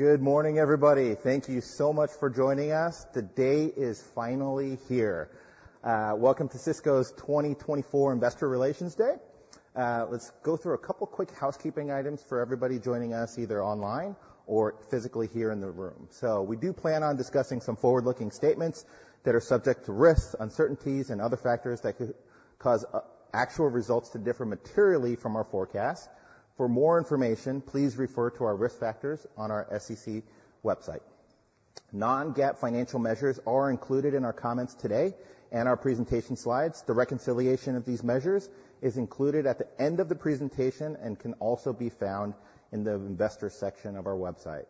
Good morning, everybody. Thank you so much for joining us. The day is finally here. Welcome to Sysco's 2024 Investor Relations Day. Let's go through a couple quick housekeeping items for everybody joining us, either online or physically here in the room. We do plan on discussing some forward-looking statements that are subject to risks, uncertainties, and other factors that could cause actual results to differ materially from our forecast. For more information, please refer to our risk factors on our SEC website. Non-GAAP financial measures are included in our comments today and our presentation slides. The reconciliation of these measures is included at the end of the presentation and can also be found in the investor section of our website.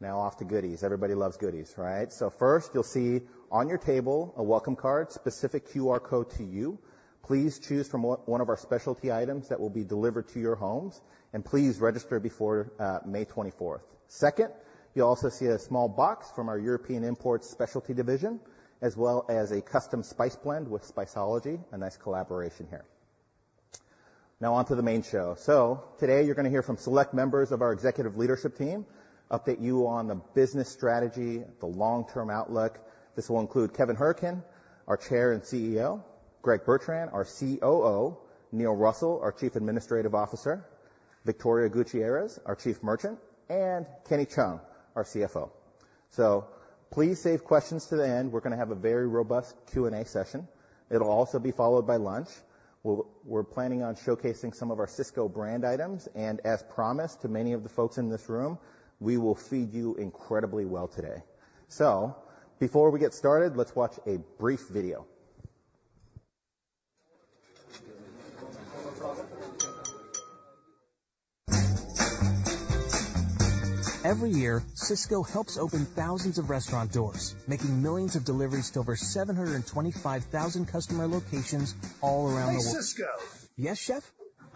Now off to goodies. Everybody loves goodies, right? So first, you'll see on your table a welcome card, specific QR code to you. Please choose from one of our specialty items that will be delivered to your homes, and please register before May 24. Second, you'll also see a small box from our European Imports Specialty division, as well as a custom spice blend with Spiceology, a nice collaboration here. Now on to the main show. Today you're gonna hear from select members of our executive leadership team, update you on the business strategy, the long-term outlook. This will include Kevin Hourican, our Chair and CEO, Greg Bertrand, our COO, Neil Russell, our Chief Administrative Officer, Victoria Gutierrez, our Chief Merchant, and Kenny Cheung, our CFO. Please save questions to the end. We're gonna have a very robust Q&A session. It'll also be followed by lunch. We're planning on showcasing some of our Sysco brand items, and as promised to many of the folks in this room, we will feed you incredibly well today. So before we get started, let's watch a brief video. Every year, Sysco helps open thousands of restaurant doors, making millions of deliveries to over 725,000 customer locations all around the world. Hey, Sysco! Yes, Chef?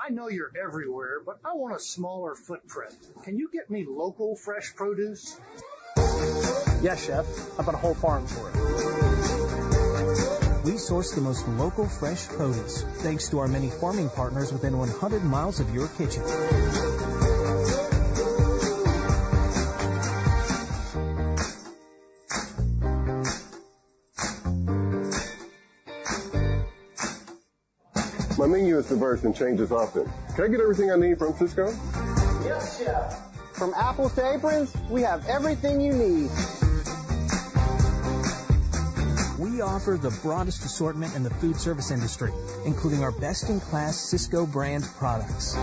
I know you're everywhere, but I want a smaller footprint. Can you get me local, fresh produce? Yes, Chef. How about a whole farm for it? We source the most local, fresh produce, thanks to our many farming partners within 100 miles of your kitchen. My menu is diverse and changes often. Can I get everything I need from Sysco? Yes, Chef. From apples to aprons, we have everything you need. We offer the broadest assortment in the food service industry, including our best-in-class Sysco brand products.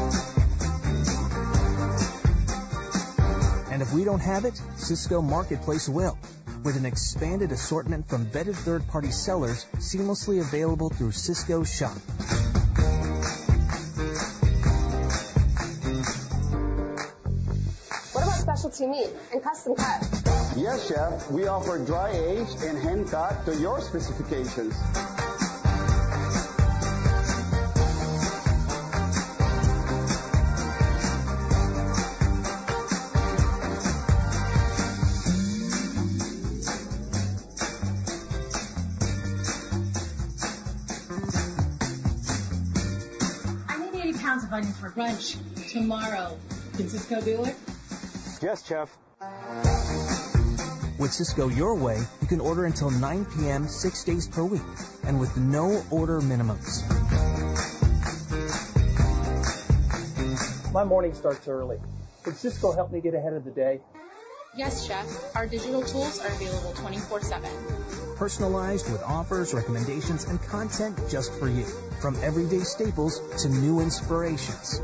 If we don't have it, Sysco Marketplace will, with an expanded assortment from vetted third-party sellers seamlessly available through Sysco Shop. What about specialty meat and custom cuts? Yes, Chef. We offer dry age and hand cut to your specifications. I need 80 pounds of onion for brunch tomorrow. Can Sysco do it? Yes, Chef. With Sysco Your Way, you can order until 9:00 P.M., six days per week, and with no order minimums. My morning starts early. Can Sysco help me get ahead of the day? Yes, Chef. Our digital tools are available 24/7. Personalized with offers, recommendations, and content just for you, from everyday staples to new inspirations.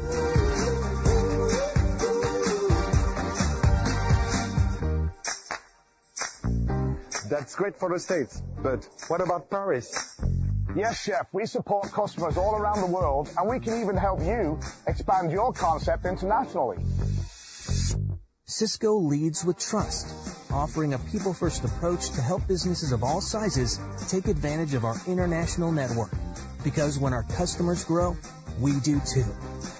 That's great for the States, but what about Paris? Yes, Chef. We support customers all around the world, and we can even help you expand your concept internationally. Sysco leads with trust, offering a people-first approach to help businesses of all sizes take advantage of our international network. Because when our customers grow, we do, too.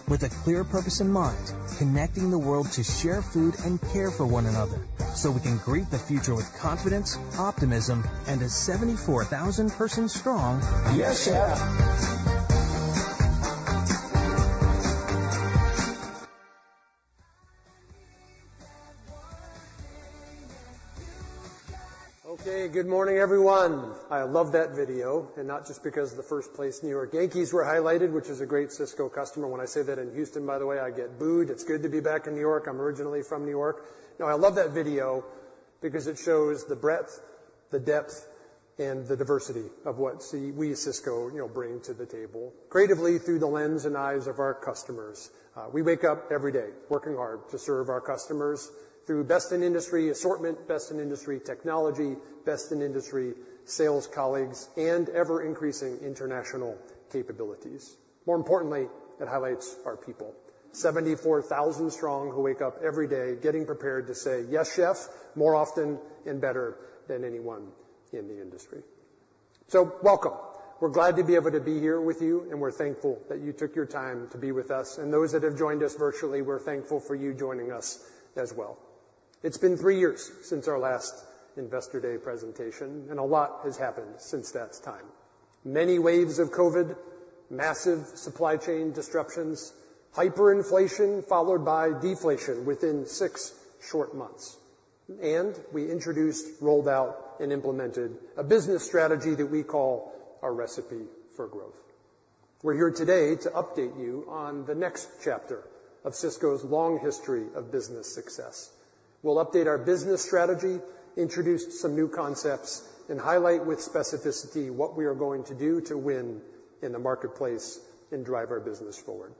With a clear purpose in mind, connecting the world to share food and care for one another so we can greet the future with confidence, optimism, and a 74,000-person strong... Yes, Chef! Okay, good morning, everyone. I love that video, and not just because the first place New York Yankees were highlighted, which is a great Sysco customer. When I say that in Houston, by the way, I get booed. It's good to be back in New York. I'm originally from New York. No, I love that video because it shows the breadth, the depth, and the diversity of what we at Sysco, you know, bring to the table creatively through the lens and eyes of our customers. We wake up every day working hard to serve our customers through best-in-industry assortment, best-in-industry technology, best-in-industry sales colleagues, and ever-increasing international capabilities. More importantly, it highlights our people, 74,000 strong, who wake up every day getting prepared to say, "Yes, Chef," more often and better than anyone in the industry. So welcome. We're glad to be able to be here with you, and we're thankful that you took your time to be with us, and those that have joined us virtually, we're thankful for you joining us as well. It's been three years since our last Investor Day presentation, and a lot has happened since that time.... Many waves of COVID, massive supply chain disruptions, hyperinflation followed by deflation within six short months. We introduced, rolled out, and implemented a business strategy that we call our Recipe for Growth. We're here today to update you on the next chapter of Sysco's long history of business success. We'll update our business strategy, introduce some new concepts, and highlight with specificity what we are going to do to win in the marketplace and drive our business forward.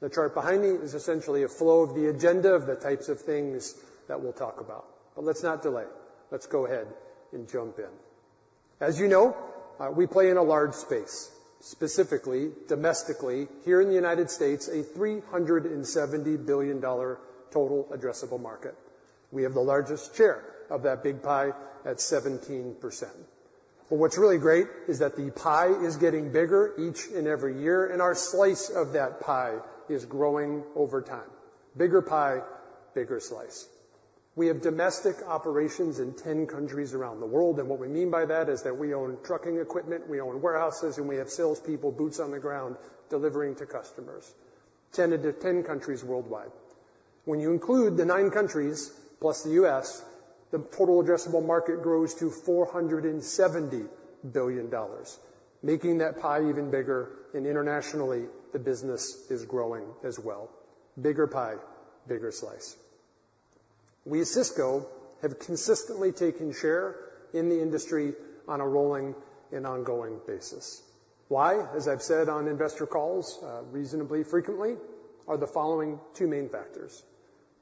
The chart behind me is essentially a flow of the agenda of the types of things that we'll talk about. But let's not delay. Let's go ahead and jump in. As you know, we play in a large space, specifically, domestically, here in the United States, a $370 billion total addressable market. We have the largest share of that big pie at 17%. But what's really great is that the pie is getting bigger each and every year, and our slice of that pie is growing over time. Bigger pie, bigger slice. We have domestic operations in 10 countries around the world, and what we mean by that is that we own trucking equipment, we own warehouses, and we have salespeople, boots on the ground, delivering to customers. 10 out of 10 countries worldwide. When you include the nine countries, plus the U.S., the total addressable market grows to $470 billion, making that pie even bigger, and internationally, the business is growing as well. Bigger pie, bigger slice. We at Sysco have consistently taken share in the industry on a rolling and ongoing basis. Why? As I've said on investor calls, reasonably frequently, are the following two main factors.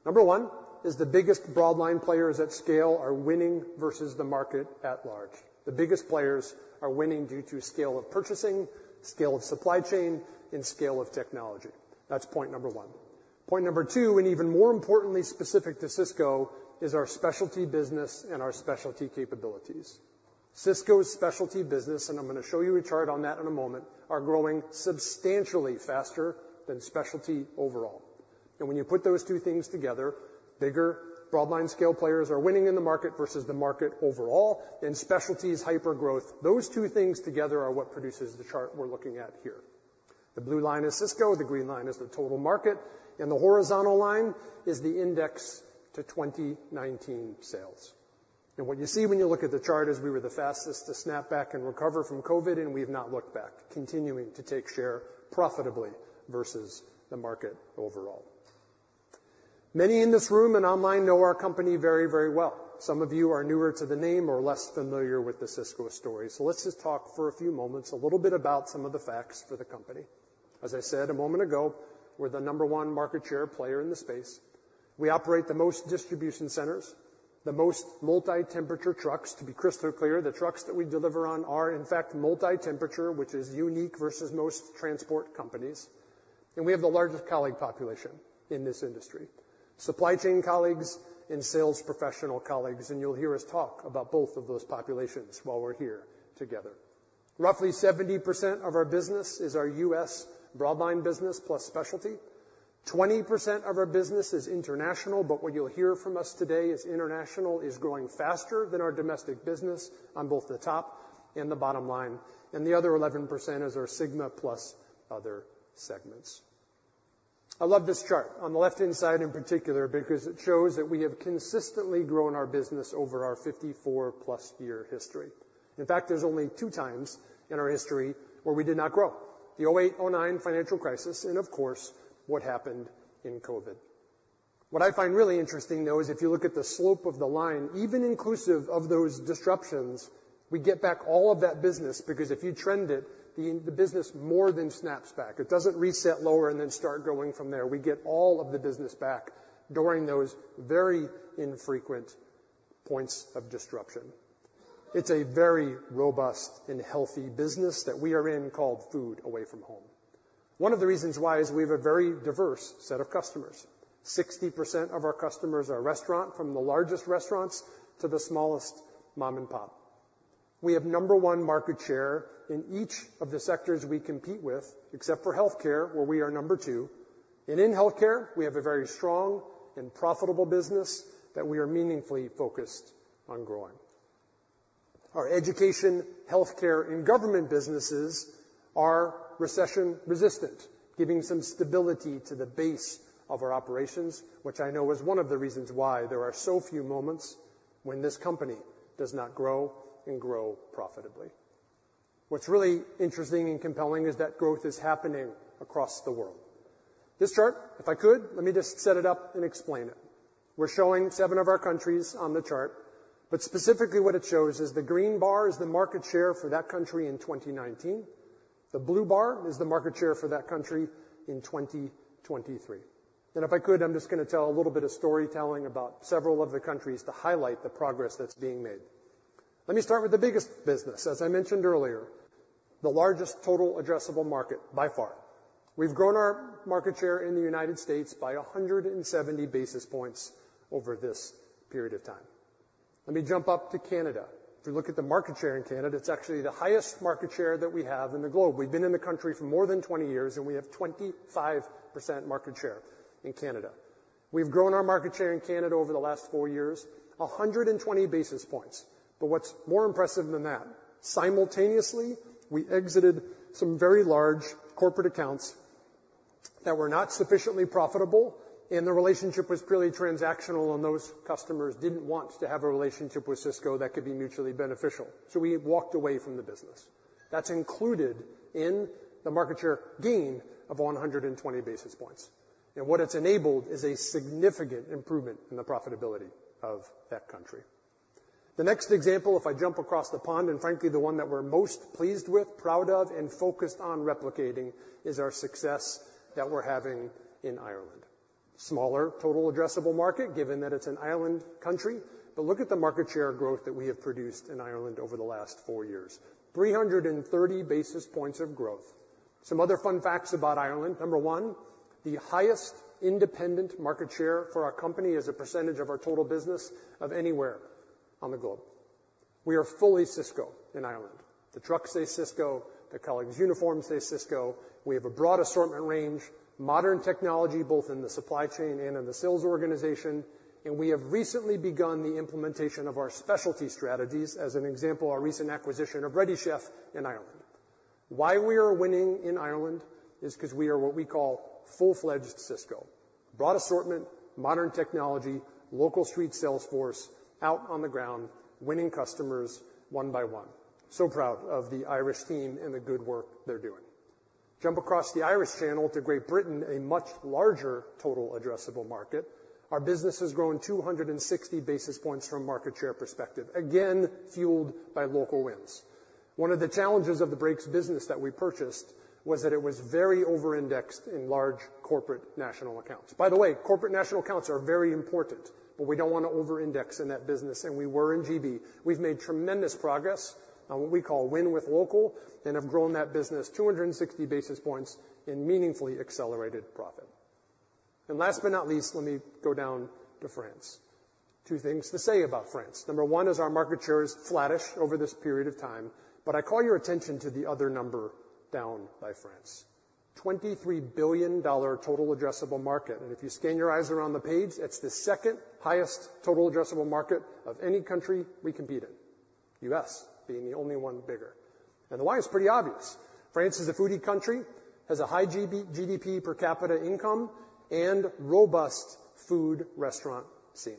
Number one is the biggest broadline players at scale are winning versus the market at large. The biggest players are winning due to scale of purchasing, scale of supply chain, and scale of technology. That's point number one. Point number two, and even more importantly specific to Sysco, is our specialty business and our specialty capabilities. Sysco's specialty business, and I'm gonna show you a chart on that in a moment, are growing substantially faster than specialty overall. And when you put those two things together, bigger broadline scale players are winning in the market versus the market overall, and specialty's hypergrowth. Those two things together are what produces the chart we're looking at here. The blue line is Sysco, the green line is the total market, and the horizontal line is the index to 2019 sales. What you see when you look at the chart is we were the fastest to snap back and recover from COVID, and we've not looked back, continuing to take share profitably versus the market overall. Many in this room and online know our company very, very well. Some of you are newer to the name or less familiar with the Sysco story. Let's just talk for a few moments, a little bit about some of the facts for the company. As I said a moment ago, we're the number one market share player in the space. We operate the most distribution centers, the most multi-temperature trucks. To be crystal clear, the trucks that we deliver on are, in fact, multi-temperature, which is unique versus most transport companies. We have the largest colleague population in this industry, supply chain colleagues and sales professional colleagues, and you'll hear us talk about both of those populations while we're here together. Roughly 70% of our business is our U.S. Broadline business plus Specialty. 20% of our business is international, but what you'll hear from us today is international is growing faster than our domestic business on both the top and the bottom line, and the other 11% is our Sigma plus other segments. I love this chart on the left-hand side in particular because it shows that we have consistently grown our business over our 54+ year history. In fact, there's only two times in our history where we did not grow: the 2008/2009 financial crisis and, of course, what happened in COVID. What I find really interesting, though, is if you look at the slope of the line, even inclusive of those disruptions, we get back all of that business, because if you trend it, the business more than snaps back. It doesn't reset lower and then start growing from there. We get all of the business back during those very infrequent points of disruption. It's a very robust and healthy business that we are in, called food away from home. One of the reasons why is we have a very diverse set of customers. 60% of our customers are restaurant, from the largest restaurants to the smallest mom-and-pop. We have number one market share in each of the sectors we compete with, except for healthcare, where we are number two. And in healthcare, we have a very strong and profitable business that we are meaningfully focused on growing. Our education, healthcare, and government businesses are recession-resistant, giving some stability to the base of our operations, which I know is one of the reasons why there are so few moments when this company does not grow and grow profitably. What's really interesting and compelling is that growth is happening across the world. This chart, if I could, let me just set it up and explain it. We're showing seven of our countries on the chart, but specifically what it shows is the green bar is the market share for that country in 2019. The blue bar is the market share for that country in 2023. If I could, I'm just gonna tell a little bit of storytelling about several of the countries to highlight the progress that's being made. Let me start with the biggest business. As I mentioned earlier, the largest total addressable market by far. We've grown our market share in the United States by 170 basis points over this period of time. Let me jump up to Canada. If you look at the market share in Canada, it's actually the highest market share that we have in the globe. We've been in the country for more than 20 years, and we have 25% market share in Canada.... We've grown our market share in Canada over the last four years, 120 basis points. But what's more impressive than that, simultaneously, we exited some very large corporate accounts that were not sufficiently profitable, and the relationship was purely transactional, and those customers didn't want to have a relationship with Sysco that could be mutually beneficial. So we walked away from the business. That's included in the market share gain of 120 basis points, and what it's enabled is a significant improvement in the profitability of that country. The next example, if I jump across the pond, and frankly, the one that we're most pleased with, proud of, and focused on replicating, is our success that we're having in Ireland. Smaller total addressable market, given that it's an island country, but look at the market share growth that we have produced in Ireland over the last four years, 330 basis points of growth. Some other fun facts about Ireland. Number one, the highest independent market share for our company as a percentage of our total business of anywhere on the globe. We are fully Sysco in Ireland. The trucks say Sysco, the colleagues' uniforms say Sysco. We have a broad assortment range, modern technology, both in the supply chain and in the sales organization, and we have recently begun the implementation of our specialty strategies. As an example, our recent acquisition of Ready Chef in Ireland. Why we are winning in Ireland is because we are what we call full-fledged Sysco. Broad assortment, modern technology, local street sales force out on the ground, winning customers one by one. So proud of the Irish team and the good work they're doing. Jump across the Irish Channel to Great Britain, a much larger total addressable market. Our business has grown 260 basis points from a market share perspective, again, fueled by local wins. One of the challenges of the Brakes business that we purchased was that it was very over-indexed in large corporate national accounts. By the way, corporate national accounts are very important, but we don't want to over-index in that business, and we were in GB. We've made tremendous progress on what we call Win with Local and have grown that business 260 basis points in meaningfully accelerated profit. Last but not least, let me go down to France. Two things to say about France. Number one is our market share is flattish over this period of time, but I call your attention to the other number down by France, $23 billion total addressable market. If you scan your eyes around the page, it's the second-highest total addressable market of any country we compete in, U.S. being the only one bigger. And why? It's pretty obvious. France is a foodie country, has a high GDP per capita income, and robust food restaurant scene.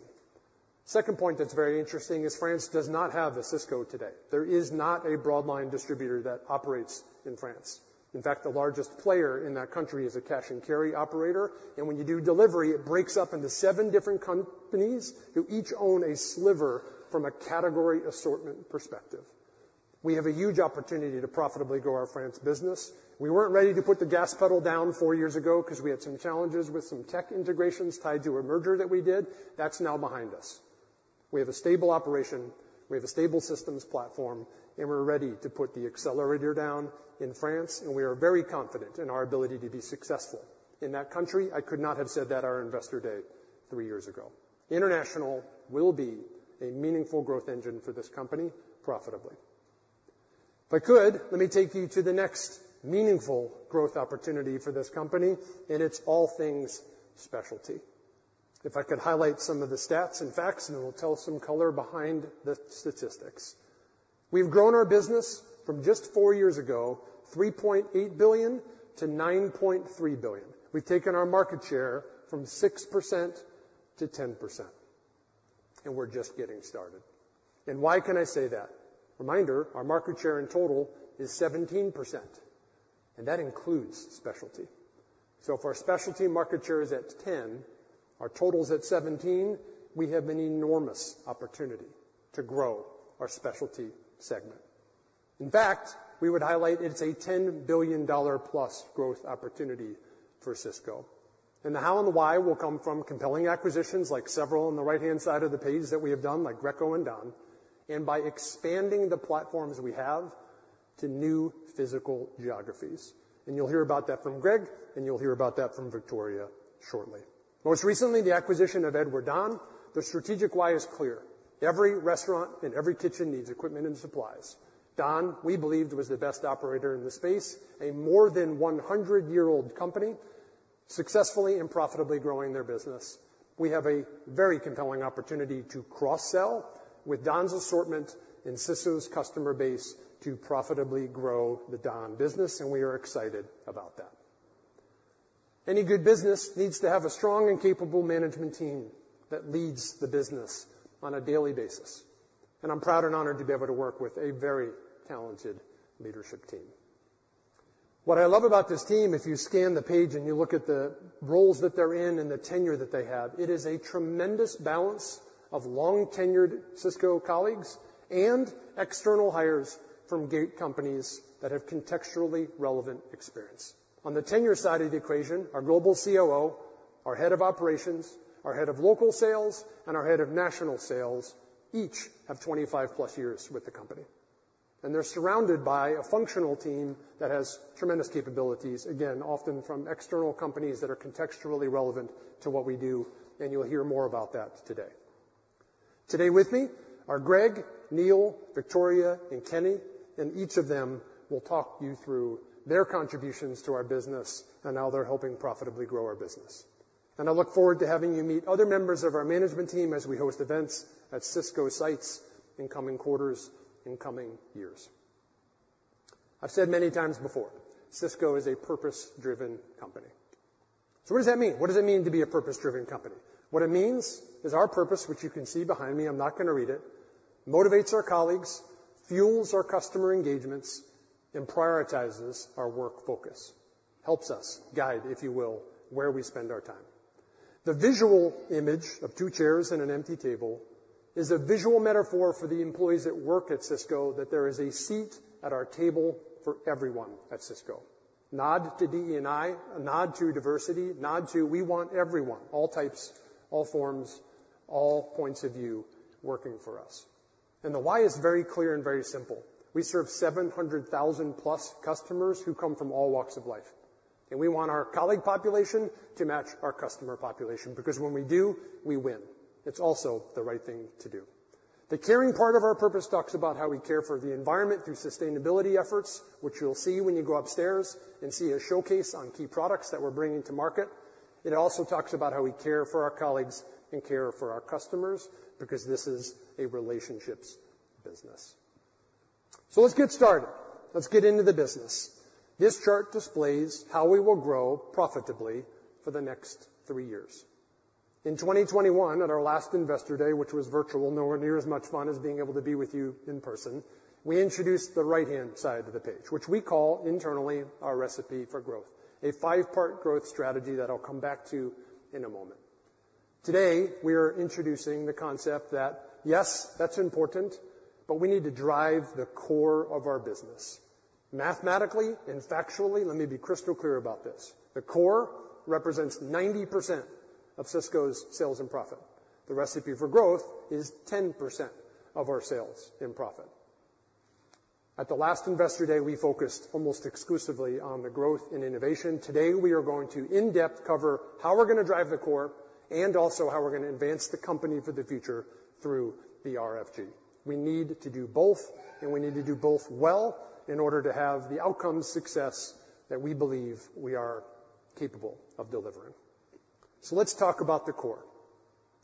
Second point that's very interesting is France does not have a Sysco today. There is not a broadline distributor that operates in France. In fact, the largest player in that country is a cash-and-carry operator, and when you do delivery, it breaks up into seven different companies who each own a sliver from a category assortment perspective. We have a huge opportunity to profitably grow our France business. We weren't ready to put the gas pedal down four years ago because we had some challenges with some tech integrations tied to a merger that we did. That's now behind us. We have a stable operation, we have a stable systems platform, and we're ready to put the accelerator down in France, and we are very confident in our ability to be successful in that country. I could not have said that on our Investor Day three years ago. International will be a meaningful growth engine for this company profitably. If I could, let me take you to the next meaningful growth opportunity for this company, and it's all things specialty. If I could highlight some of the stats and facts, and it will tell some color behind the statistics. We've grown our business from just four years ago, $3.8 billion- $9.3 billion. We've taken our market share from 6% - 10%, and we're just getting started. And why can I say that? Reminder, our market share in total is 17%, and that includes specialty. So if our specialty market share is at 10, our total's at 17, we have an enormous opportunity to grow our specialty segment. In fact, we would highlight it's a $10 billion+ growth opportunity for Sysco. The how and the why will come from compelling acquisitions, like several on the right-hand side of the page that we have done, like Greco and Don, and by expanding the platforms we have to new physical geographies. You'll hear about that from Greg, and you'll hear about that from Victoria shortly. Most recently, the acquisition of Edward Don, the strategic why is clear. Every restaurant and every kitchen needs equipment and supplies. Don, we believed, was the best operator in the space, a more than 100-year-old company, successfully and profitably growing their business. We have a very compelling opportunity to cross-sell with Don's assortment in Sysco's customer base to profitably grow the Don business, and we are excited about that. Any good business needs to have a strong and capable management team that leads the business on a daily basis, and I'm proud and honored to be able to work with a very talented leadership team. What I love about this team, if you scan the page and you look at the roles that they're in and the tenure that they have, it is a tremendous balance of long-tenured Sysco colleagues and external hires from great companies that have contextually relevant experience. On the tenure side of the equation, our global COO, our head of operations, our head of local sales, and our head of national sales each have 25+ years with the company, and they're surrounded by a functional team that has tremendous capabilities, again, often from external companies that are contextually relevant to what we do, and you'll hear more about that today. Today with me are Greg, Neil, Victoria, and Kenny, and each of them will talk you through their contributions to our business and how they're helping profitably grow our business. And I look forward to having you meet other members of our management team as we host events at Sysco sites in coming quarters, in coming years. I've said many times before, Sysco is a purpose-driven company. So what does that mean? What does it mean to be a purpose-driven company? What it means is our purpose, which you can see behind me, I'm not going to read it, motivates our colleagues, fuels our customer engagements, and prioritizes our work focus. Helps us guide, if you will, where we spend our time. The visual image of two chairs and an empty table is a visual metaphor for the employees that work at Sysco, that there is a seat at our table for everyone at Sysco. Nod to DE&I, a nod to diversity, nod to we want everyone, all types, all forms, all points of view working for us. And the why is very clear and very simple. We serve 700,000-plus customers who come from all walks of life, and we want our colleague population to match our customer population, because when we do, we win. It's also the right thing to do. The caring part of our purpose talks about how we care for the environment through sustainability efforts, which you'll see when you go upstairs and see a showcase on key products that we're bringing to market. It also talks about how we care for our colleagues and care for our customers, because this is a relationships business. Let's get started. Let's get into the business. This chart displays how we will grow profitably for the next three years. In 2021, at our last Investor Day, which was virtual, nowhere near as much fun as being able to be with you in person, we introduced the right-hand side of the page, which we call internally our Recipe for Growth, a five-part growth strategy that I'll come back to in a moment. Today, we are introducing the concept that, yes, that's important, but we need to drive the core of our business. Mathematically and factually, let me be crystal clear about this: the core represents 90% of Sysco's sales and profit. The Recipe for Growth is 10% of our sales and profit. At the last Investor Day, we focused almost exclusively on the growth and innovation. Today, we are going to in-depth cover how we're going to drive the core and also how we're going to advance the company for the future through the RFG. We need to do both, and we need to do both well in order to have the outcome success that we believe we are capable of delivering. So let's talk about the core.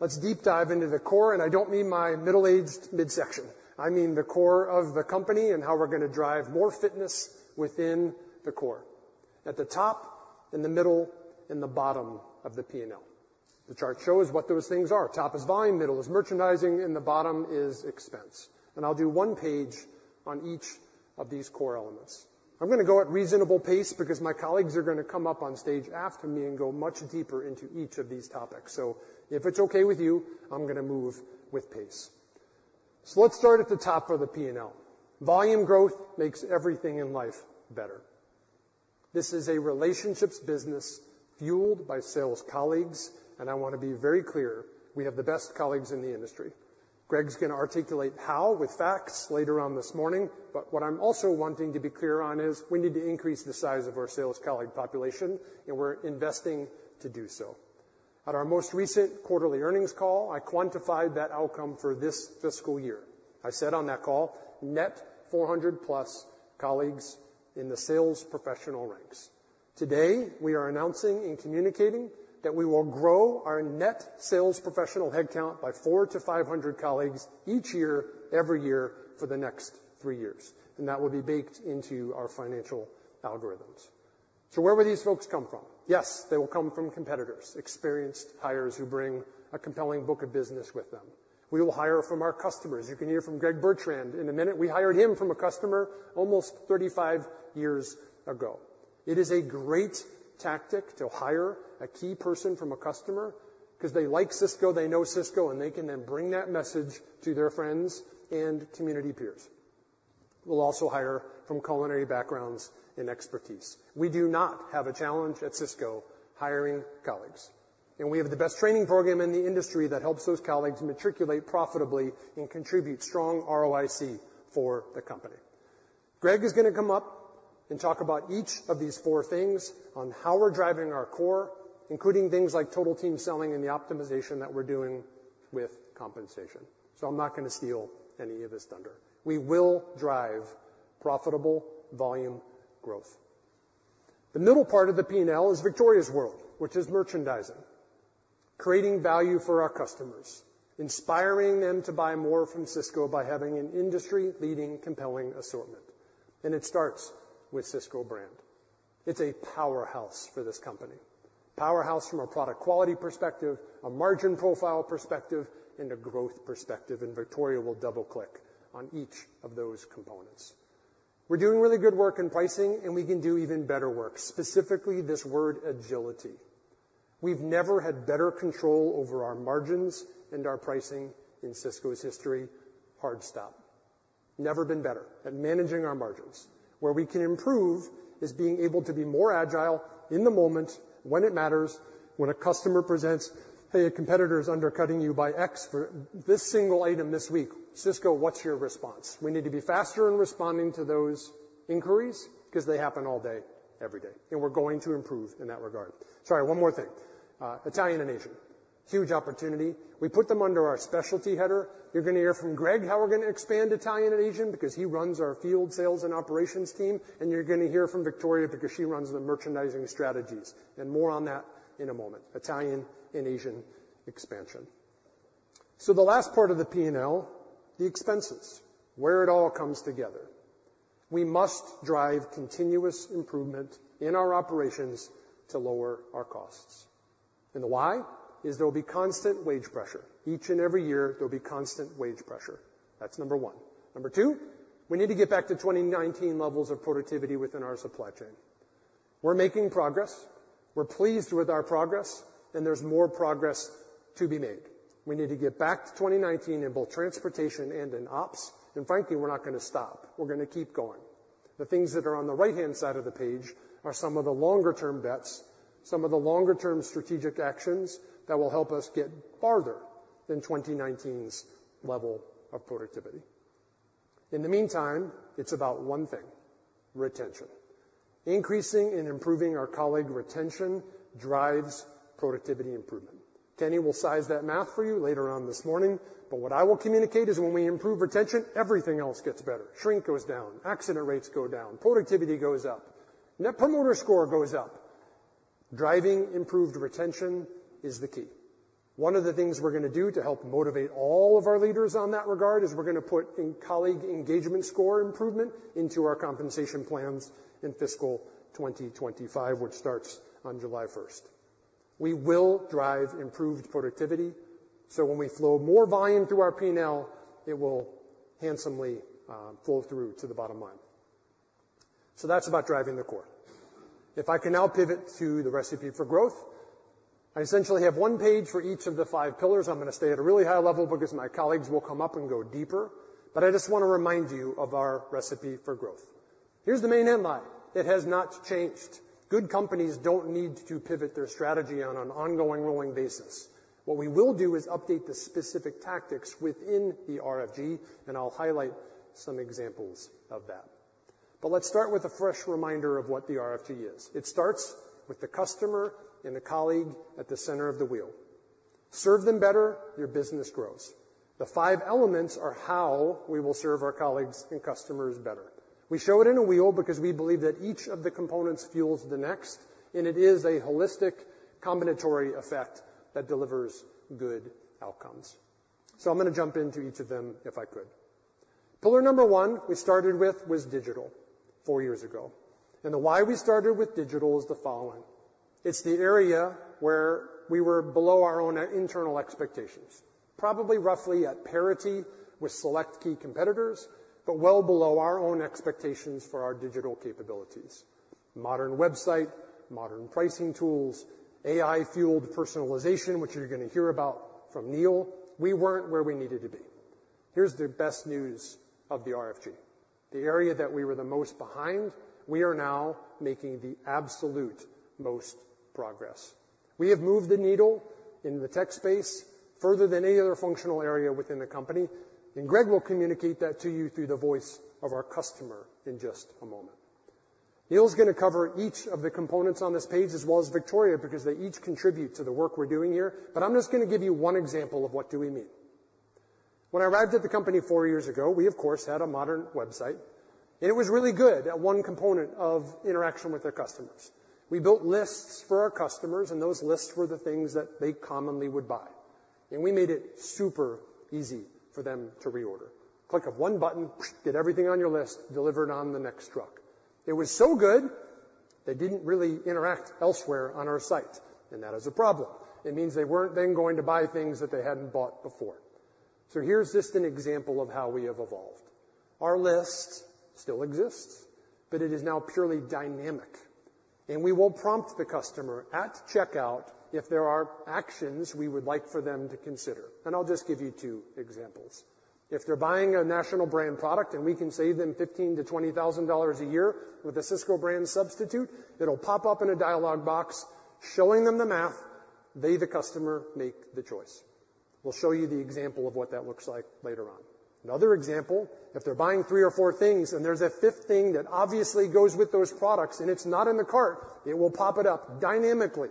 Let's deep dive into the core, and I don't mean my middle-aged midsection. I mean the core of the company and how we're going to drive more fitness within the core. At the top, in the middle, in the bottom of the P&L. The chart shows what those things are. Top is volume, middle is merchandising, and the bottom is expense, and I'll do one page on each of these core elements. I'm going to go at reasonable pace because my colleagues are going to come up on stage after me and go much deeper into each of these topics. If it's okay with you, I'm going to move with pace. Let's start at the top of the P&L. Volume growth makes everything in life better. This is a relationships business fueled by sales colleagues, and I want to be very clear, we have the best colleagues in the industry. Greg's going to articulate how with facts later on this morning, but what I'm also wanting to be clear on is we need to increase the size of our sales colleague population, and we're investing to do so. At our most recent quarterly earnings call, I quantified that outcome for this fiscal year. I said on that call, "Net 400+ colleagues in the sales professional ranks." Today, we are announcing and communicating that we will grow our net sales professional headcount by 400-500 colleagues each year, every year for the next three years, and that will be baked into our financial algorithms. So where will these folks come from? Yes, they will come from competitors, experienced hires who bring a compelling book of business with them. We will hire from our customers. You can hear from Greg Bertrand in a minute. We hired him from a customer almost 35 years ago. It is a great tactic to hire a key person from a customer because they like Sysco, they know Sysco, and they can then bring that message to their friends and community peers. We'll also hire from culinary backgrounds and expertise. We do not have a challenge at Sysco hiring colleagues, and we have the best training program in the industry that helps those colleagues matriculate profitably and contribute strong ROIC for the company. Greg is going to come up and talk about each of these four things on how we're driving our core, including things like Total Team Selling and the optimization that we're doing with compensation. So I'm not going to steal any of his thunder. We will drive profitable volume growth. The middle part of the P&L is Victoria's world, which is merchandising, creating value for our customers, inspiring them to buy more from Sysco by having an industry-leading, compelling assortment, and it starts with Sysco brand. It's a powerhouse for this company. Powerhouse from a product quality perspective, a margin profile perspective, and a growth perspective, and Victoria will double-click on each of those components. We're doing really good work in pricing, and we can do even better work, specifically this word agility. We've never had better control over our margins and our pricing in Sysco's history. Hard stop. Never been better at managing our margins. Where we can improve is being able to be more agile in the moment, when it matters, when a customer presents, "Hey, a competitor is undercutting you by X for this single item this week. Sysco, what's your response?" We need to be faster in responding to those inquiries because they happen all day, every day, and we're going to improve in that regard. Sorry, one more thing. Italian and Asian, huge opportunity. We put them under our specialty header. You're gonna hear from Greg, how we're gonna expand Italian and Asian, because he runs our field sales and operations team, and you're gonna hear from Victoria because she runs the merchandising strategies, and more on that in a moment. Italian and Asian expansion. So the last part of the P&L, the expenses, where it all comes together. We must drive continuous improvement in our operations to lower our costs. And the why is there will be constant wage pressure. Each and every year, there will be constant wage pressure. That's number one. Number two, we need to get back to 2019 levels of productivity within our supply chain. We're making progress. We're pleased with our progress, and there's more progress to be made. We need to get back to 2019 in both transportation and in ops, and frankly, we're not gonna stop. We're gonna keep going. The things that are on the right-hand side of the page are some of the longer-term bets, some of the longer-term strategic actions that will help us get farther than 2019's level of productivity. In the meantime, it's about one thing, retention. Increasing and improving our colleague retention drives productivity improvement. Kenny will size that math for you later on this morning, but what I will communicate is when we improve retention, everything else gets better. Shrink goes down, accident rates go down, productivity goes up, net promoter score goes up. Driving improved retention is the key. One of the things we're gonna do to help motivate all of our leaders on that regard is we're gonna put in colleague engagement score improvement into our compensation plans in fiscal 2025, which starts on July first. We will drive improved productivity, so when we flow more volume through our P&L, it will handsomely flow through to the bottom line. So that's about driving the core. If I can now pivot to the Recipe for Growth, I essentially have one page for each of the five pillars. I'm gonna stay at a really high level because my colleagues will come up and go deeper, but I just want to remind you of our Recipe for Growth. Here's the main headline. It has not changed. Good companies don't need to pivot their strategy on an ongoing, rolling basis. What we will do is update the specific tactics within the RFG, and I'll highlight some examples of that. But let's start with a fresh reminder of what the RFG is. It starts with the customer and the colleague at the center of the wheel. Serve them better, your business grows. The five elements are how we will serve our colleagues and customers better. We show it in a wheel because we believe that each of the components fuels the next, and it is a holistic, combinatory effect that delivers good outcomes. So I'm gonna jump into each of them if I could. Pillar number one we started with was digital four years ago, and the why we started with digital is the following: It's the area where we were below our own internal expectations, probably roughly at parity with select key competitors, but well below our own expectations for our digital capabilities. Modern website, modern pricing tools, AI-fueled personalization, which you're gonna hear about from Neil. We weren't where we needed to be. Here's the best news of the RFG. The area that we were the most behind, we are now making the absolute most progress. We have moved the needle in the tech space further than any other functional area within the company, and Greg will communicate that to you through the voice of our customer in just a moment. Neil's gonna cover each of the components on this page, as well as Victoria, because they each contribute to the work we're doing here, but I'm just gonna give you one example of what do we mean. When I arrived at the company four years ago, we, of course, had a modern website. It was really good at one component of interaction with their customers. We built lists for our customers, and those lists were the things that they commonly would buy, and we made it super easy for them to reorder. Click of one button, get everything on your list delivered on the next truck. It was so good they didn't really interact elsewhere on our site, and that is a problem. It means they weren't then going to buy things that they hadn't bought before. So here's just an example of how we have evolved. Our list still exists, but it is now purely dynamic, and we will prompt the customer at checkout if there are actions we would like for them to consider, and I'll just give you two examples. If they're buying a national brand product and we can save them $15,000-$20,000 a year with a Sysco brand substitute, it'll pop up in a dialog box showing them the math. They, the customer, make the choice. We'll show you the example of what that looks like later on. Another example, if they're buying three or four things and there's a fifth thing that obviously goes with those products and it's not in the cart, it will pop it up dynamically.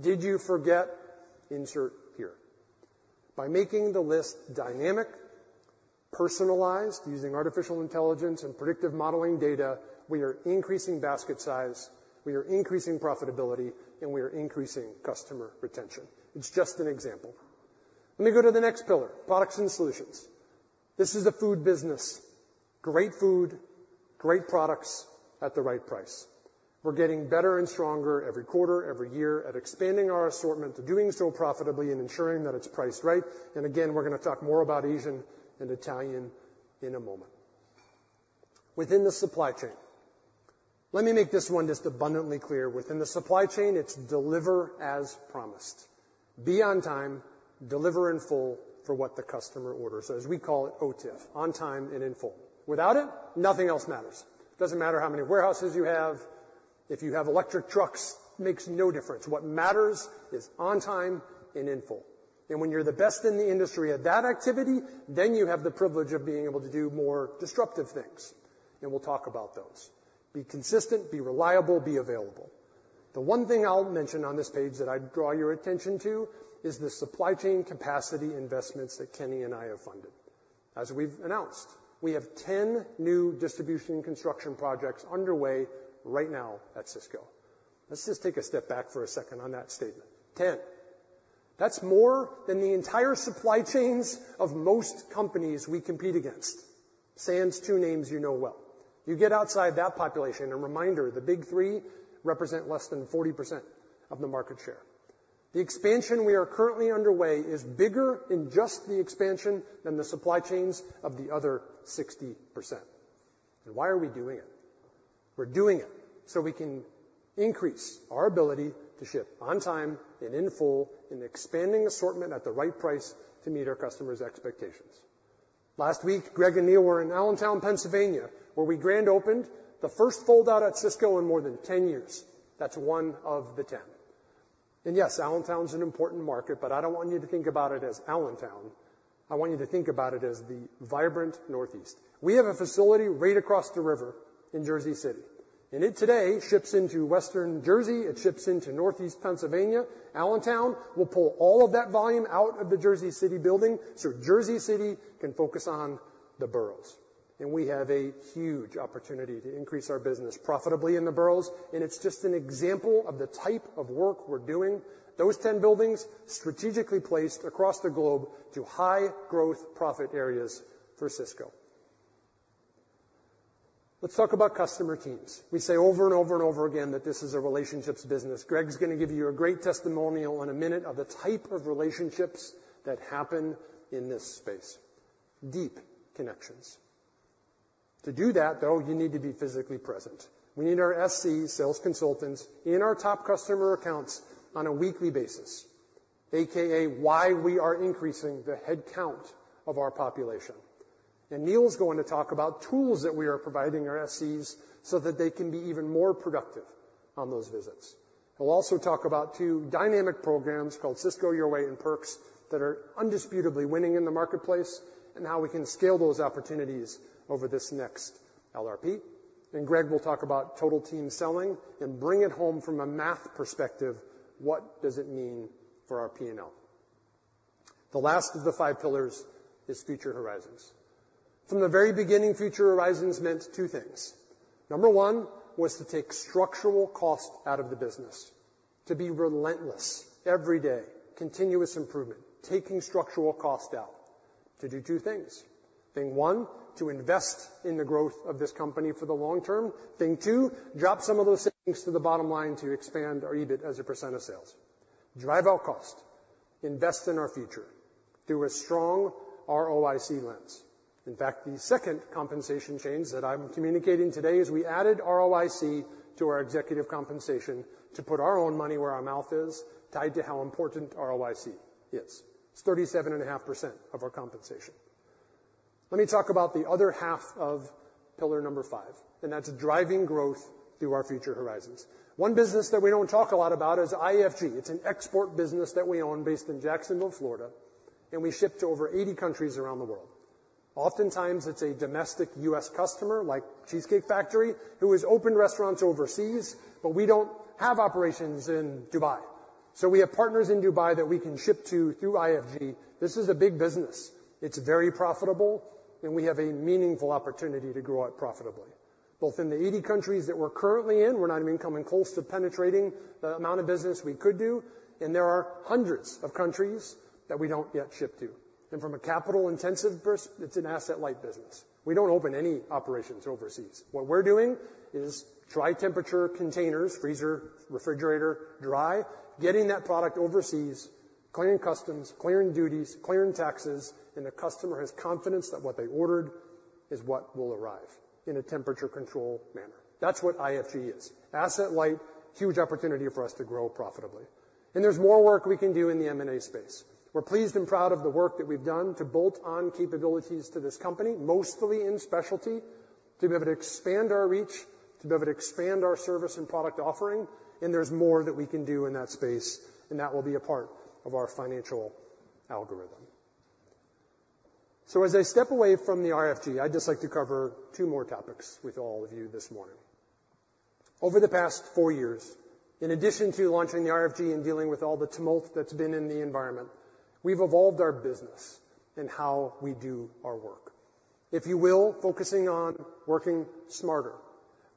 Did you forget, insert here?" By making the list dynamic, personalized, using artificial intelligence and predictive modeling data, we are increasing basket size, we are increasing profitability, and we are increasing customer retention. It's just an example. Let me go to the next pillar, products and solutions. This is a food business, great food, great products at the right price. We're getting better and stronger every quarter, every year at expanding our assortment, to doing so profitably and ensuring that it's priced right. And again, we're gonna talk more about Asian and Italian in a moment. Within the supply chain, let me make this one just abundantly clear. Within the supply chain, it's deliver as promised. Be on time, deliver in full for what the customer orders, as we call it, OTIF, on time and in full. Without it, nothing else matters. Doesn't matter how many warehouses you have. If you have electric trucks, makes no difference. What matters is on time and in full. And when you're the best in the industry at that activity, then you have the privilege of being able to do more disruptive things, and we'll talk about those.... Be consistent, be reliable, be available. The one thing I'll mention on this page that I'd draw your attention to is the supply chain capacity investments that Kenny and I have funded. As we've announced, we have 10 new distribution construction projects underway right now at Sysco. Let's just take a step back for a second on that statement. 10. That's more than the entire supply chains of most companies we compete against, sans two names you know well. You get outside that population, a reminder, the big three represent less than 40% of the market share. The expansion we are currently underway is bigger in just the expansion than the supply chains of the other 60%. Why are we doing it? We're doing it so we can increase our ability to ship on time and in full, in expanding assortment at the right price to meet our customers' expectations. Last week, Greg and Neil were in Allentown, Pennsylvania, where we grand opened the first fold-out at Sysco in more than 10 years. That's one of the 10. Yes, Allentown is an important market, but I don't want you to think about it as Allentown. I want you to think about it as the vibrant Northeast. We have a facility right across the river in Jersey City, and it today ships into Western Jersey, it ships into Northeast Pennsylvania. Allentown will pull all of that volume out of the Jersey City building, so Jersey City can focus on the boroughs. We have a huge opportunity to increase our business profitably in the boroughs, and it's just an example of the type of work we're doing. Those 10 buildings, strategically placed across the globe to high growth profit areas for Sysco. Let's talk about customer teams. We say over and over and over again that this is a relationships business. Greg's gonna give you a great testimonial in a minute of the type of relationships that happen in this space. Deep connections. To do that, though, you need to be physically present. We need our SC, sales consultants, in our top customer accounts on a weekly basis, AKA, why we are increasing the headcount of our population. Neil is going to talk about tools that we are providing our SCs so that they can be even more productive on those visits. He'll also talk about two dynamic programs called Sysco Your Way and Perks that are undisputedly winning in the marketplace, and how we can scale those opportunities over this next LRP. Greg will talk about Total Team Selling and bring it home from a math perspective, what does it mean for our P&L? The last of the five pillars is Future Horizons. From the very beginning, Future Horizons meant two things. Number one was to take structural cost out of the business, to be relentless every day, continuous improvement, taking structural cost out to do two things. Thing one, to invest in the growth of this company for the long term. Thing two, drop some of those things to the bottom line to expand our EBIT as a percent of sales. Drive out cost, invest in our future through a strong ROIC lens. In fact, the second compensation change that I'm communicating today is we added ROIC to our executive compensation to put our own money where our mouth is, tied to how important ROIC is. It's 37.5% of our compensation. Let me talk about the other half of pillar number five, and that's driving growth through our Future Horizons. One business that we don't talk a lot about is IFG. It's an export business that we own, based in Jacksonville, Florida, and we ship to over 80 countries around the world. Oftentimes, it's a domestic U.S. customer, like Cheesecake Factory, who has opened restaurants overseas, but we don't have operations in Dubai. So we have partners in Dubai that we can ship to through IFG. This is a big business. It's very profitable, and we have a meaningful opportunity to grow it profitably. Both in the 80 countries that we're currently in, we're not even coming close to penetrating the amount of business we could do, and there are hundreds of countries that we don't yet ship to. And from a capital intensive biz, it's an asset-light business. We don't open any operations overseas. What we're doing is dry temperature containers, freezer, refrigerator, dry, getting that product overseas, clearing customs, clearing duties, clearing taxes, and the customer has confidence that what they ordered is what will arrive in a temperature-controlled manner. That's what IFG is. Asset light, huge opportunity for us to grow profitably. And there's more work we can do in the M&A space. We're pleased and proud of the work that we've done to bolt on capabilities to this company, mostly in specialty, to be able to expand our reach, to be able to expand our service and product offering, and there's more that we can do in that space, and that will be a part of our financial algorithm. So as I step away from the RFG, I'd just like to cover two more topics with all of you this morning. Over the past four years, in addition to launching the RFG and dealing with all the tumult that's been in the environment, we've evolved our business and how we do our work. If you will, focusing on working smarter,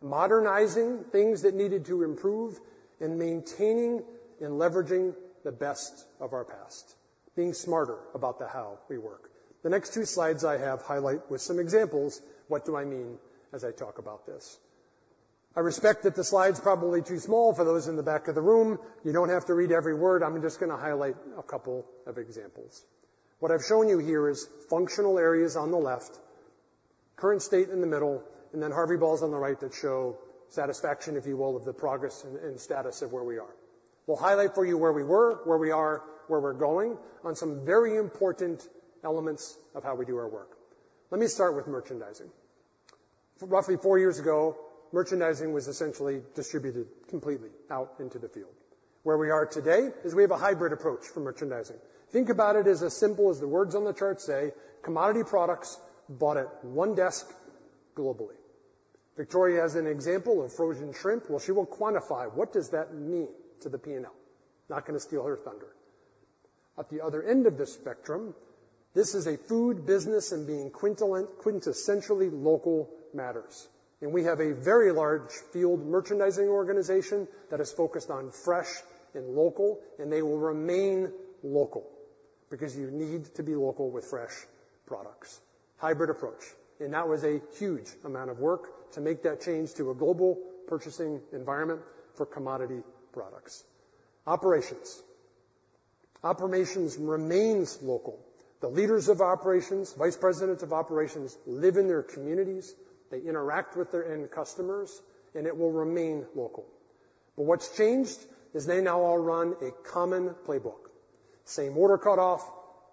modernizing things that needed to improve, and maintaining and leveraging the best of our past, being smarter about the how we work. The next two slides I have highlight with some examples, what do I mean as I talk about this? I respect that the slide's probably too small for those in the back of the room. You don't have to read every word. I'm just going to highlight a couple of examples. What I've shown you here is functional areas on the left, current state in the middle, and then Harvey balls on the right that show satisfaction, if you will, of the progress and status of where we are. We'll highlight for you where we were, where we are, where we're going, on some very important elements of how we do our work. Let me start with merchandising. Roughly four years ago, merchandising was essentially distributed completely out into the field... Where we are today is we have a hybrid approach for merchandising. Think about it as simple as the words on the chart say, commodity products bought at one desk globally. Victoria has an example of frozen shrimp. Well, she will quantify what does that mean to the P&L. Not going to steal her thunder. At the other end of the spectrum, this is a food business, and being quintessentially local matters. And we have a very large field merchandising organization that is focused on fresh and local, and they will remain local, because you need to be local with fresh products. Hybrid approach, and that was a huge amount of work to make that change to a global purchasing environment for commodity products. Operations. Operations remains local. The leaders of operations, vice presidents of operations, live in their communities. They interact with their end customers, and it will remain local. But what's changed is they now all run a common playbook. Same order cut off,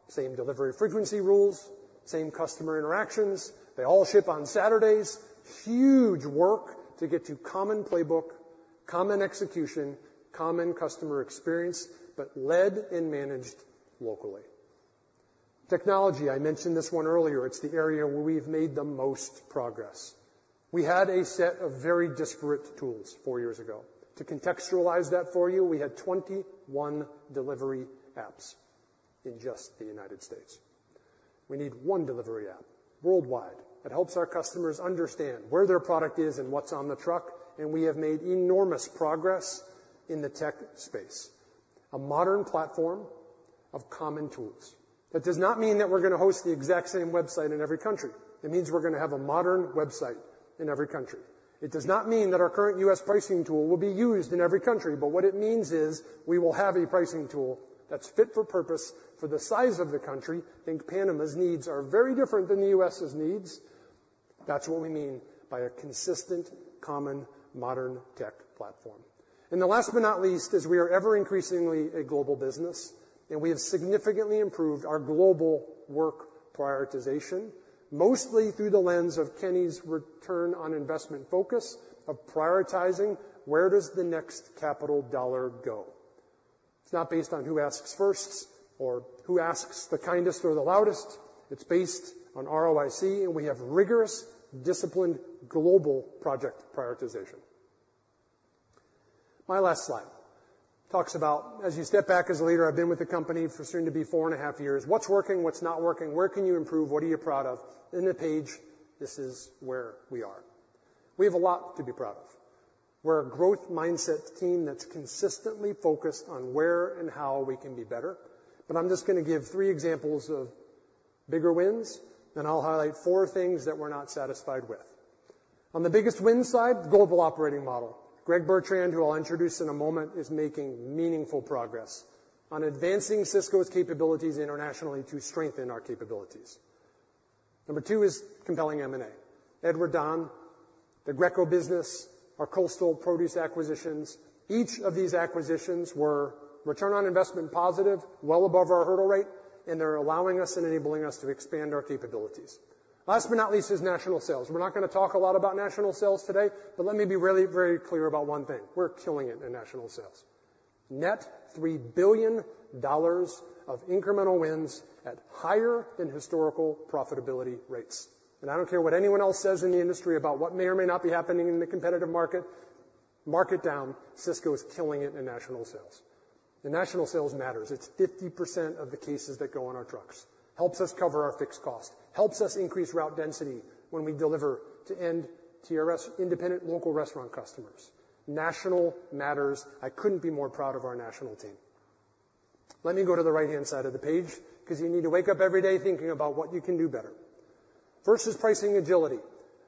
same delivery frequency rules, same customer interactions. They all ship on Saturdays. Huge work to get to common playbook, common execution, common customer experience, but led and managed locally. Technology, I mentioned this one earlier. It's the area where we've made the most progress. We had a set of very disparate tools four years ago. To contextualize that for you, we had 21 delivery apps in just the United States. We need one delivery app worldwide that helps our customers understand where their product is and what's on the truck, and we have made enormous progress in the tech space. A modern platform of common tools. That does not mean that we're going to host the exact same website in every country. It means we're going to have a modern website in every country. It does not mean that our current U.S. pricing tool will be used in every country, but what it means is we will have a pricing tool that's fit for purpose for the size of the country. Think Panama's needs are very different than the U.S.'s needs. That's what we mean by a consistent, common, modern tech platform. And the last but not least, is we are ever increasingly a global business, and we have significantly improved our global work prioritization, mostly through the lens of Kenny's return on investment focus of prioritizing where does the next capital dollar go? It's not based on who asks first or who asks the kindest or the loudest. It's based on ROIC, and we have rigorous, disciplined, global project prioritization. My last slide talks about, as you step back as a leader, I've been with the company for soon to be 4.5 years. What's working? What's not working? Where can you improve? What are you proud of? In the page, this is where we are. We have a lot to be proud of. We're a growth mindset team that's consistently focused on where and how we can be better. But I'm just going to give three examples of bigger wins, then I'll highlight four things that we're not satisfied with. On the biggest win side, the Global Operating Model. Greg Bertrand, who I'll introduce in a moment, is making meaningful progress on advancing Sysco's capabilities internationally to strengthen our capabilities. Number two is compelling M&A. Edward Don, the Greco business, our Coastal produce acquisitions. Each of these acquisitions were return on investment positive, well above our hurdle rate, and they're allowing us and enabling us to expand our capabilities. Last but not least, is national sales. We're not going to talk a lot about national sales today, but let me be really very clear about one thing. We're killing it in national sales. Net $3 billion of incremental wins at higher than historical profitability rates. I don't care what anyone else says in the industry about what may or may not be happening in the competitive market. Mark it down, Sysco is killing it in national sales. The national sales matters. It's 50% of the cases that go on our trucks, helps us cover our fixed cost, helps us increase route density when we deliver to your independent local restaurant customers. National matters. I couldn't be more proud of our national team. Let me go to the right-hand side of the page, because you need to wake up every day thinking about what you can do better. First is pricing agility.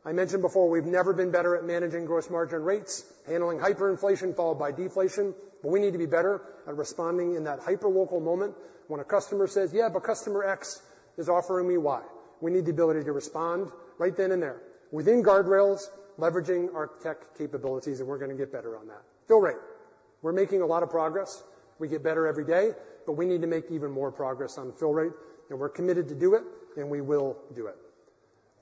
I mentioned before, we've never been better at managing gross margin rates, handling hyperinflation, followed by deflation, but we need to be better at responding in that hyperlocal moment when a customer says, "Yeah, but customer X is offering me Y." We need the ability to respond right then and there. Within guardrails, leveraging our tech capabilities, and we're going to get better on that. Fill rate. We're making a lot of progress. We get better every day, but we need to make even more progress on fill rate, and we're committed to do it, and we will do it.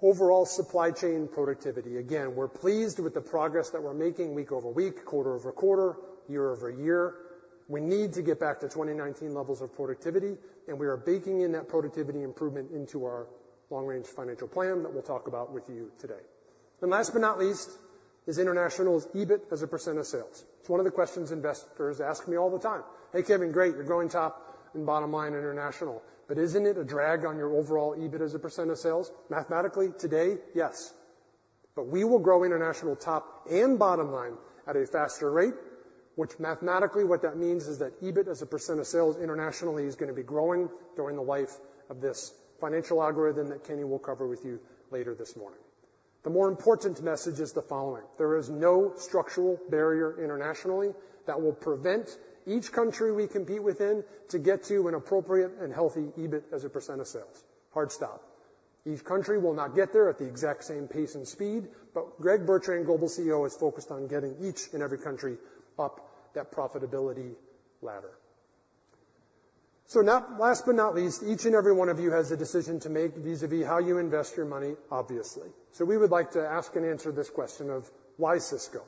Overall, supply chain productivity. Again, we're pleased with the progress that we're making week-over-week, quarter-over-quarter, year-over-year. We need to get back to 2019 levels of productivity, and we are baking in that productivity improvement into our long-range financial plan that we'll talk about with you today. Last but not least, is international's EBIT as a % of sales. It's one of the questions investors ask me all the time: "Hey, Kevin, great, you're growing top and bottom line international, but isn't it a drag on your overall EBIT as a % of sales?" Mathematically, today, yes, but we will grow international top and bottom line at a faster rate, which mathematically, what that means is that EBIT as a % of sales internationally, is going to be growing during the life of this financial algorithm that Kenny will cover with you later this morning. The more important message is the following: There is no structural barrier internationally that will prevent each country we compete within to get to an appropriate and healthy EBIT as a percent of sales. Hard stop. Each country will not get there at the exact same pace and speed, but Greg Bertrand, Global CEO, is focused on getting each and every country up that profitability ladder.... So now, last but not least, each and every one of you has a decision to make vis-a-vis how you invest your money, obviously. So we would like to ask and answer this question of, why Sysco?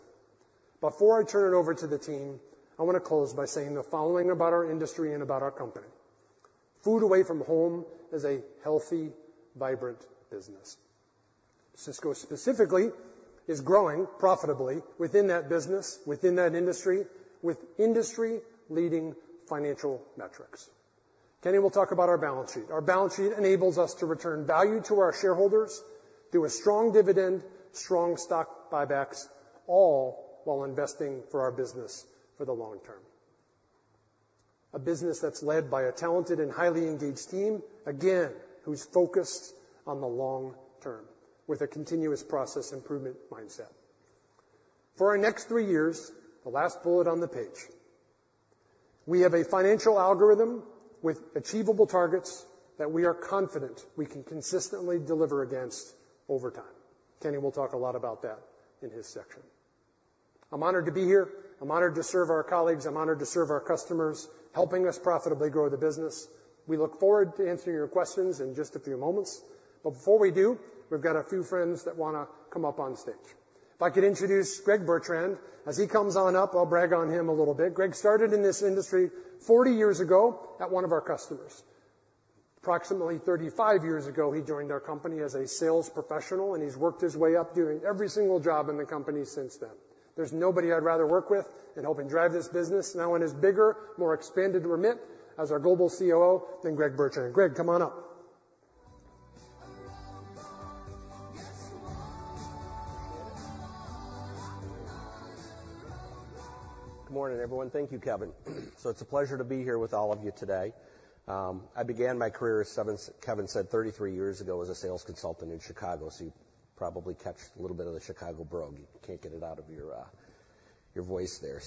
Before I turn it over to the team, I want to close by saying the following about our industry and about our company. Food away from home is a healthy, vibrant business. Sysco specifically is growing profitably within that business, within that industry, with industry-leading financial metrics. Kenny will talk about our balance sheet. Our balance sheet enables us to return value to our shareholders through a strong dividend, strong stock buybacks, all while investing for our business for the long term. A business that's led by a talented and highly engaged team, again, who's focused on the long term with a continuous process improvement mindset. For our next three years, the last bullet on the page, we have a financial algorithm with achievable targets that we are confident we can consistently deliver against over time. Kenny will talk a lot about that in his section. I'm honored to be here. I'm honored to serve our colleagues. I'm honored to serve our customers, helping us profitably grow the business. We look forward to answering your questions in just a few moments, but before we do, we've got a few friends that want to come up on stage. If I could introduce Greg Bertrand. As he comes on up, I'll brag on him a little bit. Greg started in this industry 40 years ago at one of our customers. Approximately 35 years ago, he joined our company as a sales professional, and he's worked his way up, doing every single job in the company since then. There's nobody I'd rather work with in helping drive this business, now in his bigger, more expanded remit as our Global COO, than Greg Bertrand. Greg, come on up. Good morning, everyone. Thank you, Kevin. It's a pleasure to be here with all of you today. I began my career, as Kevin said, 33 years ago as a sales consultant in Chicago. You probably caught a little bit of the Chicago brogue. You can't get it out of your voice there.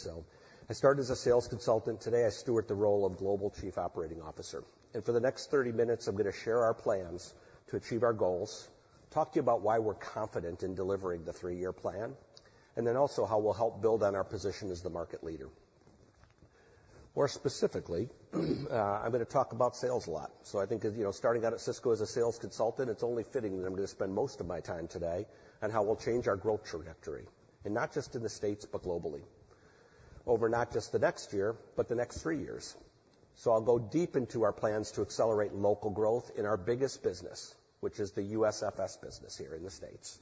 I started as a sales consultant. Today, I steward the role of Global Chief Operating Officer, and for the next 30 minutes, I'm going to share our plans to achieve our goals, talk to you about why we're confident in delivering the three-year plan, and then also how we'll help build on our position as the market leader. More specifically, I'm going to talk about sales a lot. So I think, as you know, starting out at Sysco as a sales consultant, it's only fitting that I'm going to spend most of my time today on how we'll change our growth trajectory, and not just in the States, but globally, over not just the next year, but the next three years. So I'll go deep into our plans to accelerate local growth in our biggest business, which is the U.S. Foodservice business here in the States.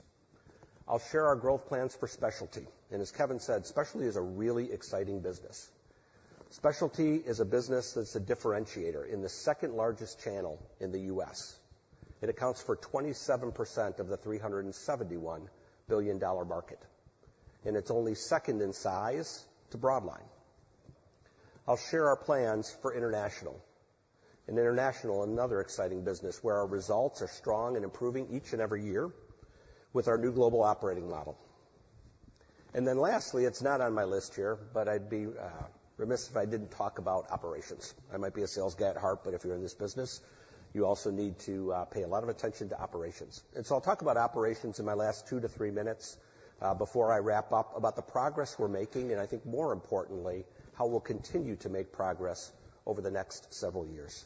I'll share our growth plans for specialty, and as Kevin said, specialty is a really exciting business. Specialty is a business that's a differentiator in the second-largest channel in the US. It accounts for 27% of the $371 billion market, and it's only second in size to Broadline. I'll share our plans for international. In international, another exciting business where our results are strong and improving each and every year with our new global operating model. Then lastly, it's not on my list here, but I'd be remiss if I didn't talk about operations. I might be a sales guy at heart, but if you're in this business, you also need to pay a lot of attention to operations. So I'll talk about operations in my last two-three minutes before I wrap up, about the progress we're making, and I think more importantly, how we'll continue to make progress over the next several years.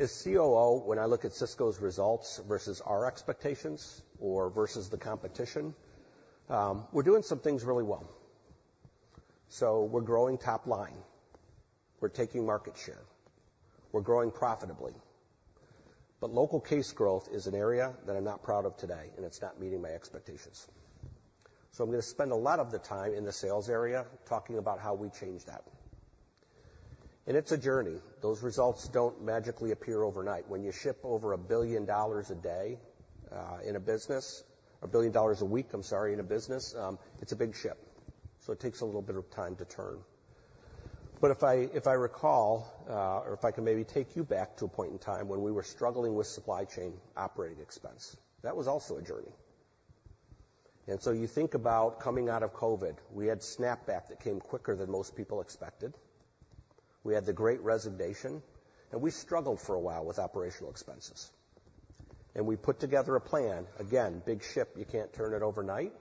As COO, when I look at Sysco's results versus our expectations or versus the competition, we're doing some things really well. So we're growing top line, we're taking market share, we're growing profitably, but local case growth is an area that I'm not proud of today, and it's not meeting my expectations. So I'm going to spend a lot of the time in the sales area talking about how we change that. It's a journey. Those results don't magically appear overnight. When you ship over $1 billion a day in a business - $1 billion a week, I'm sorry, in a business, it's a big ship, so it takes a little bit of time to turn. But if I recall, or if I can maybe take you back to a point in time when we were struggling with supply chain operating expense, that was also a journey. And so you think about coming out of COVID, we had snapback that came quicker than most people expected. We had the Great Resignation, and we struggled for a while with operational expenses. We put together a plan. Again, big ship, you can't turn it overnight,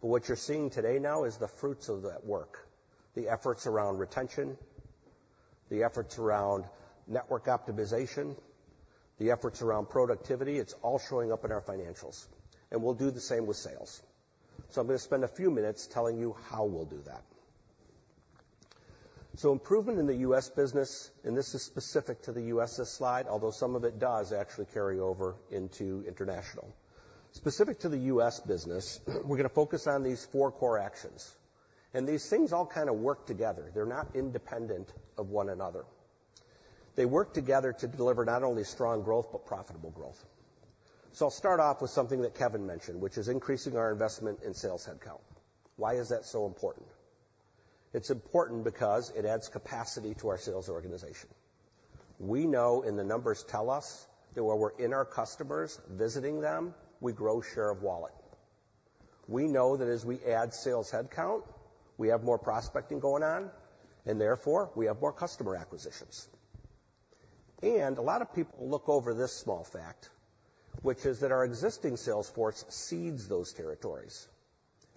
but what you're seeing today now is the fruits of that work, the efforts around retention, the efforts around network optimization, the efforts around productivity. It's all showing up in our financials, and we'll do the same with sales. So I'm going to spend a few minutes telling you how we'll do that. So improvement in the U.S. business, and this is specific to the U.S., this slide, although some of it does actually carry over into international. Specific to the U.S. business, we're going to focus on these four core actions, and these things all kind of work together. They're not independent of one another. They work together to deliver not only strong growth, but profitable growth. So I'll start off with something that Kevin mentioned, which is increasing our investment in sales headcount. Why is that so important? It's important because it adds capacity to our sales organization. We know, and the numbers tell us, that when we're in our customers, visiting them, we grow share of wallet. We know that as we add sales headcount, we have more prospecting going on, and therefore, we have more customer acquisitions.... And a lot of people look over this small fact, which is that our existing sales force cedes those territories.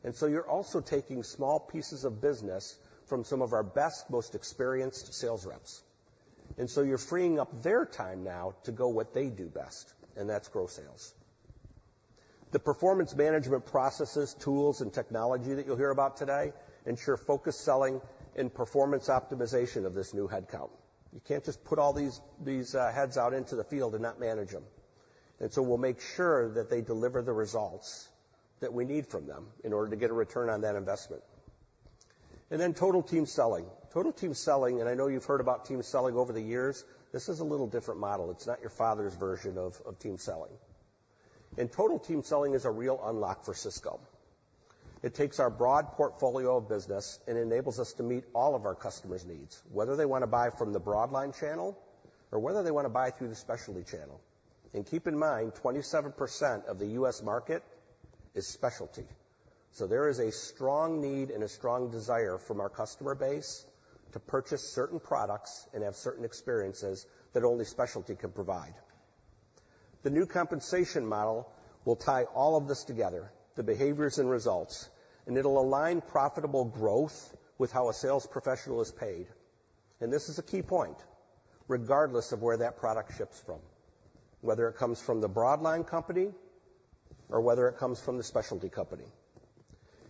And so you're also taking small pieces of business from some of our best, most experienced sales reps, and so you're freeing up their time now to go what they do best, and that's grow sales. The performance management processes, tools, and technology that you'll hear about today ensure focused selling and performance optimization of this new headcount. You can't just put all these heads out into the field and not manage them, and so we'll make sure that they deliver the results that we need from them in order to get a return on that investment. Then Total Team Selling. Total Team Selling, and I know you've heard about team selling over the years, this is a little different model. It's not your father's version of team selling. Total Team Selling is a real unlock for Sysco. It takes our broad portfolio of business and enables us to meet all of our customers' needs, whether they want to buy from the broadline channel or whether they want to buy through the specialty channel. And keep in mind, 27% of the U.S. market is specialty, so there is a strong need and a strong desire from our customer base to purchase certain products and have certain experiences that only specialty can provide. The new compensation model will tie all of this together, the behaviors and results, and it'll align profitable growth with how a sales professional is paid. And this is a key point, regardless of where that product ships from, whether it comes from the broad line company or whether it comes from the specialty company.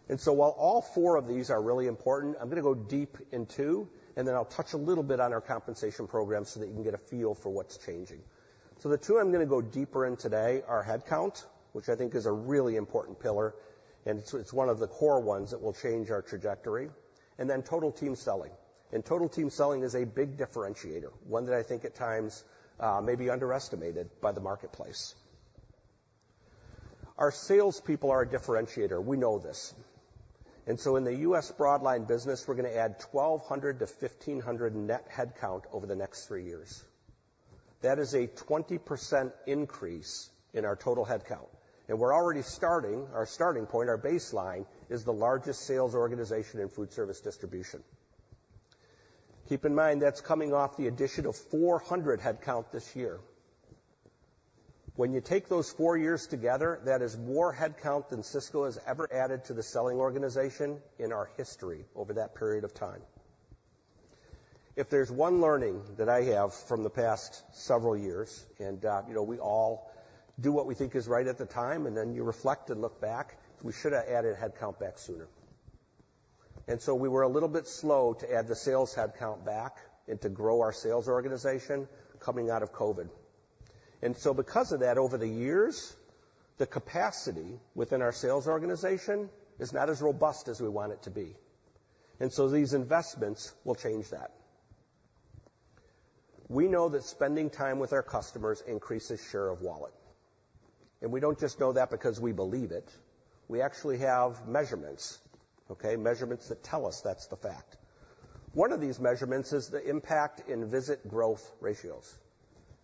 And so while all four of these are really important, I'm going to go deep in two, and then I'll touch a little bit on our compensation program so that you can get a feel for what's changing. So the two I'm going to go deeper in today are headcount, which I think is a really important pillar, and it's one of the core ones that will change our trajectory, and then Total Team Selling. And Total Team Selling is a big differentiator, one that I think at times, may be underestimated by the marketplace. Our salespeople are a differentiator. We know this, and so in the U.S. broadline business, we're going to add 1,200-1,500 net headcount over the next three years. That is a 20% increase in our total headcount, and we're already starting. Our starting point, our baseline, is the largest sales organization in foodservice distribution. Keep in mind, that's coming off the addition of 400 headcount this year. When you take those four years together, that is more headcount than Sysco has ever added to the selling organization in our history over that period of time. If there's one learning that I have from the past several years, and you know, we all do what we think is right at the time, and then you reflect and look back, we should have added headcount back sooner. And so we were a little bit slow to add the sales headcount back and to grow our sales organization coming out of COVID. And so because of that, over the years, the capacity within our sales organization is not as robust as we want it to be, and so these investments will change that. We know that spending time with our customers increases share of wallet, and we don't just know that because we believe it. We actually have measurements, okay? Measurements that tell us that's the fact. One of these measurements is the impact in visit growth ratios.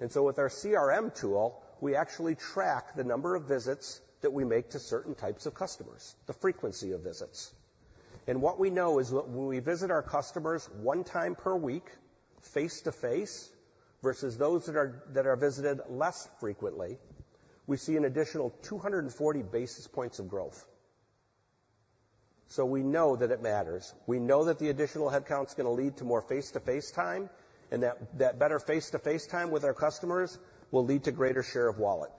And so with our CRM tool, we actually track the number of visits that we make to certain types of customers, the frequency of visits. And what we know is when we visit our customers one time per week, face-to-face, versus those that are visited less frequently, we see an additional 240 basis points of growth. So we know that it matters. We know that the additional headcount is going to lead to more face-to-face time, and that better face-to-face time with our customers will lead to greater share of wallet.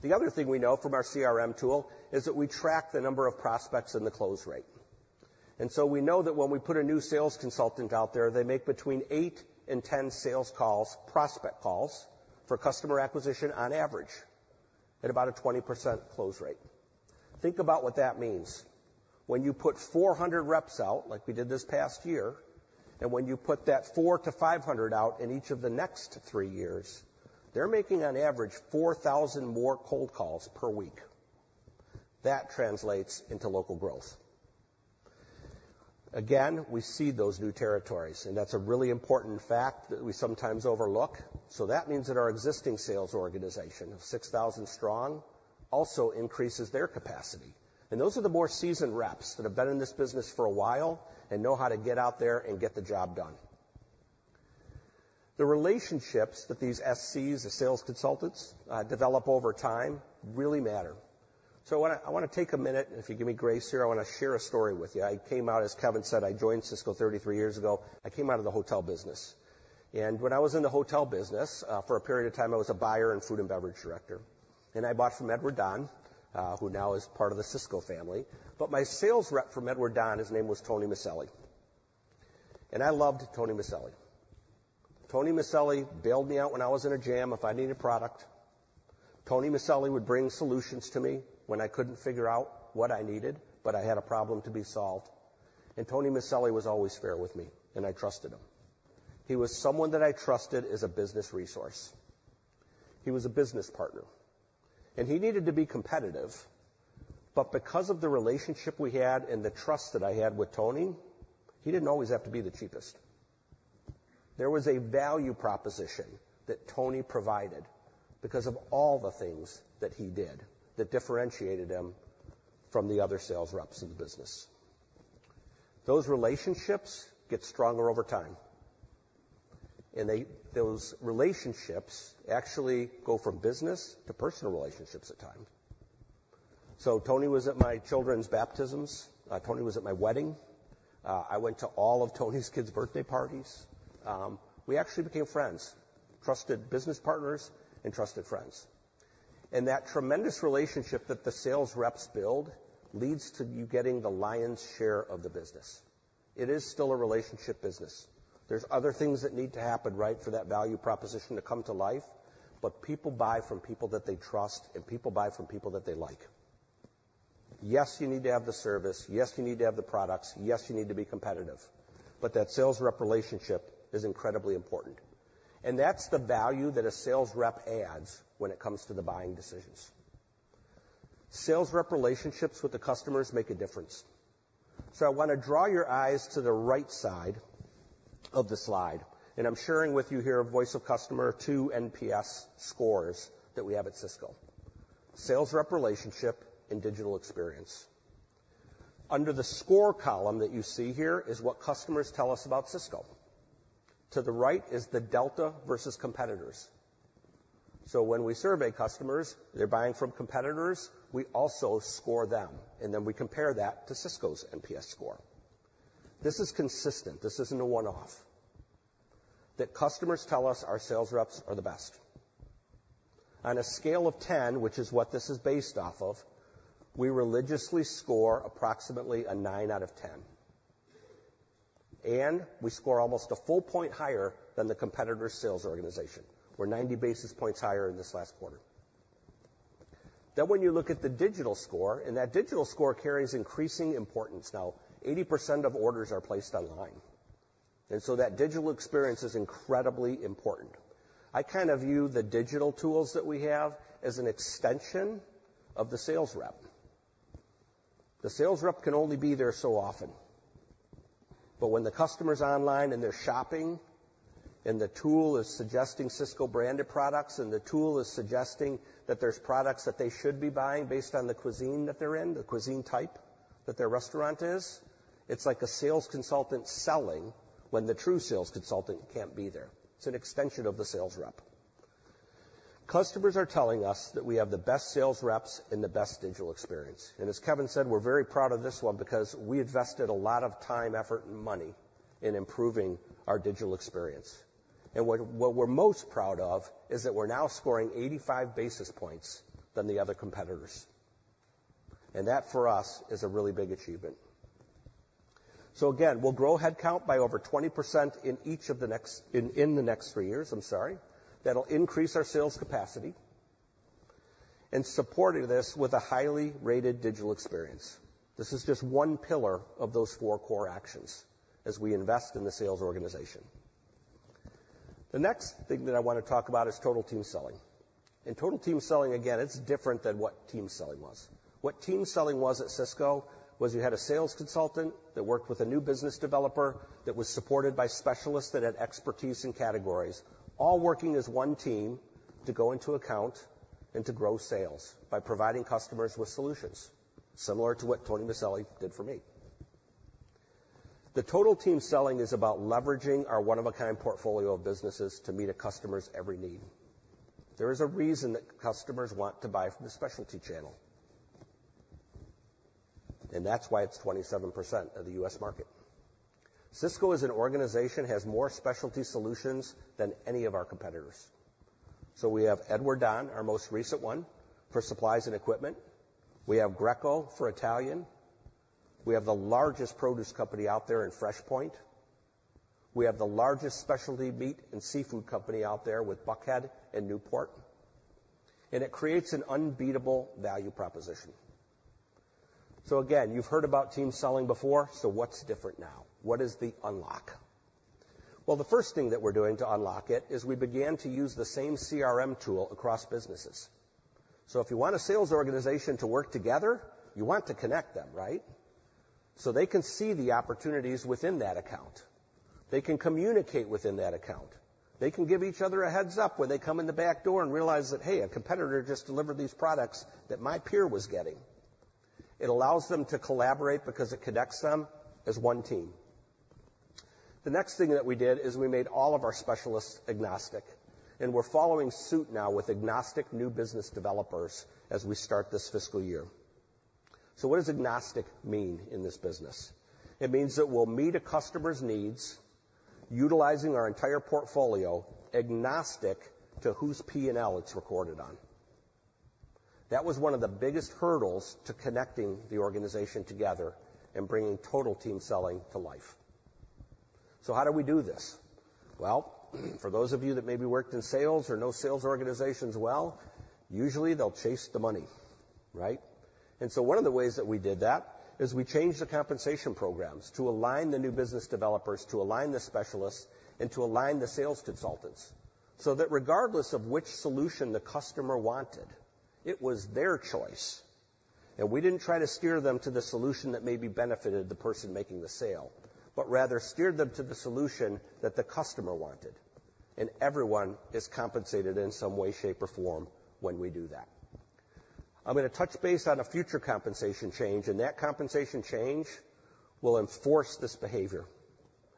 The other thing we know from our CRM tool is that we track the number of prospects and the close rate. And so we know that when we put a new sales consultant out there, they make between eight and 10 sales calls, prospect calls, for customer acquisition, on average, at about a 20% close rate. Think about what that means. When you put 400 reps out, like we did this past year, and when you put that 400-500 out in each of the next three years, they're making on average 4,000 more cold calls per week. That translates into local growth. Again, we cede those new territories, and that's a really important fact that we sometimes overlook. So that means that our existing sales organization of 6,000 strong also increases their capacity, and those are the more seasoned reps that have been in this business for a while and know how to get out there and get the job done. The relationships that these SCs, the sales consultants, develop over time really matter. So what I want to take a minute, and if you give me grace here, I want to share a story with you. I came out, as Kevin said, I joined Sysco 33 years ago. I came out of the hotel business, and when I was in the hotel business, for a period of time, I was a buyer and food and beverage director, and I bought from Edward Don, who now is part of the Sysco family. But my sales rep from Edward Don, his name was Tony Miceli, and I loved Tony Miceli. Tony Miceli bailed me out when I was in a jam if I needed product. Tony Miceli would bring solutions to me when I couldn't figure out what I needed, but I had a problem to be solved. Tony Miceli was always fair with me, and I trusted him. He was someone that I trusted as a business resource. He was a business partner, and he needed to be competitive, but because of the relationship we had and the trust that I had with Tony, he didn't always have to be the cheapest. There was a value proposition that Tony provided because of all the things that he did that differentiated him from the other sales reps in the business... Those relationships get stronger over time, and they, those relationships actually go from business to personal relationships at times. So Tony was at my children's baptisms. Tony was at my wedding. I went to all of Tony's kids' birthday parties. We actually became friends, trusted business partners, and trusted friends. And that tremendous relationship that the sales reps build leads to you getting the lion's share of the business. It is still a relationship business. There's other things that need to happen, right, for that value proposition to come to life, but people buy from people that they trust, and people buy from people that they like. Yes, you need to have the service. Yes, you need to have the products. Yes, you need to be competitive, but that sales rep relationship is incredibly important, and that's the value that a sales rep adds when it comes to the buying decisions. Sales rep relationships with the customers make a difference. So I want to draw your eyes to the right side of the slide, and I'm sharing with you here a Voice of Customer to NPS scores that we have at Sysco. Sales rep relationship and digital experience. Under the score column that you see here is what customers tell us about Sysco. To the right is the delta versus competitors. So when we survey customers, they're buying from competitors, we also score them, and then we compare that to Sysco's NPS score. This is consistent. This isn't a one-off. That customers tell us our sales reps are the best. On a scale of 10, which is what this is based off of, we religiously score approximately a nine out of 10, and we score almost a full point higher than the competitor's sales organization. We're 90 basis points higher in this last quarter. Then when you look at the digital score, and that digital score carries increasing importance. Now, 80% of orders are placed online, and so that digital experience is incredibly important. I kind of view the digital tools that we have as an extension of the sales rep. The sales rep can only be there so often, but when the customer's online and they're shopping and the tool is suggesting Sysco-branded products, and the tool is suggesting that there's products that they should be buying based on the cuisine that they're in, the cuisine type that their restaurant is, it's like a sales consultant selling when the true sales consultant can't be there. It's an extension of the sales rep. Customers are telling us that we have the best sales reps and the best digital experience, and as Kevin said, we're very proud of this one because we invested a lot of time, effort, and money in improving our digital experience. And what, what we're most proud of is that we're now scoring 85 basis points than the other competitors. And that, for us, is a really big achievement. So again, we'll grow headcount by over 20% in each of the next. In the next three years, I'm sorry. That'll increase our sales capacity and supporting this with a highly rated digital experience. This is just one pillar of those four core actions as we invest in the sales organization. The next thing that I want to talk about is Total Team Selling. And Total Team Selling, again, it's different than what team selling was. What team selling was at Sysco, was you had a sales consultant that worked with a new business developer, that was supported by specialists that had expertise in categories, all working as one team to go into account and to grow sales by providing customers with solutions, similar to what Tony Miceli did for me. The total team selling is about leveraging our one-of-a-kind portfolio of businesses to meet a customer's every need. There is a reason that customers want to buy from the specialty channel. And that's why it's 27% of the U.S. market. Sysco, as an organization, has more specialty solutions than any of our competitors. So we have Edward Don, our most recent one, for supplies and equipment. We have Greco for Italian. We have the largest produce company out there in FreshPoint. We have the largest specialty meat and seafood company out there with Buckhead and Newport, and it creates an unbeatable value proposition. So again, you've heard about team selling before, so what's different now? What is the unlock? Well, the first thing that we're doing to unlock it is we began to use the same CRM tool across businesses. So if you want a sales organization to work together, you want to connect them, right? So they can see the opportunities within that account. They can communicate within that account. They can give each other a heads-up when they come in the back door and realize that, hey, a competitor just delivered these products that my peer was getting. It allows them to collaborate because it connects them as one team. The next thing that we did is we made all of our specialists agnostic, and we're following suit now with agnostic new business developers as we start this fiscal year. So what does agnostic mean in this business? It means that we'll meet a customer's needs, utilizing our entire portfolio, agnostic to whose P&L it's recorded on. That was one of the biggest hurdles to connecting the organization together and bringing Total Team Selling to life. So how do we do this? Well, for those of you that maybe worked in sales or know sales organizations well, usually they'll chase the money, right? And so one of the ways that we did that is we changed the compensation programs to align the new business developers, to align the specialists and to align the sales consultants, so that regardless of which solution the customer wanted, it was their choice. And we didn't try to steer them to the solution that maybe benefited the person making the sale, but rather steered them to the solution that the customer wanted, and everyone is compensated in some way, shape, or form when we do that.... I'm gonna touch base on a future compensation change, and that compensation change will enforce this behavior,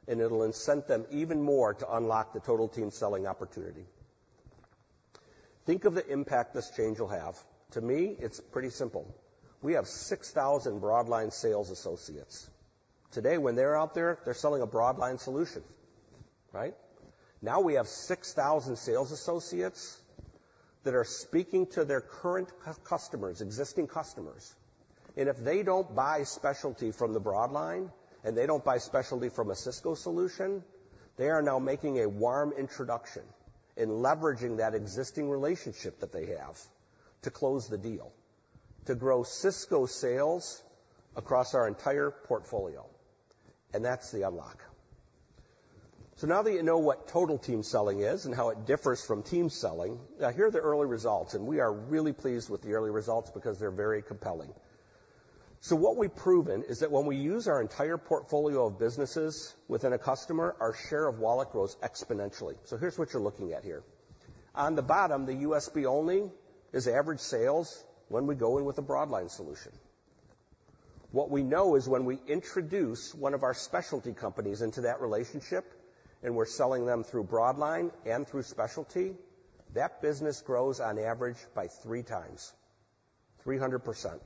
and it'll incent them even more to unlock the Total Team Selling opportunity. Think of the impact this change will have. To me, it's pretty simple. We have 6,000 broadline sales associates. Today, when they're out there, they're selling a broadline solution, right? Now we have 6,000 sales associates that are speaking to their current customers, existing customers, and if they don't buy specialty from the broadline, and they don't buy specialty from a Sysco solution, they are now making a warm introduction and leveraging that existing relationship that they have to close the deal, to grow Sysco sales across our entire portfolio, and that's the unlock. So now that you know what Total Team Selling is and how it differs from team selling, now here are the early results, and we are really pleased with the early results because they're very compelling. So what we've proven is that when we use our entire portfolio of businesses within a customer, our share of wallet grows exponentially. So here's what you're looking at here. On the bottom, the Sysco only is average sales when we go in with a broadline solution. What we know is when we introduce one of our specialty companies into that relationship, and we're selling them through broadline and through specialty, that business grows on average by three times, 300%.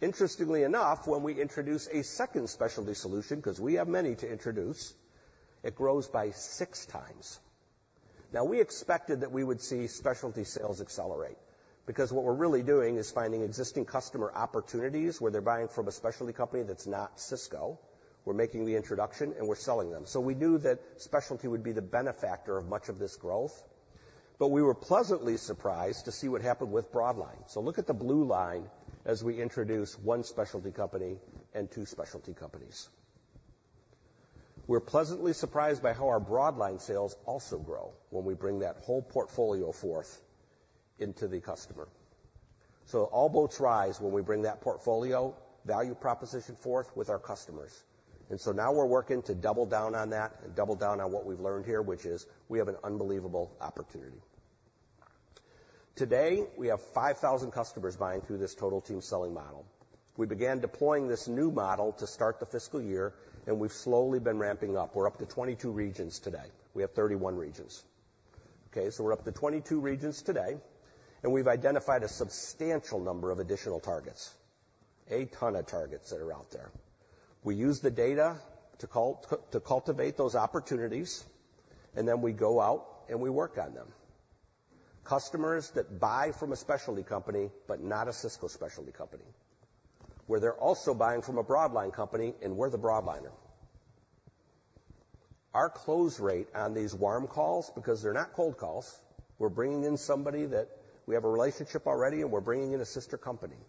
Interestingly enough, when we introduce a second specialty solution, 'cause we have many to introduce, it grows by six times. Now, we expected that we would see specialty sales accelerate because what we're really doing is finding existing customer opportunities where they're buying from a specialty company that's not Sysco. We're making the introduction, and we're selling them. So we knew that specialty would be the benefactor of much of this growth, but we were pleasantly surprised to see what happened with broadline. Look at the blue line as we introduce one specialty company and two specialty companies. We're pleasantly surprised by how our broadline sales also grow when we bring that whole portfolio forth into the customer. So all boats rise when we bring that portfolio value proposition forth with our customers. Now we're working to double down on that and double down on what we've learned here, which is we have an unbelievable opportunity. Today, we have 5,000 customers buying through this Total Team Selling model. We began deploying this new model to start the fiscal year, and we've slowly been ramping up. We're up to 22 regions today. We have 31 regions. Okay, so we're up to 22 regions today, and we've identified a substantial number of additional targets, a ton of targets that are out there. We use the data to cultivate those opportunities, and then we go out, and we work on them. Customers that buy from a specialty company, but not a Sysco specialty company, where they're also buying from a broad line company, and we're the broadliner. Our close rate on these warm calls, because they're not cold calls, we're bringing in somebody that we have a relationship already, and we're bringing in a sister company.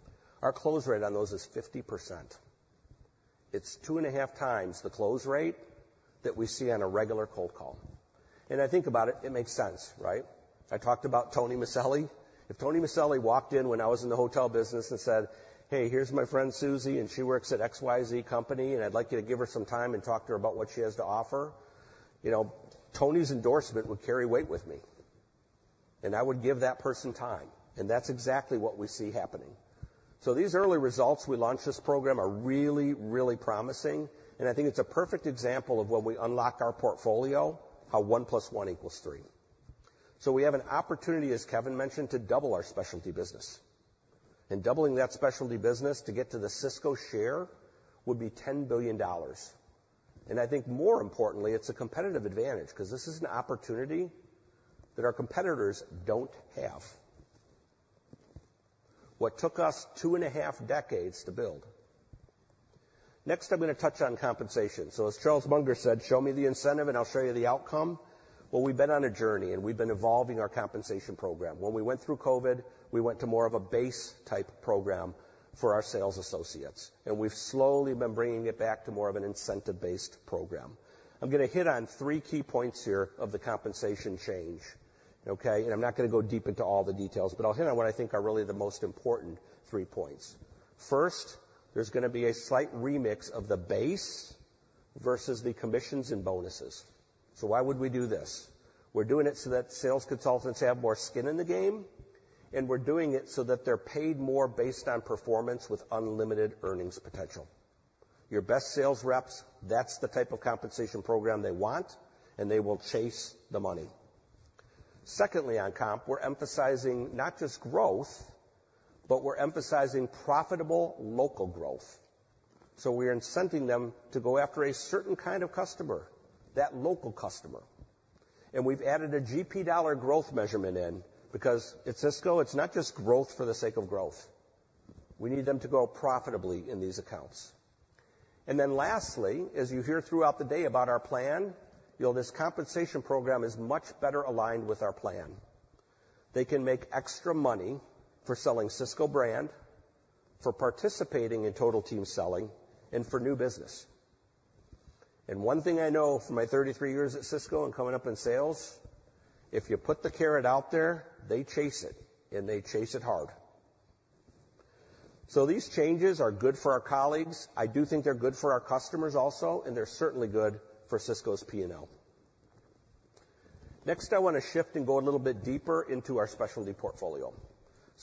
Our close rate on those is 50%. It's 2.5x the close rate that we see on a regular cold call. And I think about it, it makes sense, right? I talked about Tony Miceli. If Tony Miceli walked in when I was in the hotel business and said, "Hey, here's my friend Susie, and she works at XYZ company, and I'd like you to give her some time and talk to her about what she has to offer," you know, Tony's endorsement would carry weight with me, and I would give that person time, and that's exactly what we see happening. So these early results, we launched this program, are really, really promising, and I think it's a perfect example of when we unlock our portfolio, how one plus one equals three. So we have an opportunity, as Kevin mentioned, to double our specialty business, and doubling that specialty business to get to the Sysco share would be $10 billion. And I think more importantly, it's a competitive advantage 'cause this is an opportunity that our competitors don't have. What took us two and a half decades to build. Next, I'm gonna touch on compensation. So as Charles Munger said, "Show me the incentive, and I'll show you the outcome." Well, we've been on a journey, and we've been evolving our compensation program. When we went through COVID, we went to more of a base-type program for our sales associates, and we've slowly been bringing it back to more of an incentive-based program. I'm gonna hit on three key points here of the compensation change, okay, and I'm not gonna go deep into all the details, but I'll hit on what I think are really the most important three points. First, there's gonna be a slight remix of the base versus the commissions and bonuses. So why would we do this? We're doing it so that sales consultants have more skin in the game, and we're doing it so that they're paid more based on performance with unlimited earnings potential. Your best sales reps, that's the type of compensation program they want, and they will chase the money. Secondly, on comp, we're emphasizing not just growth, but we're emphasizing profitable local growth. So we're incenting them to go after a certain kind of customer, that local customer, and we've added a GP dollar growth measurement in because at Sysco, it's not just growth for the sake of growth. We need them to grow profitably in these accounts. And then lastly, as you hear throughout the day about our plan, you know, this compensation program is much better aligned with our plan. They can make extra money for selling Sysco brand, for participating in total team selling and for new business. One thing I know from my 33 years at Sysco and coming up in sales, if you put the carrot out there, they chase it, and they chase it hard. These changes are good for our colleagues. I do think they're good for our customers also, and they're certainly good for Sysco's P&L... Next, I want to shift and go a little bit deeper into our specialty portfolio.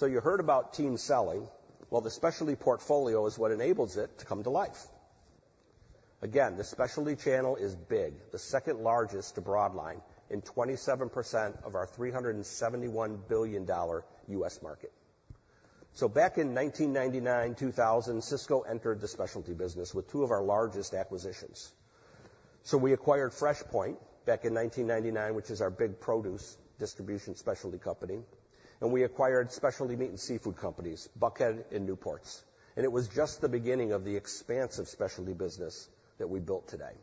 You heard about team selling. Well, the specialty portfolio is what enables it to come to life. Again, the specialty channel is big, the second largest to broadline in 27% of our $371 billion U.S. market. Back in 1999, 2000, Sysco entered the specialty business with two of our largest acquisitions. We acquired FreshPoint back in 1999, which is our big produce distribution specialty company, and we acquired Specialty Meat and Seafood Companies, Buckhead and Newport. It was just the beginning of the expansive specialty business that we built today.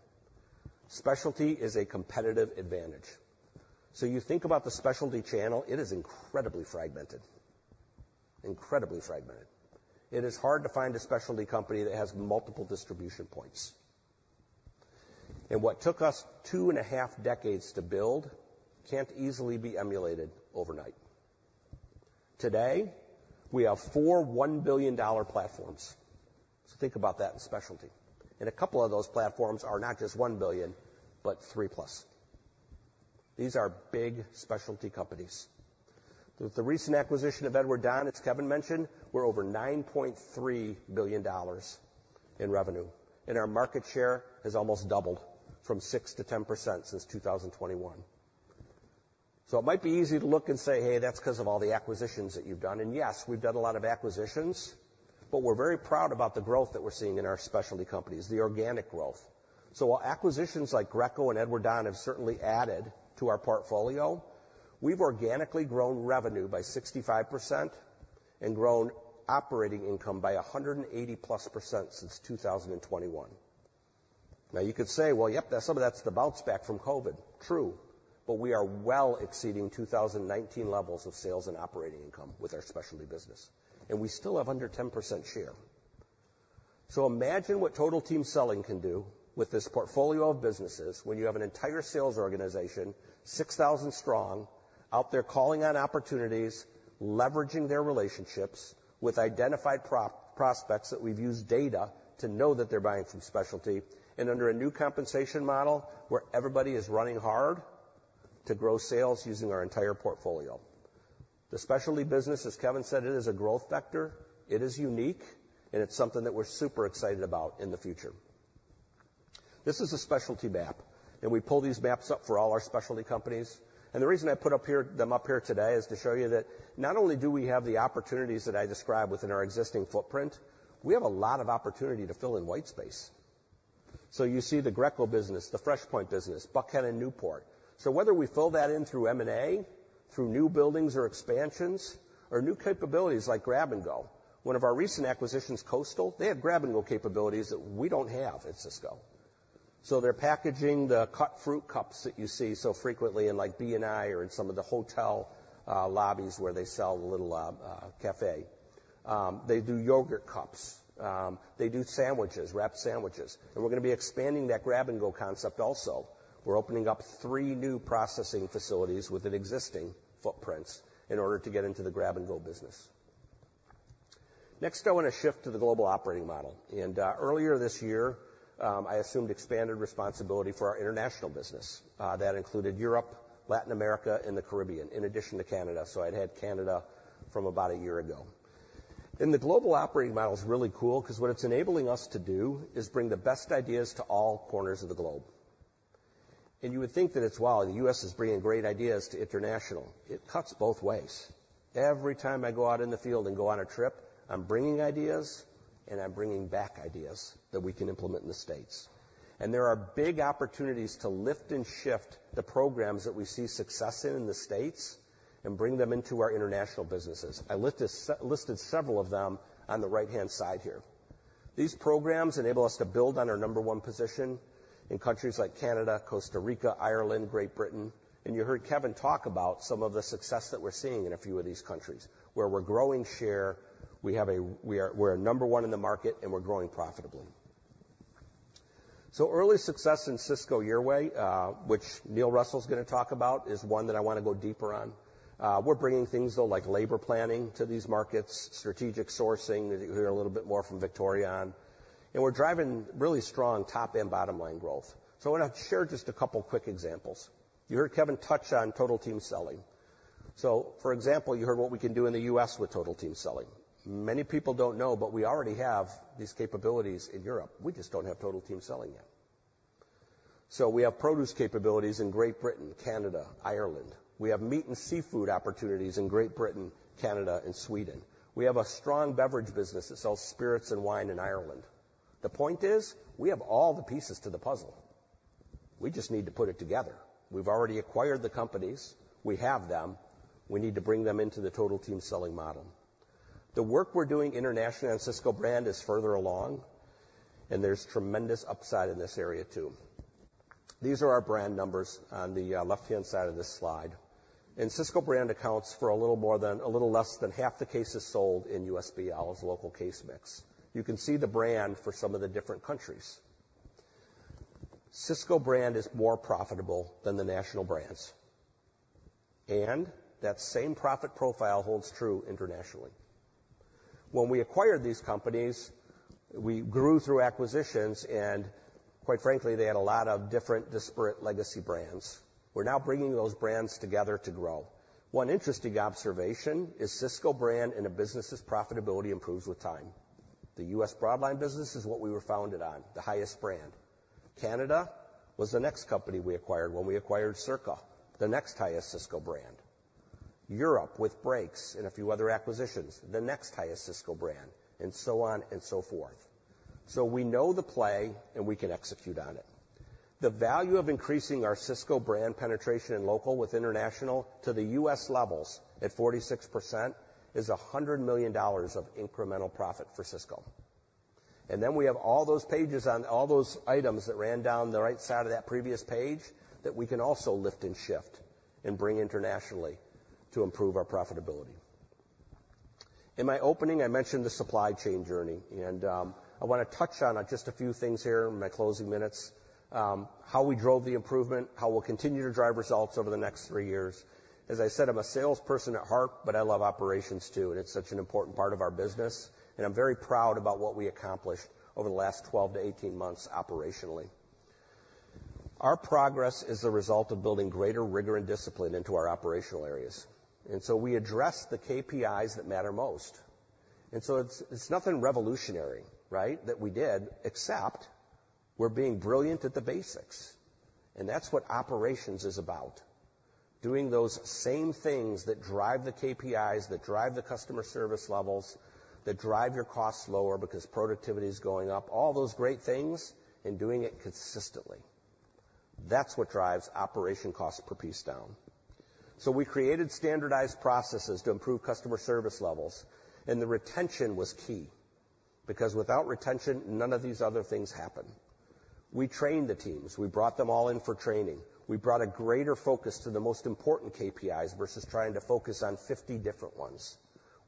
Specialty is a competitive advantage. You think about the specialty channel, it is incredibly fragmented. Incredibly fragmented. It is hard to find a specialty company that has multiple distribution points. What took us 2.5 decades to build can't easily be emulated overnight. Today, we have 4 $1 billion platforms. Think about that in specialty. A couple of those platforms are not just $1 billion, but 3+. These are big specialty companies. With the recent acquisition of Edward Don, as Kevin mentioned, we're over $9.3 billion in revenue, and our market share has almost doubled from 6%-10% since 2021. So it might be easy to look and say, "Hey, that's because of all the acquisitions that you've done." And, yes, we've done a lot of acquisitions, but we're very proud about the growth that we're seeing in our specialty companies, the organic growth. So while acquisitions like Greco and Edward Don have certainly added to our portfolio, we've organically grown revenue by 65% and grown operating income by 180%+ since 2021. Now, you could say, "Well, yep, that's some of that's the bounce back from COVID." True, but we are well exceeding 2019 levels of sales and operating income with our specialty business, and we still have under 10% share. So imagine what Total Team Selling can do with this portfolio of businesses when you have an entire sales organization, 6,000 strong, out there calling on opportunities, leveraging their relationships with identified prospects, that we've used data to know that they're buying from specialty and under a new compensation model, where everybody is running hard to grow sales using our entire portfolio. The specialty business, as Kevin said, it is a growth vector, it is unique, and it's something that we're super excited about in the future. This is a specialty map, and we pull these maps up for all our specialty companies. The reason I put them up here today is to show you that not only do we have the opportunities that I described within our existing footprint, we have a lot of opportunity to fill in white space. So you see the Greco business, the FreshPoint business, Buckhead and Newport. So whether we fill that in through M&A, through new buildings or expansions or new capabilities like Grab & Go, one of our recent acquisitions, Coastal, they have Grab & Go capabilities that we don't have at Sysco. So they're packaging the cut fruit cups that you see so frequently in, like, BNI or in some of the hotel lobbies where they sell the little cafe. They do yogurt cups, they do sandwiches, wrapped sandwiches, and we're gonna be expanding that Grab & Go concept also. We're opening up three new processing facilities within existing footprints in order to get into the Grab & Go business. Next, I want to shift to the global operating model, and earlier this year, I assumed expanded responsibility for our international business, that included Europe, Latin America, and the Caribbean, in addition to Canada. So I'd had Canada from about a year ago. And the global operating model is really cool because what it's enabling us to do is bring the best ideas to all corners of the globe. And you would think that it's, wow, the U.S. is bringing great ideas to international. It cuts both ways. Every time I go out in the field and go on a trip, I'm bringing ideas, and I'm bringing back ideas that we can implement in the States. There are big opportunities to lift and shift the programs that we see success in, in the States and bring them into our international businesses. I listed several of them on the right-hand side here. These programs enable us to build on our number one position in countries like Canada, Costa Rica, Ireland, Great Britain, and you heard Kevin talk about some of the success that we're seeing in a few of these countries, where we're growing share, we are, we're number one in the market, and we're growing profitably. So early success in Sysco Your Way, which Neil Russell's gonna talk about, is one that I want to go deeper on. We're bringing things, though, like labor planning to these markets, strategic sourcing, that you'll hear a little bit more from Victoria on, and we're driving really strong top and bottom-line growth. So I want to share just a couple quick examples. You heard Kevin touch on Total Team Selling. So for example, you heard what we can do in the U.S. with Total Team Selling. Many people don't know, but we already have these capabilities in Europe. We just don't have Total Team Selling yet. So we have produce capabilities in Great Britain, Canada, Ireland. We have meat and seafood opportunities in Great Britain, Canada, and Sweden. We have a strong beverage business that sells spirits and wine in Ireland. The point is, we have all the pieces to the puzzle. We just need to put it together. We've already acquired the companies. We have them. We need to bring them into the Total Team Selling model. The work we're doing internationally on Sysco Brand is further along, and there's tremendous upside in this area, too. These are our brand numbers on the left-hand side of this slide, and Sysco Brand accounts for a little more than, a little less than half the cases sold in U.S. BL's local case mix. You can see the brand for some of the different countries. Sysco Brand is more profitable than the national brands, and that same profit profile holds true internationally. When we acquired these companies, we grew through acquisitions, and quite frankly, they had a lot of different disparate legacy brands. We're now bringing those brands together to grow. One interesting observation is Sysco Brand and a business's profitability improves with time. The U.S. Broadline business is what we were founded on, the highest brand. Canada was the next company we acquired when we acquired Circa, the next highest Sysco brand. Europe, with Brakes and a few other acquisitions, the next highest Sysco brand, and so on and so forth. So we know the play, and we can execute on it. The value of increasing our Sysco brand penetration in local with international to the U.S. levels at 46% is $100 million of incremental profit for Sysco. And then we have all those pages on all those items that ran down the right side of that previous page that we can also lift and shift and bring internationally to improve our profitability. In my opening, I mentioned the supply chain journey, and I want to touch on just a few things here in my closing minutes. How we drove the improvement, how we'll continue to drive results over the next three years. As I said, I'm a salesperson at heart, but I love operations, too, and it's such an important part of our business, and I'm very proud about what we accomplished over the last 12-18 months operationally. Our progress is a result of building greater rigor and discipline into our operational areas, and so we address the KPIs that matter most. And so it's, it's nothing revolutionary, right, that we did, except we're being brilliant at the basics, and that's what operations is about. Doing those same things that drive the KPIs, that drive the customer service levels, that drive your costs lower because productivity is going up, all those great things, and doing it consistently. That's what drives operation costs per piece down. So we created standardized processes to improve customer service levels, and the retention was key, because without retention, none of these other things happen. We trained the teams. We brought them all in for training. We brought a greater focus to the most important KPIs versus trying to focus on 50 different ones.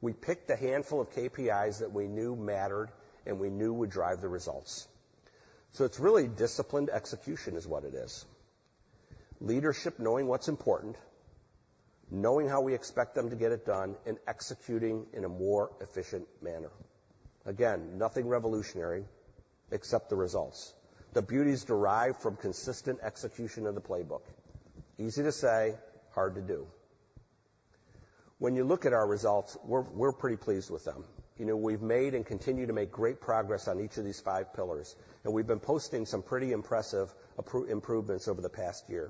We picked a handful of KPIs that we knew mattered and we knew would drive the results. So it's really disciplined execution is what it is. Leadership, knowing what's important, knowing how we expect them to get it done, and executing in a more efficient manner. Again, nothing revolutionary except the results. The beauty is derived from consistent execution of the playbook. Easy to say, hard to do. When you look at our results, we're, we're pretty pleased with them. You know, we've made and continue to make great progress on each of these five pillars, and we've been posting some pretty impressive improvements over the past year.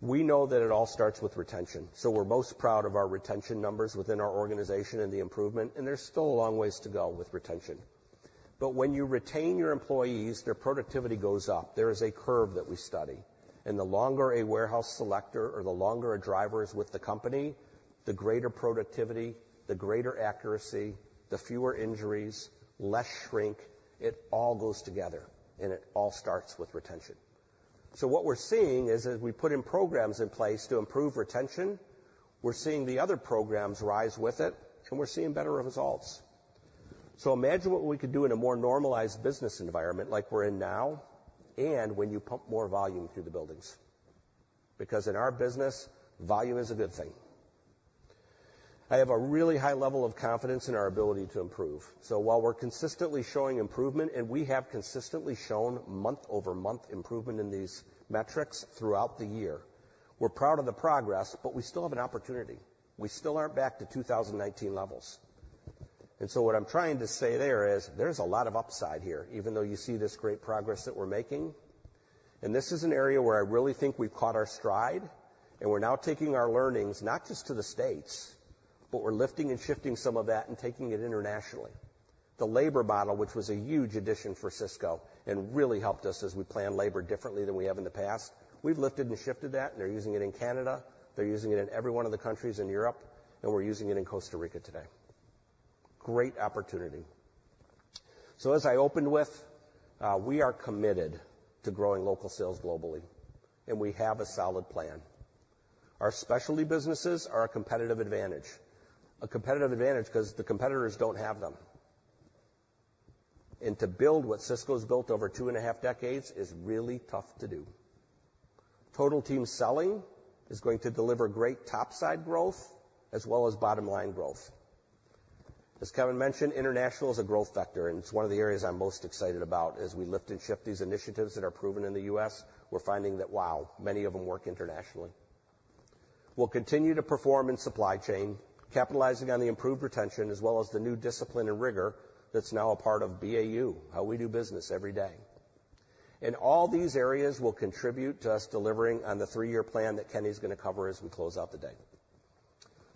We know that it all starts with retention, so we're most proud of our retention numbers within our organization and the improvement, and there's still a long ways to go with retention. But when you retain your employees, their productivity goes up. There is a curve that we study, and the longer a warehouse selector or the longer a driver is with the company, the greater productivity, the greater accuracy, the fewer injuries, less shrink. It all goes together, and it all starts with retention. So what we're seeing is, as we put in programs in place to improve retention, we're seeing the other programs rise with it, and we're seeing better results. So imagine what we could do in a more normalized business environment like we're in now, and when you pump more volume through the buildings, because in our business, volume is a good thing. I have a really high level of confidence in our ability to improve. So while we're consistently showing improvement, and we have consistently shown month-over-month improvement in these metrics throughout the year, we're proud of the progress, but we still have an opportunity. We still aren't back to 2019 levels. And so what I'm trying to say there is there's a lot of upside here, even though you see this great progress that we're making, and this is an area where I really think we've caught our stride, and we're now taking our learnings, not just to the States, but we're lifting and shifting some of that and taking it internationally. The labor model, which was a huge addition for Sysco and really helped us as we plan labor differently than we have in the past, we've lifted and shifted that, and they're using it in Canada, they're using it in every one of the countries in Europe, and we're using it in Costa Rica today. Great opportunity. So as I opened with, we are committed to growing local sales globally, and we have a solid plan. Our specialty businesses are a competitive advantage, a competitive advantage because the competitors don't have them. And to build what Sysco's built over 2.5 decades is really tough to do. Total Team Selling is going to deliver great top-side growth as well as bottom-line growth. As Kevin mentioned, international is a growth vector, and it's one of the areas I'm most excited about. As we lift and shift these initiatives that are proven in the U.S., we're finding that, wow, many of them work internationally. We'll continue to perform in supply chain, capitalizing on the improved retention as well as the new discipline and rigor that's now a part of BAU, how we do business every day. And all these areas will contribute to us delivering on the three-year plan that Kenny's going to cover as we close out the day.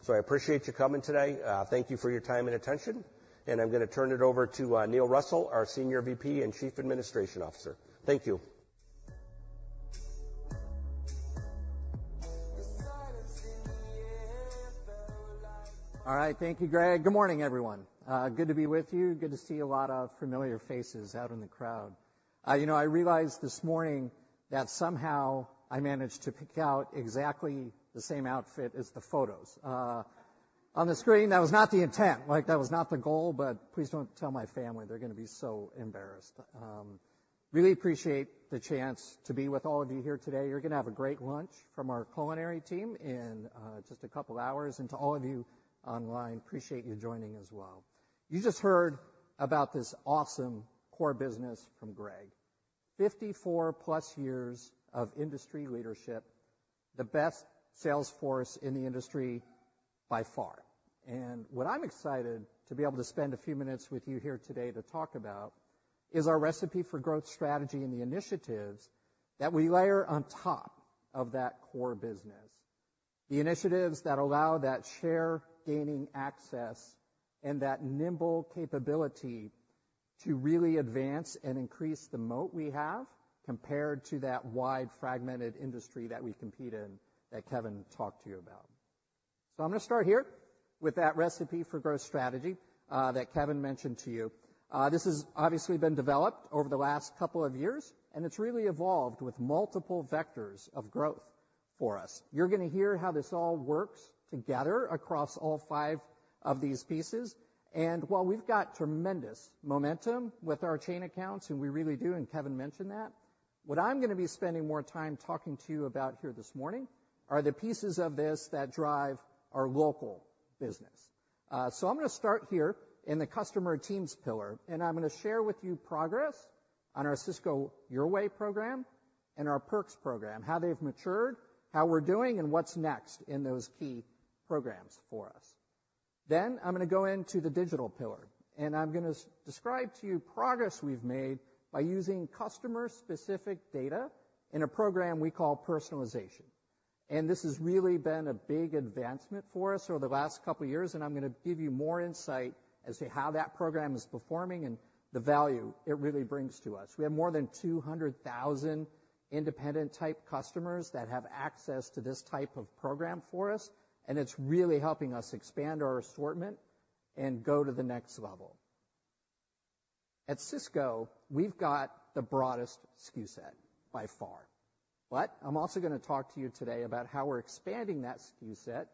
So I appreciate you coming today. Thank you for your time and attention, and I'm going to turn it over to Neil Russell, our Senior VP and Chief Administrative Officer. Thank you. All right. Thank you, Greg. Good morning, everyone. Good to be with you. Good to see a lot of familiar faces out in the crowd. You know, I realized this morning that somehow I managed to pick out exactly the same outfit as the photos on the screen. That was not the intent, like, that was not the goal, but please don't tell my family. They're going to be so embarrassed. Really appreciate the chance to be with all of you here today. You're going to have a great lunch from our culinary team in just a couple hours, and to all of you online, appreciate you joining as well. You just heard about this awesome core business from Greg.... 54+ years of industry leadership, the best sales force in the industry by far. What I'm excited to be able to spend a few minutes with you here today to talk about is our Recipe for Growth strategy and the initiatives that we layer on top of that core business. The initiatives that allow that share gaining access and that nimble capability to really advance and increase the moat we have, compared to that wide, fragmented industry that we compete in, that Kevin talked to you about. I'm going to start here with that Recipe for Growth strategy that Kevin mentioned to you. This has obviously been developed over the last couple of years, and it's really evolved with multiple vectors of growth for us. You're gonna hear how this all works together across all five of these pieces, and while we've got tremendous momentum with our chain accounts, and we really do, and Kevin mentioned that, what I'm gonna be spending more time talking to you about here this morning are the pieces of this that drive our local business. So I'm gonna start here in the customer teams pillar, and I'm gonna share with you progress on our Sysco Your Way program and our Sysco Perks program, how they've matured, how we're doing, and what's next in those key programs for us. Then, I'm gonna go into the digital pillar, and I'm gonna describe to you progress we've made by using customer-specific data in a program we call Personalization. This has really been a big advancement for us over the last couple of years, and I'm gonna give you more insight as to how that program is performing and the value it really brings to us. We have more than 200,000 independent-type customers that have access to this type of program for us, and it's really helping us expand our assortment and go to the next level. At Sysco, we've got the broadest SKU set by far, but I'm also gonna talk to you today about how we're expanding that SKU set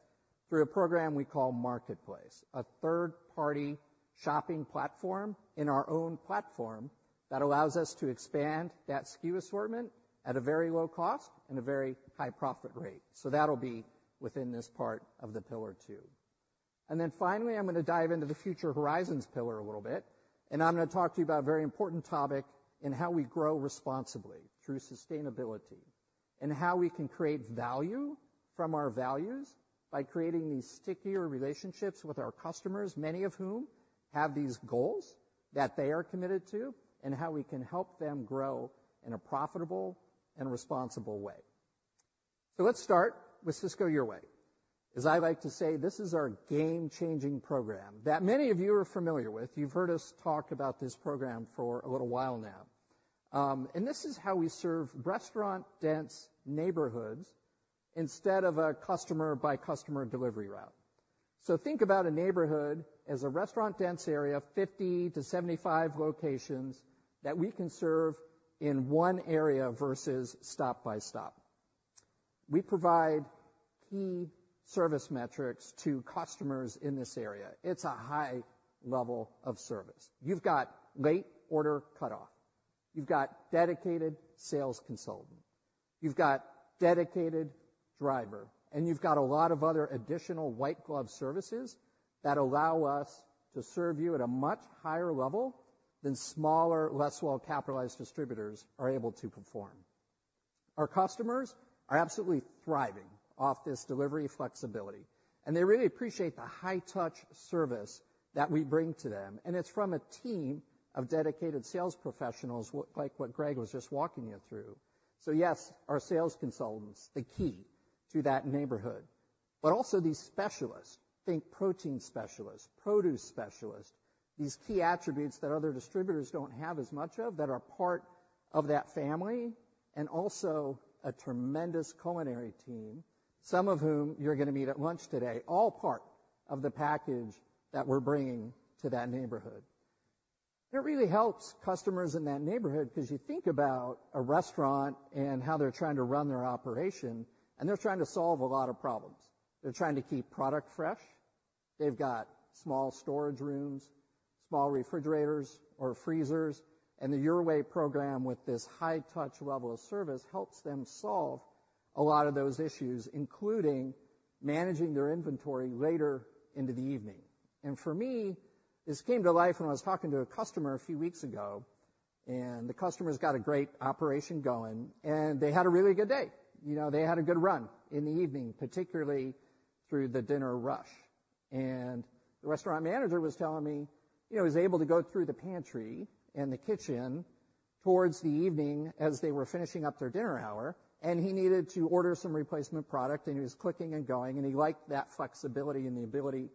through a program we call Marketplace. A third-party shopping platform in our own platform that allows us to expand that SKU assortment at a very low cost and a very high profit rate. That'll be within this part of the pillar, too. Then finally, I'm gonna dive into the future horizons pillar a little bit, and I'm gonna talk to you about a very important topic in how we grow responsibly through sustainability. And how we can create value from our values by creating these stickier relationships with our customers, many of whom have these goals that they are committed to, and how we can help them grow in a profitable and responsible way. Let's start with Sysco Your Way. As I like to say, this is our game-changing program that many of you are familiar with. You've heard us talk about this program for a little while now. And this is how we serve restaurant-dense neighborhoods instead of a customer-by-customer delivery route. So think about a neighborhood as a restaurant-dense area, 50-75 locations that we can serve in one area versus stop by stop. We provide key service metrics to customers in this area. It's a high-level of service. You've got late order cut-off. You've got dedicated sales consultant. You've got dedicated driver, and you've got a lot of other additional white-glove services that allow us to serve you at a much higher level than smaller, less well-capitalized distributors are able to perform. Our customers are absolutely thriving off this delivery flexibility, and they really appreciate the high-touch service that we bring to them. It's from a team of dedicated sales professionals, like what Greg was just walking you through. So yes, our sales consultant's the key to that neighborhood, but also these specialists, think protein specialists, produce specialists, these key attributes that other distributors don't have as much of, that are part of that family, and also a tremendous culinary team, some of whom you're gonna meet at lunch today. All part of the package that we're bringing to that neighborhood. It really helps customers in that neighborhood, because you think about a restaurant and how they're trying to run their operation, and they're trying to solve a lot of problems. They're trying to keep product fresh. They've got small storage rooms, small refrigerators or freezers, and the Your Way program with this high touch level of service, helps them solve a lot of those issues, including managing their inventory later into the evening. And for me, this came to life when I was talking to a customer a few weeks ago, and the customer's got a great operation going, and they had a really good day. You know, they had a good run in the evening, particularly through the dinner rush. The restaurant manager was telling me, he was able to go through the pantry and the kitchen towards the evening as they were finishing up their dinner hour, and he needed to order some replacement product, and he was clicking and going, and he liked that flexibility and the ability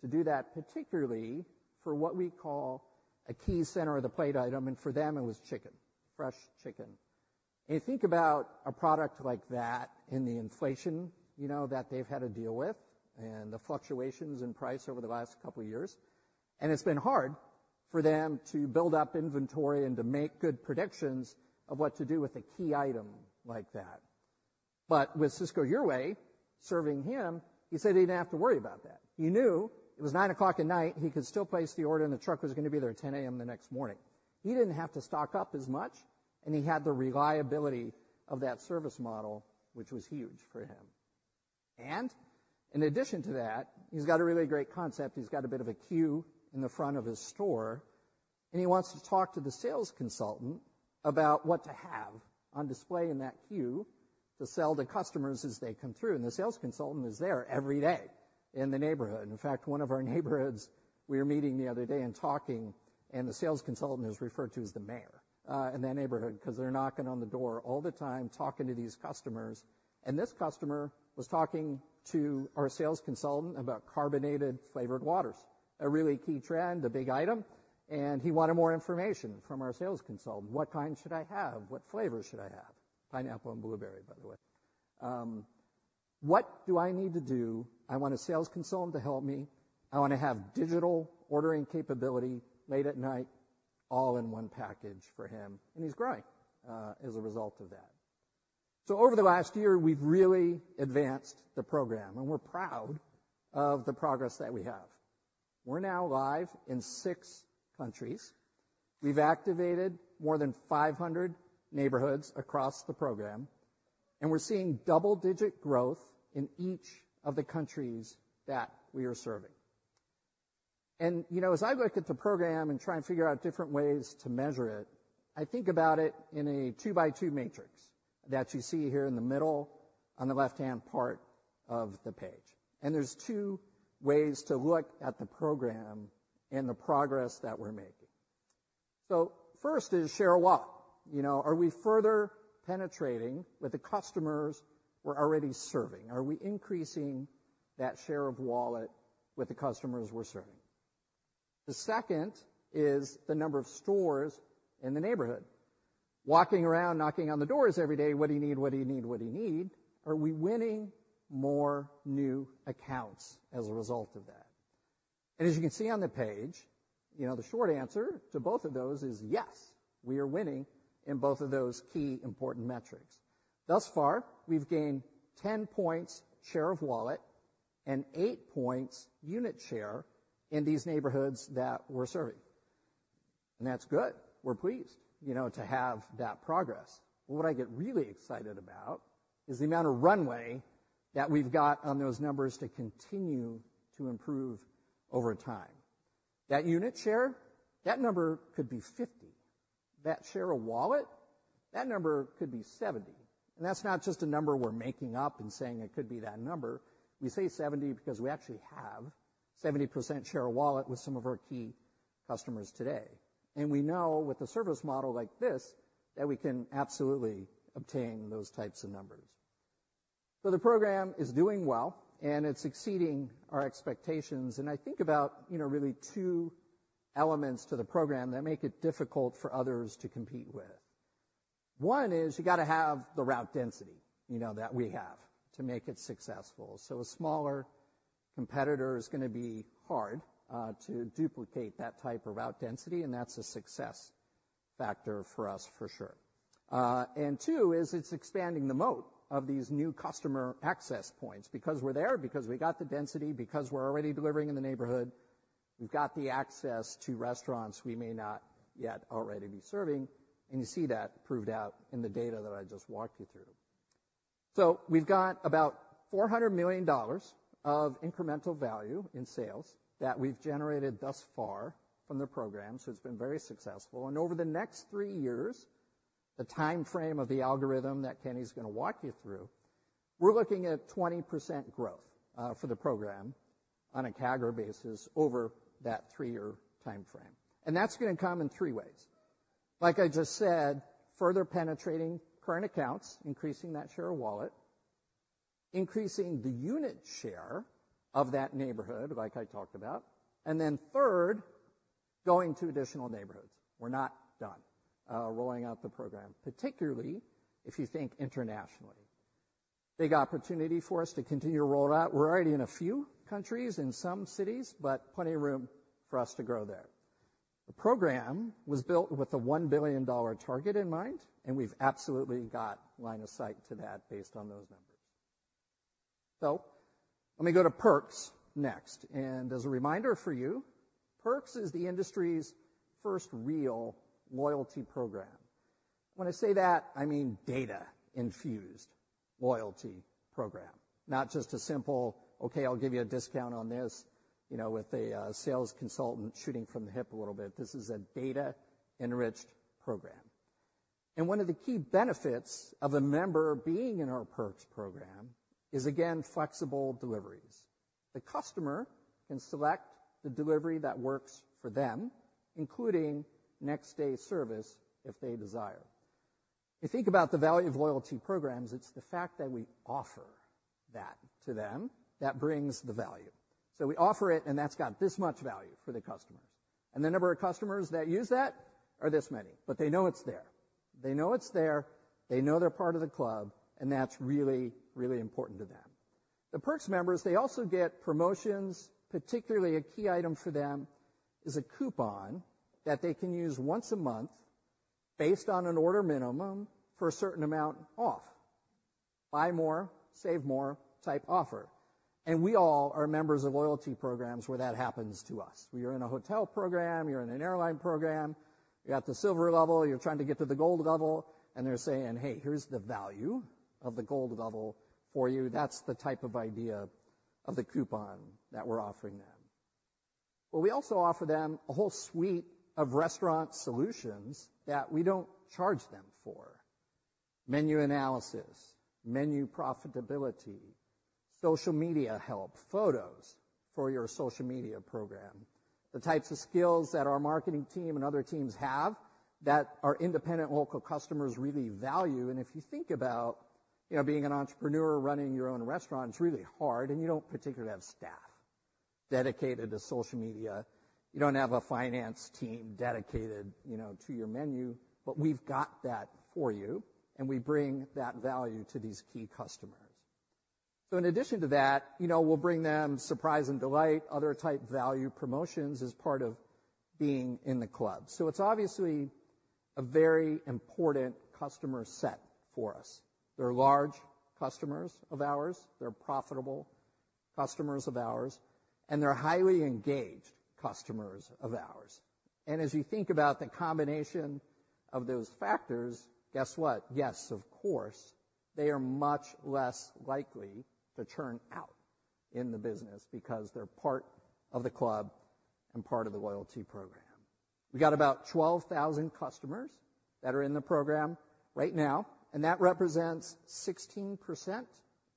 to do that, particularly for what we call a key center of the plate item, and for them, it was chicken, fresh chicken. You think about a product like that in the inflation, you know, that they've had to deal with, and the fluctuations in price over the last couple of years, and it's been hard for them to build up inventory and to make good predictions of what to do with a key item like that. But with Sysco Your Way, serving him, he said he didn't have to worry about that. He knew it was 9:00 P.M., he could still place the order, and the truck was gonna be there at 10:00 A.M. the next morning. He didn't have to stock up as much, and he had the reliability of that service model, which was huge for him. In addition to that, he's got a really great concept. He's got a bit of a queue in the front of his store, and he wants to talk to the Sales Consultant about what to have on display in that queue to sell to customers as they come through, and the Sales Consultant is there every day in the neighborhood. In fact, one of our neighborhoods, we were meeting the other day and talking, and the Sales Consultant is referred to as the mayor in that neighborhood, because they're knocking on the door all the time talking to these customers. This customer was talking to our sales consultant about carbonated flavored waters, a really key trend, a big item, and he wanted more information from our sales consultant. What kind should I have? What flavors should I have? Pineapple and blueberry, by the way. What do I need to do? I want a sales consultant to help me. I want to have digital ordering capability late at night, all in one package for him, and he's growing as a result of that. So over the last year, we've really advanced the program, and we're proud of the progress that we have. We're now live in 6 countries. We've activated more than 500 neighborhoods across the program, and we're seeing double-digit growth in each of the countries that we are serving. You know, as I look at the program and try and figure out different ways to measure it, I think about it in a 2-by-2 matrix that you see here in the middle, on the left-hand part of the page. There's two ways to look at the program and the progress that we're making. So first is share of wallet. You know, are we further penetrating with the customers we're already serving? Are we increasing that share of wallet with the customers we're serving? The second is the number of stores in the neighborhood. Walking around, knocking on the doors every day, what do you need? What do you need? What do you need? Are we winning more new accounts as a result of that? As you can see on the page, you know, the short answer to both of those is, yes, we are winning in both of those key important metrics. Thus far, we've gained 10 points share of wallet and eight points unit share in these neighborhoods that we're serving, and that's good. We're pleased, you know, to have that progress. But what I get really excited about is the amount of runway that we've got on those numbers to continue to improve over time. That unit share, that number could be 50. That share of wallet, that number could be 70. And that's not just a number we're making up and saying it could be that number. We say 70 because we actually have 70% share of wallet with some of our key customers today, and we know with a service model like this, that we can absolutely obtain those types of numbers. So the program is doing well, and it's exceeding our expectations. And I think about, you know, really two elements to the program that make it difficult for others to compete with. One is you got to have the route density, you know, that we have to make it successful. So a smaller competitor is going to be hard to duplicate that type of route density, and that's a success factor for us for sure. And two, is it's expanding the moat of these new customer access points because we're there, because we got the density, because we're already delivering in the neighborhood. We've got the access to restaurants we may not yet already be serving, and you see that proved out in the data that I just walked you through. So we've got about $400 million of incremental value in sales that we've generated thus far from the program. So it's been very successful. And over the next three years, the time frame of the algorithm that Kenny's going to walk you through, we're looking at 20% growth for the program on a CAGR basis over that three-year time frame. And that's going to come in three ways. Like I just said, further penetrating current accounts, increasing that share of wallet, increasing the unit share of that neighborhood, like I talked about, and then third, going to additional neighborhoods. We're not done rolling out the program, particularly if you think internationally. Big opportunity for us to continue to roll it out. We're already in a few countries, in some cities, but plenty of room for us to grow there. The program was built with a $1 billion target in mind, and we've absolutely got line of sight to that based on those numbers. So let me go to Perks next. And as a reminder for you, Perks is the industry's first real loyalty program. When I say that, I mean data-infused loyalty program, not just a simple, "Okay, I'll give you a discount on this," you know, with a sales consultant shooting from the hip a little bit. This is a data-enriched program. And one of the key benefits of a member being in our Perks program is, again, flexible deliveries. The customer can select the delivery that works for them, including next-day service, if they desire. You think about the value of loyalty programs, it's the fact that we offer that to them that brings the value. So we offer it, and that's got this much value for the customers. And the number of customers that use that are this many, but they know it's there. They know it's there, they know they're part of the club, and that's really, really important to them. The Perks members, they also get promotions. Particularly, a key item for them is a coupon that they can use once a month based on an order minimum for a certain amount off. Buy more, save more type offer. And we all are members of loyalty programs where that happens to us. We are in a hotel program, you're in an airline program, you're at the silver level, you're trying to get to the gold level, and they're saying, "Hey, here's the value of the gold level for you." That's the type of idea of the coupon that we're offering them. But we also offer them a whole suite of restaurant solutions that we don't charge them for. Menu analysis, menu profitability, social media help, photos for your social media program, the types of skills that our marketing team and other teams have that our independent local customers really value. And if you think about being an entrepreneur, running your own restaurant, it's really hard, and you don't particularly have staff dedicated to social media. You don't have a finance team dedicated, you know, to your menu, but we've got that for you, and we bring that value to these key customers. So in addition to that, you know, we'll bring them surprise and delight, other type value promotions as part of being in the club. So it's obviously a very important customer set for us. They're large customers of ours, they're profitable customers of ours, and they're highly engaged customers of ours. And as you think about the combination of those factors, guess what? Yes, of course, they are much less likely to churn out in the business because they're part of the club and part of the loyalty program. We got about 12,000 customers that are in the program right now, and that represents 16%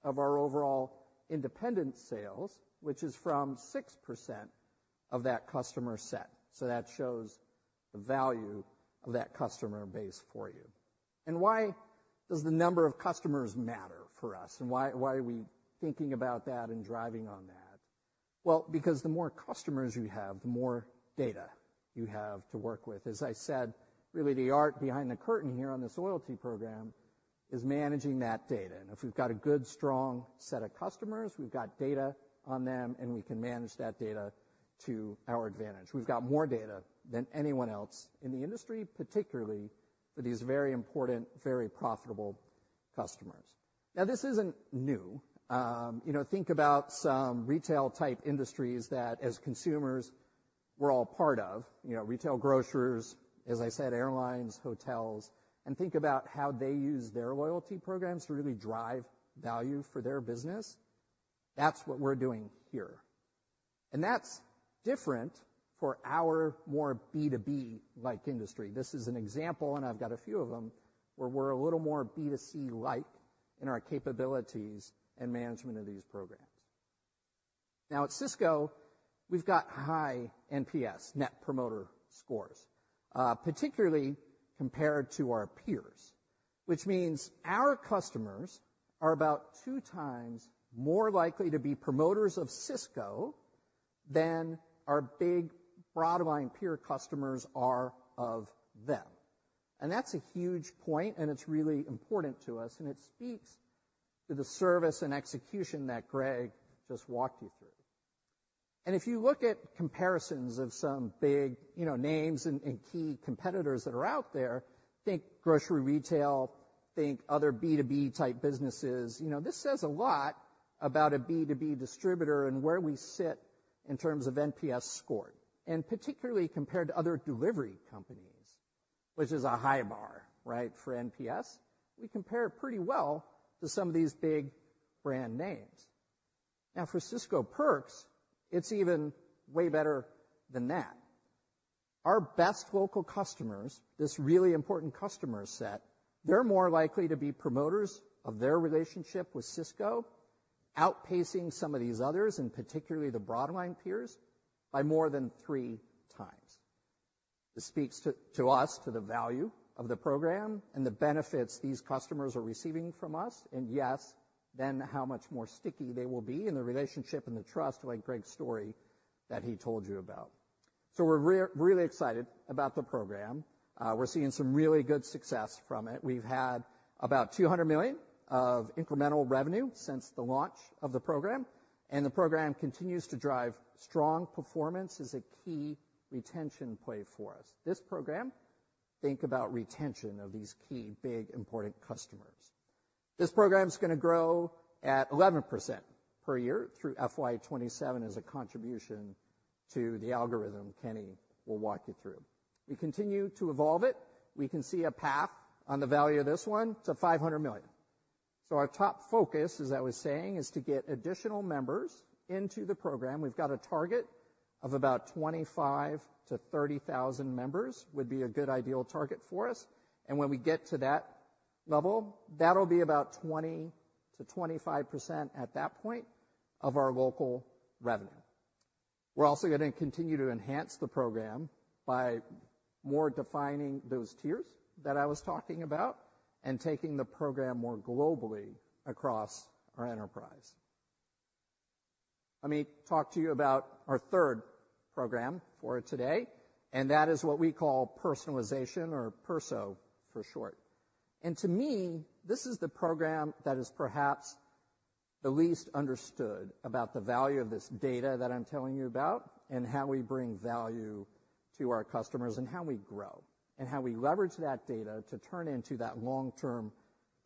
of our overall independent sales, which is from 6% of that customer set. So that shows the value of that customer base for you. Why does the number of customers matter for us, and why are we thinking about that and driving on that? Well, because the more customers you have, the more data you have to work with. As I said, really, the art behind the curtain here on this loyalty program is managing that data. And if we've got a good, strong set of customers, we've got data on them, and we can manage that data to our advantage. We've got more data than anyone else in the industry, particularly for these very important, very profitable customers. Now, this isn't new. You know, think about some retail-type industries that as consumers, we're all part of, you know, retail grocers, as I said, airlines, hotels, and think about how they use their loyalty programs to really drive value for their business. That's what we're doing here. That's different for our more B2B-like industry. This is an example, and I've got a few of them, where we're a little more B2C-like in our capabilities and management of these programs. Now, at Sysco, we've got high NPS, Net Promoter Scores, particularly compared to our peers, which means our customers are about two times more likely to be promoters of Sysco than our big broadline peer customers are of them. And that's a huge point, and it's really important to us, and it speaks to the service and execution that Greg just walked you through. And if you look at comparisons of some big, you know, names and key competitors that are out there, think grocery, retail, think other B2B-type businesses. You know, this says a lot about a B2B distributor and where we sit in terms of NPS score, and particularly compared to other delivery companies, which is a high bar, right, for NPS. We compare pretty well to some of these big brand names. Now, for Sysco Perks, it's even way better than that. Our best local customers, this really important customer set, they're more likely to be promoters of their relationship with Sysco, outpacing some of these others, and particularly the broadline peers, by more than three times. This speaks to, to us, to the value of the program and the benefits these customers are receiving from us and, yes, then how much more sticky they will be in the relationship and the trust, like Greg's story that he told you about. So we're really excited about the program. We're seeing some really good success from it. We've had about $200 million of incremental revenue since the launch of the program, and the program continues to drive strong performance as a key retention play for us. This program, think about retention of these key, big, important customers. This program is going to grow at 11% per year through FY 2027 as a contribution to the algorithm Kenny will walk you through. We continue to evolve it. We can see a path on the value of this one to $500 million. So our top focus, as I was saying, is to get additional members into the program. We've got a target of about 25,000-30,000 members, would be a good ideal target for us. And when we get to that level, that'll be about 20%-25% at that point of our local revenue. We're also going to continue to enhance the program by more defining those tiers that I was talking about and taking the program more globally across our enterprise. Let me talk to you about our third program for today, and that is what we call Personalization or Perso for short. And to me, this is the program that is perhaps the least understood about the value of this data that I'm telling you about and how we bring value to our customers and how we grow, and how we leverage that data to turn into that long-term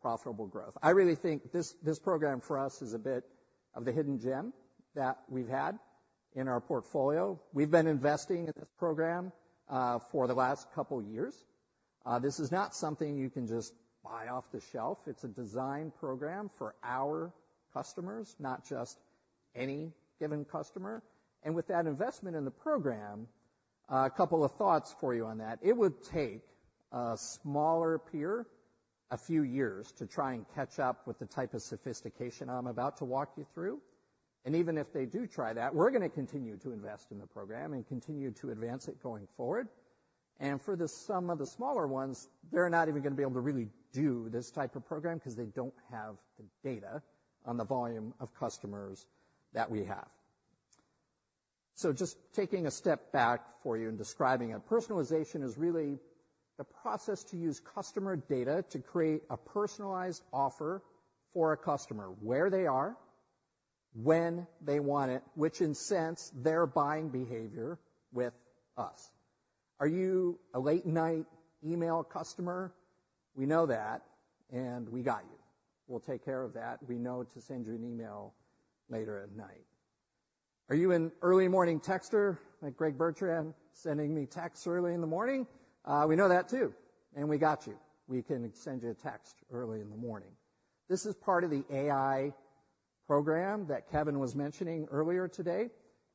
profitable growth. I really think this, this program for us is a bit of the hidden gem that we've had in our portfolio. We've been investing in this program for the last couple years. This is not something you can just buy off the shelf. It's a design program for our customers, not just any given customer. And with that investment in the program, a couple of thoughts for you on that. It would take a smaller peer a few years to try and catch up with the type of sophistication I'm about to walk you through. And even if they do try that, we're going to continue to invest in the program and continue to advance it going forward. And for some of the smaller ones, they're not even going to be able to really do this type of program because they don't have the data on the volume of customers that we have. So just taking a step back for you and describing it, personalization is really the process to use customer data to create a personalized offer for a customer where they are, when they want it, which incentivizes their buying behavior with us. Are you a late-night email customer? We know that, and we got you. We'll take care of that. We know to send you an email later at night. Are you an early morning texter, like Greg Bertrand, sending me texts early in the morning? We know that, too, and we got you. We can send you a text early in the morning. This is part of the AI program that Kevin was mentioning earlier today,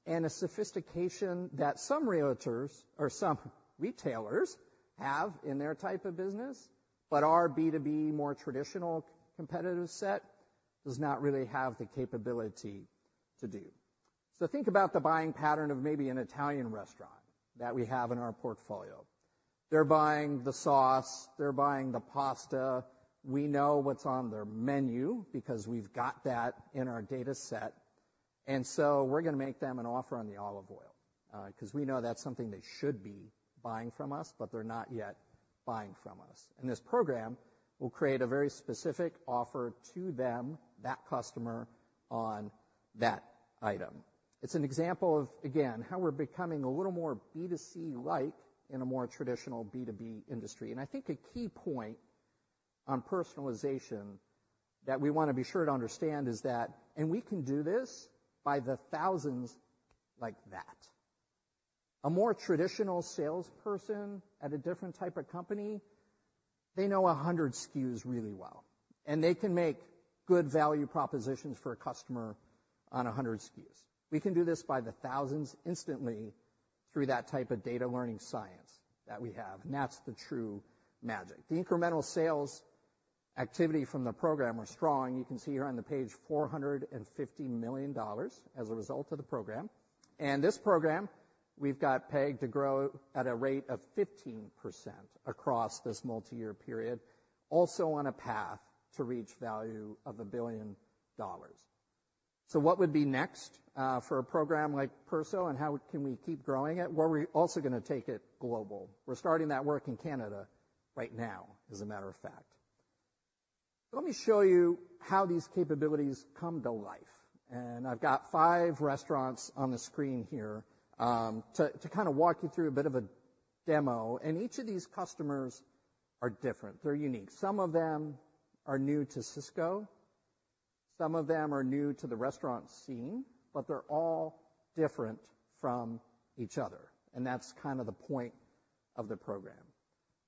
and a sophistication that some retailers have in their type of business, but our B2B, more traditional competitive set, does not really have the capability to do. So think about the buying pattern of maybe an Italian restaurant that we have in our portfolio. They're buying the sauce, they're buying the pasta. We know what's on their menu because we've got that in our data set, and so we're going to make them an offer on the olive oil, because we know that's something they should be buying from us, but they're not yet buying from us. And this program will create a very specific offer to them, that customer, on that item. It's an example of, again, how we're becoming a little more B2C-like in a more traditional B2B industry. And I think a key point on personalization that we want to be sure to understand is that... And we can do this by the thousands like that. A more traditional salesperson at a different type of company, they know 100 SKUs really well, and they can make good value propositions for a customer on 100 SKUs. We can do this by the thousands instantly through that type of data learning science that we have, and that's the true magic. The incremental sales activity from the program are strong. You can see here on the page $450 million as a result of the program. And this program, we've got pegged to grow at a rate of 15% across this multi-year period, also on a path to reach value of $1 billion. So what would be next, for a program like Perso, and how can we keep growing it? Well, we're also going to take it global. We're starting that work in Canada right now, as a matter of fact. Let me show you how these capabilities come to life, and I've got five restaurants on the screen here to kind of walk you through a bit of a demo. Each of these customers are different. They're unique. Some of them are new to Sysco, some of them are new to the restaurant scene, but they're all different from each other, and that's kind of the point of the program.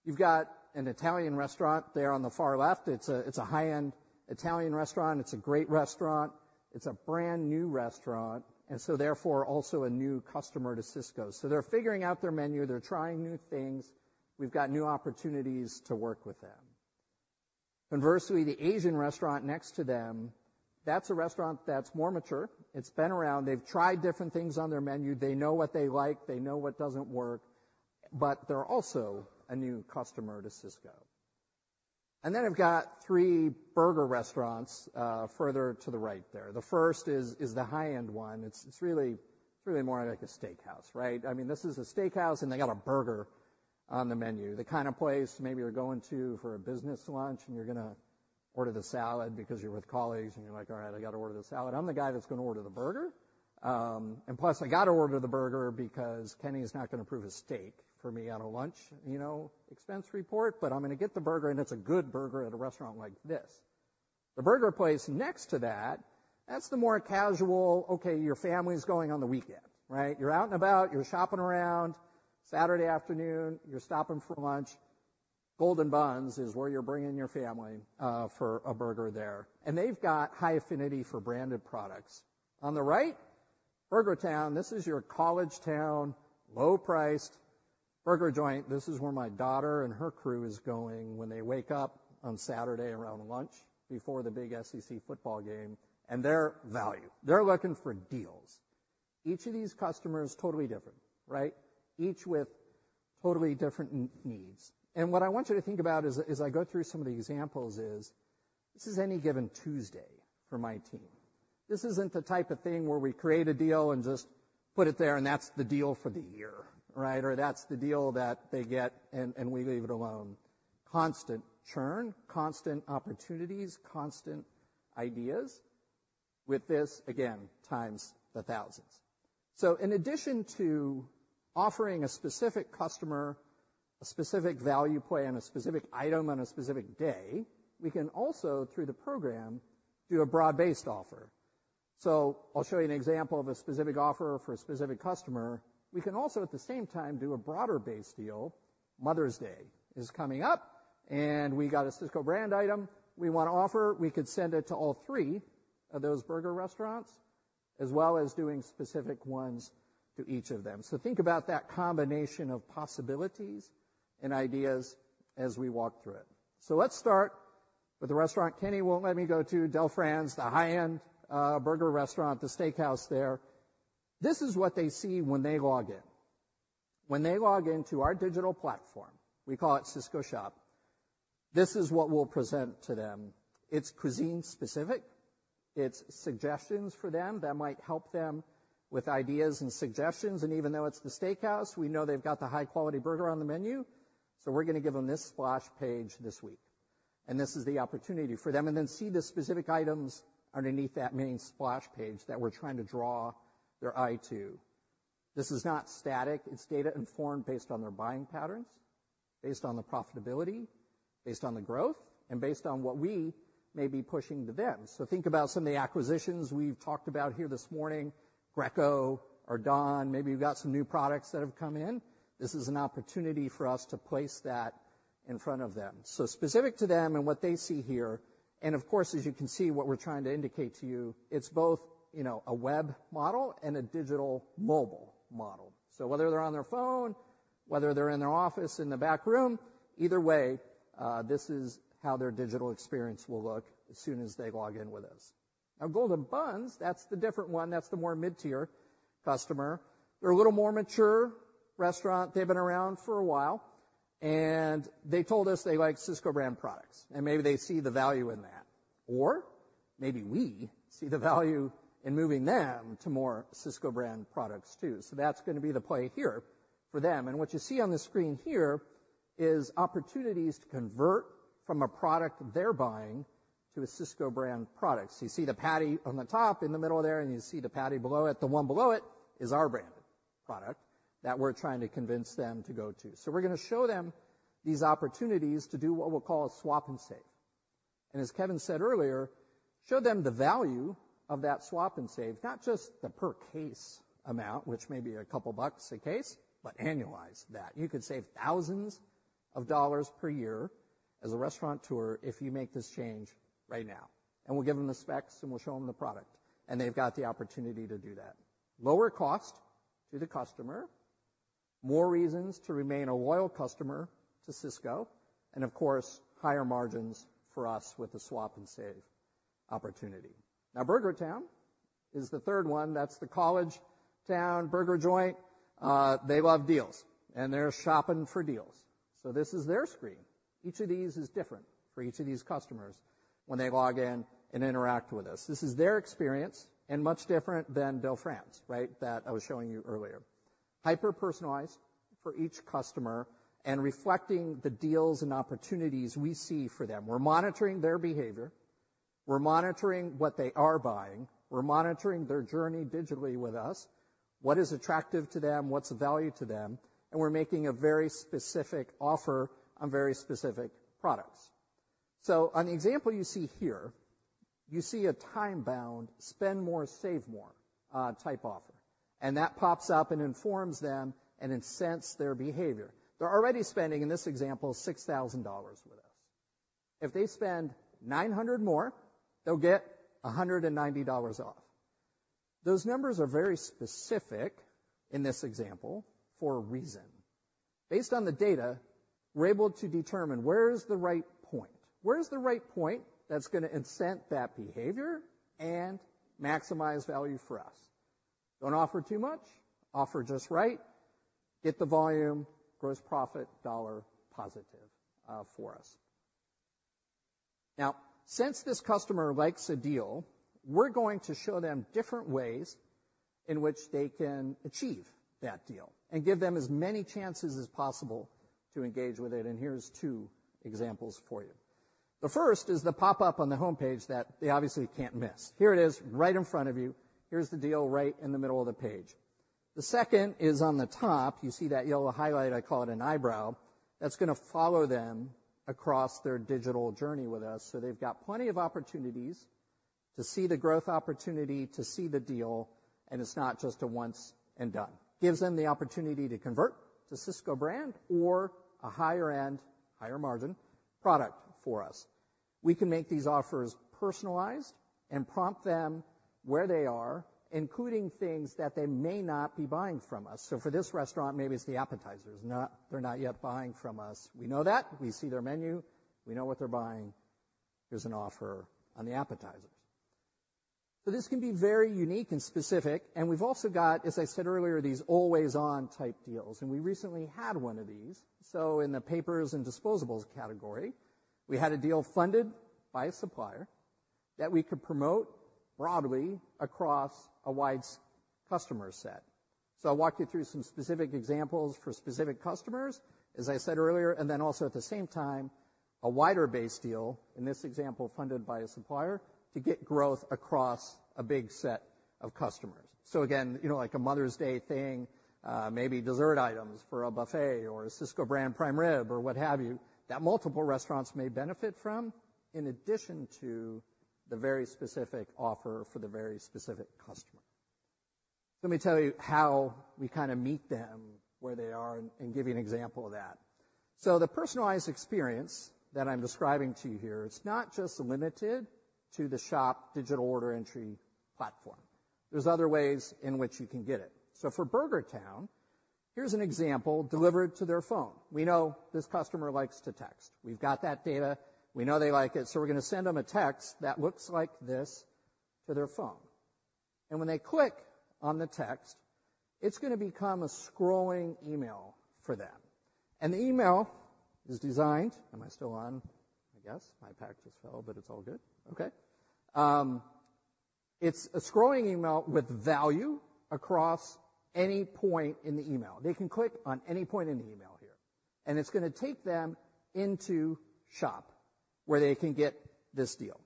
You've got an Italian restaurant there on the far left. It's a high-end Italian restaurant. It's a great restaurant. It's a brand-new restaurant and so therefore, also a new customer to Sysco. So they're figuring out their menu. They're trying new things. We've got new opportunities to work with them. Conversely, the Asian restaurant next to them, that's a restaurant that's more mature. It's been around. They've tried different things on their menu. They know what they like, they know what doesn't work, but they're also a new customer to Sysco. Then I've got three burger restaurants further to the right there. The first is the high-end one. It's really more like a steakhouse, right? I mean, this is a steakhouse, and they got a burger on the menu. The kind of place maybe you're going to for a business lunch and you're going to order the salad because you're with colleagues, and you're like, "All right, I got to order the salad." I'm the guy that's going to order the burger, and plus, I got to order the burger because Kenny is not going to approve a steak for me on a lunch, you know, expense report. But I'm going to get the burger, and it's a good burger at a restaurant like this. The burger place next to that, that's the more casual, okay, your family's going on the weekend, right? You're out and about. You're shopping around, Saturday afternoon, you're stopping for lunch. Golden Buns is where you're bringing your family for a burger there. And they've got high affinity for branded products. On the right, Burger Town, this is your college town, low-priced burger joint. This is where my daughter and her crew is going when they wake up on Saturday around lunch before the big SEC football game, and they're value. They're looking for deals. Each of these customers, totally different, right? Each with totally different needs. And what I want you to think about as I go through some of the examples is, this is any given Tuesday for my team. This isn't the type of thing where we create a deal and just put it there, and that's the deal for the year, right? Or that's the deal that they get, and, and we leave it alone. Constant churn, constant opportunities, constant ideas.... With this, again, times the thousands. So in addition to offering a specific customer, a specific value play on a specific item on a specific day, we can also, through the program, do a broad-based offer. So I'll show you an example of a specific offer for a specific customer. We can also, at the same time, do a broader-based deal. Mother's Day is coming up, and we got a Sysco brand item we want to offer. We could send it to all three of those burger restaurants, as well as doing specific ones to each of them. Think about that combination of possibilities and ideas as we walk through it. Let's start with the restaurant Kenny won't let me go to, Del Fran's, the high-end burger restaurant, the steakhouse there. This is what they see when they log in. When they log in to our digital platform, we call it Sysco Shop, this is what we'll present to them. It's cuisine specific. It's suggestions for them that might help them with ideas and suggestions. And even though it's the steakhouse, we know they've got the high-quality burger on the menu, so we're going to give them this splash page this week. And this is the opportunity for them, and then see the specific items underneath that mini splash page that we're trying to draw their eye to. This is not static. It's data-informed based on their buying patterns, based on the profitability, based on the growth, and based on what we may be pushing to them. So think about some of the acquisitions we've talked about here this morning, Greco or Don. Maybe you've got some new products that have come in. This is an opportunity for us to place that in front of them. So specific to them and what they see here, and of course, as you can see, what we're trying to indicate to you, it's both, you know, a web model and a digital mobile model. So whether they're on their phone, whether they're in their office, in the back room, either way, this is how their digital experience will look as soon as they log in with us. Now, Golden Buns, that's the different one. That's the more mid-tier customer. They're a little more mature restaurant. They've been around for a while, and they told us they like Sysco brand products, and maybe they see the value in that. Or maybe we see the value in moving them to more Sysco brand products, too. So that's going to be the play here for them. And what you see on the screen here is opportunities to convert from a product they're buying to a Sysco brand product. So you see the patty on the top in the middle there, and you see the patty below it. The one below it is our brand product that we're trying to convince them to go to. So we're going to show them these opportunities to do what we'll call a Swap and Save. As Kevin said earlier, show them the value of that Swap and Save, not just the per case amount, which may be a couple bucks a case, but annualize that. You could save thousands of dollars per year as a restaurateur if you make this change right now. And we'll give them the specs, and we'll show them the product, and they've got the opportunity to do that. Lower cost to the customer, more reasons to remain a loyal customer to Sysco, and of course, higher margins for us with the Swap and Save opportunity. Now, Burger Town is the third one. That's the college town burger joint. They love deals, and they're shopping for deals. So this is their screen. Each of these is different for each of these customers when they log in and interact with us. This is their experience and much different than Del Fran's, right, that I was showing you earlier. Hyper-personalized for each customer and reflecting the deals and opportunities we see for them. We're monitoring their behavior. We're monitoring what they are buying. We're monitoring their journey digitally with us, what is attractive to them, what's of value to them, and we're making a very specific offer on very specific products. So on the example you see here, you see a time-bound, spend more, save more, type offer, and that pops up and informs them and incents their behavior. They're already spending, in this example, $6,000 with us. If they spend 900 more, they'll get $190 off. Those numbers are very specific in this example for a reason. Based on the data, we're able to determine where is the right point. Where is the right point that's going to incent that behavior and maximize value for us? Don't offer too much, offer just right, get the volume, gross profit, dollar positive, for us. Now, since this customer likes a deal, we're going to show them different ways in which they can achieve that deal and give them as many chances as possible to engage with it, and here's two examples for you. The first is the pop-up on the homepage that they obviously can't miss. Here it is, right in front of you. Here's the deal right in the middle of the page. The second is on the top. You see that yellow highlight? I call it an eyebrow. That's going to follow them across their digital journey with us, so they've got plenty of opportunities to see the growth opportunity, to see the deal, and it's not just a once and done. Gives them the opportunity to convert to Sysco brand or a higher-end, higher-margin product for us. We can make these offers personalized and prompt them where they are, including things that they may not be buying from us. So for this restaurant, maybe it's the appetizers. Not—they're not yet buying from us. We know that. We see their menu. We know what they're buying. Here's an offer on the appetizers. So this can be very unique and specific, and we've also got, as I said earlier, these always-on type deals, and we recently had one of these. So in the papers and disposables category, we had a deal funded by a supplier that we could promote broadly across a wide customer set. So I'll walk you through some specific examples for specific customers, as I said earlier, and then also at the same time, a wider base deal, in this example, funded by a supplier, to get growth across a big set of customers. So again, you know, like a Mother's Day thing, maybe dessert items for a buffet or a Sysco brand prime rib or what have you, that multiple restaurants may benefit from, in addition to the very specific offer for the very specific customer. Let me tell you how we kind of meet them where they are and give you an example of that. So the personalized experience that I'm describing to you here is not just limited to the shop digital order entry platform. There's other ways in which you can get it. So for Burger Town, here's an example delivered to their phone. We know this customer likes to text. We've got that data. We know they like it, so we're going to send them a text that looks like this to their phone. And when they click on the text, it's going to become a scrolling email for them. And the email is designed. Am I still on? I guess. My pack just fell, but it's all good. Okay. It's a scrolling email with value across any point in the email. They can click on any point in the email here, and it's going to take them into shop, where they can get this deal,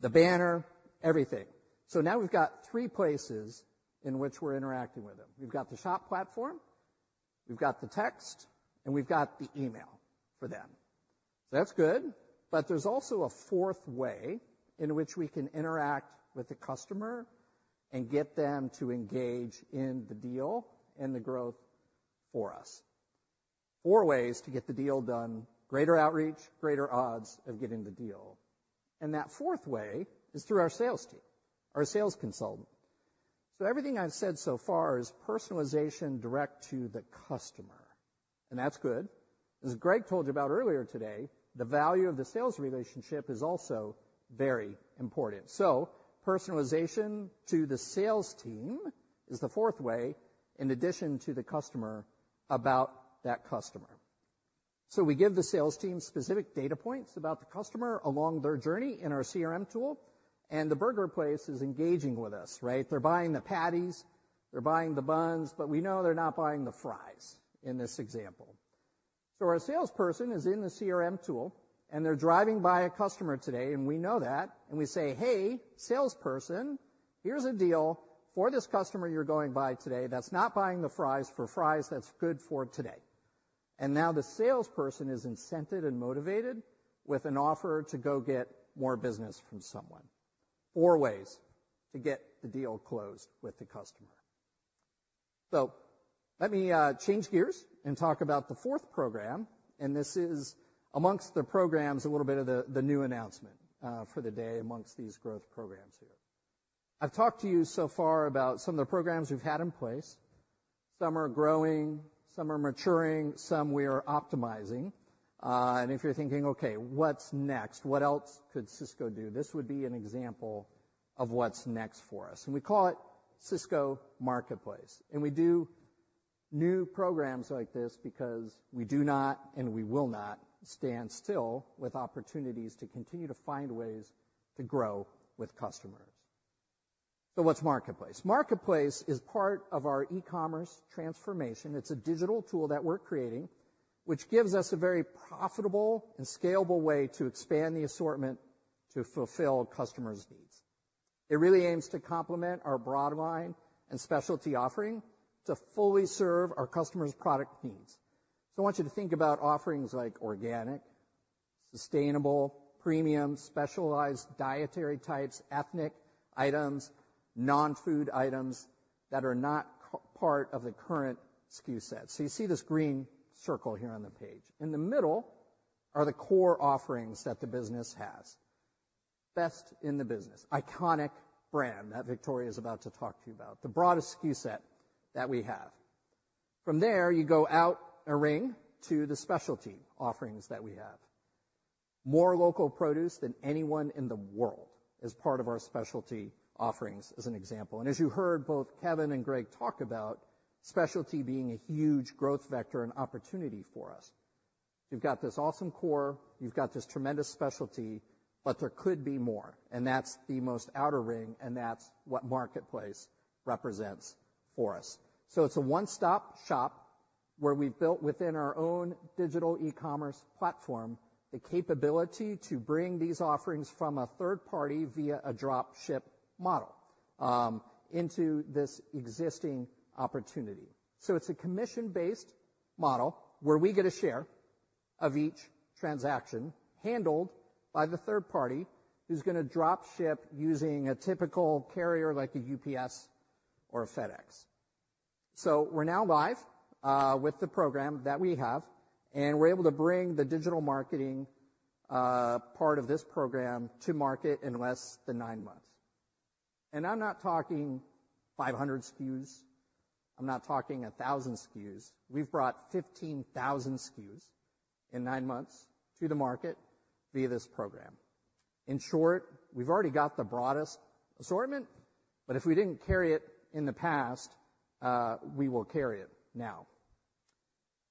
the banner, everything. So now we've got three places in which we're interacting with them. We've got the shop platform, we've got the text, and we've got the email for them. So that's good, but there's also a fourth way in which we can interact with the customer and get them to engage in the deal and the growth for us. Four ways to get the deal done, greater outreach, greater odds of getting the deal. And that fourth way is through our sales team, our sales consultant. So everything I've said so far is personalization direct to the customer, and that's good. As Greg told you about earlier today, the value of the sales relationship is also very important. So personalization to the sales team is the fourth way in addition to the customer about that customer. So we give the sales team specific data points about the customer along their journey in our CRM tool, and the burger place is engaging with us, right? They're buying the patties, they're buying the buns, but we know they're not buying the fries in this example. So our salesperson is in the CRM tool, and they're driving by a customer today, and we know that, and we say, "Hey, salesperson, here's a deal for this customer you're going by today that's not buying the fries, for fries that's good for today." And now the salesperson is incented and motivated with an offer to go get more business from someone. Four ways to get the deal closed with the customer. So let me change gears and talk about the fourth program, and this is, amongst the programs, a little bit of the, the new announcement for the day amongst these growth programs here. I've talked to you so far about some of the programs we've had in place. Some are growing, some are maturing, some we are optimizing. And if you're thinking, "Okay, what's next? What else could Sysco do?" This would be an example of what's next for us, and we call it Sysco Marketplace, and we do new programs like this because we do not and we will not stand still with opportunities to continue to find ways to grow with customers. So what's Marketplace? Marketplace is part of our e-commerce transformation. It's a digital tool that we're creating, which gives us a very profitable and scalable way to expand the assortment to fulfill customers' needs. It really aims to complement our Broadline and specialty offering to fully serve our customers' product needs. So I want you to think about offerings like organic, sustainable, premium, specialized dietary types, ethnic items, non-food items that are not part of the current SKU set. So you see this green circle here on the page. In the middle are the core offerings that the business has. Best in the business, iconic brand that Victoria is about to talk to you about, the broadest SKU set that we have. From there, you go out a ring to the specialty offerings that we have. More local produce than anyone in the world is part of our specialty offerings, as an example. As you heard both Kevin and Greg talk about specialty being a huge growth vector and opportunity for us. You've got this awesome core, you've got this tremendous specialty, but there could be more, and that's the most outer ring, and that's what Marketplace represents for us. So it's a one-stop shop where we've built within our own digital e-commerce platform, the capability to bring these offerings from a third party via a drop-ship model, into this existing opportunity. So it's a commission-based model where we get a share of each transaction handled by the third party, who's going to drop ship using a typical carrier like a UPS or a FedEx. So we're now live, with the program that we have, and we're able to bring the digital marketing, part of this program to market in less than 9 months. I'm not talking 500 SKUs, I'm not talking 1,000 SKUs. We've brought 15,000 SKUs in nine months to the market via this program. In short, we've already got the broadest assortment, but if we didn't carry it in the past, we will carry it now.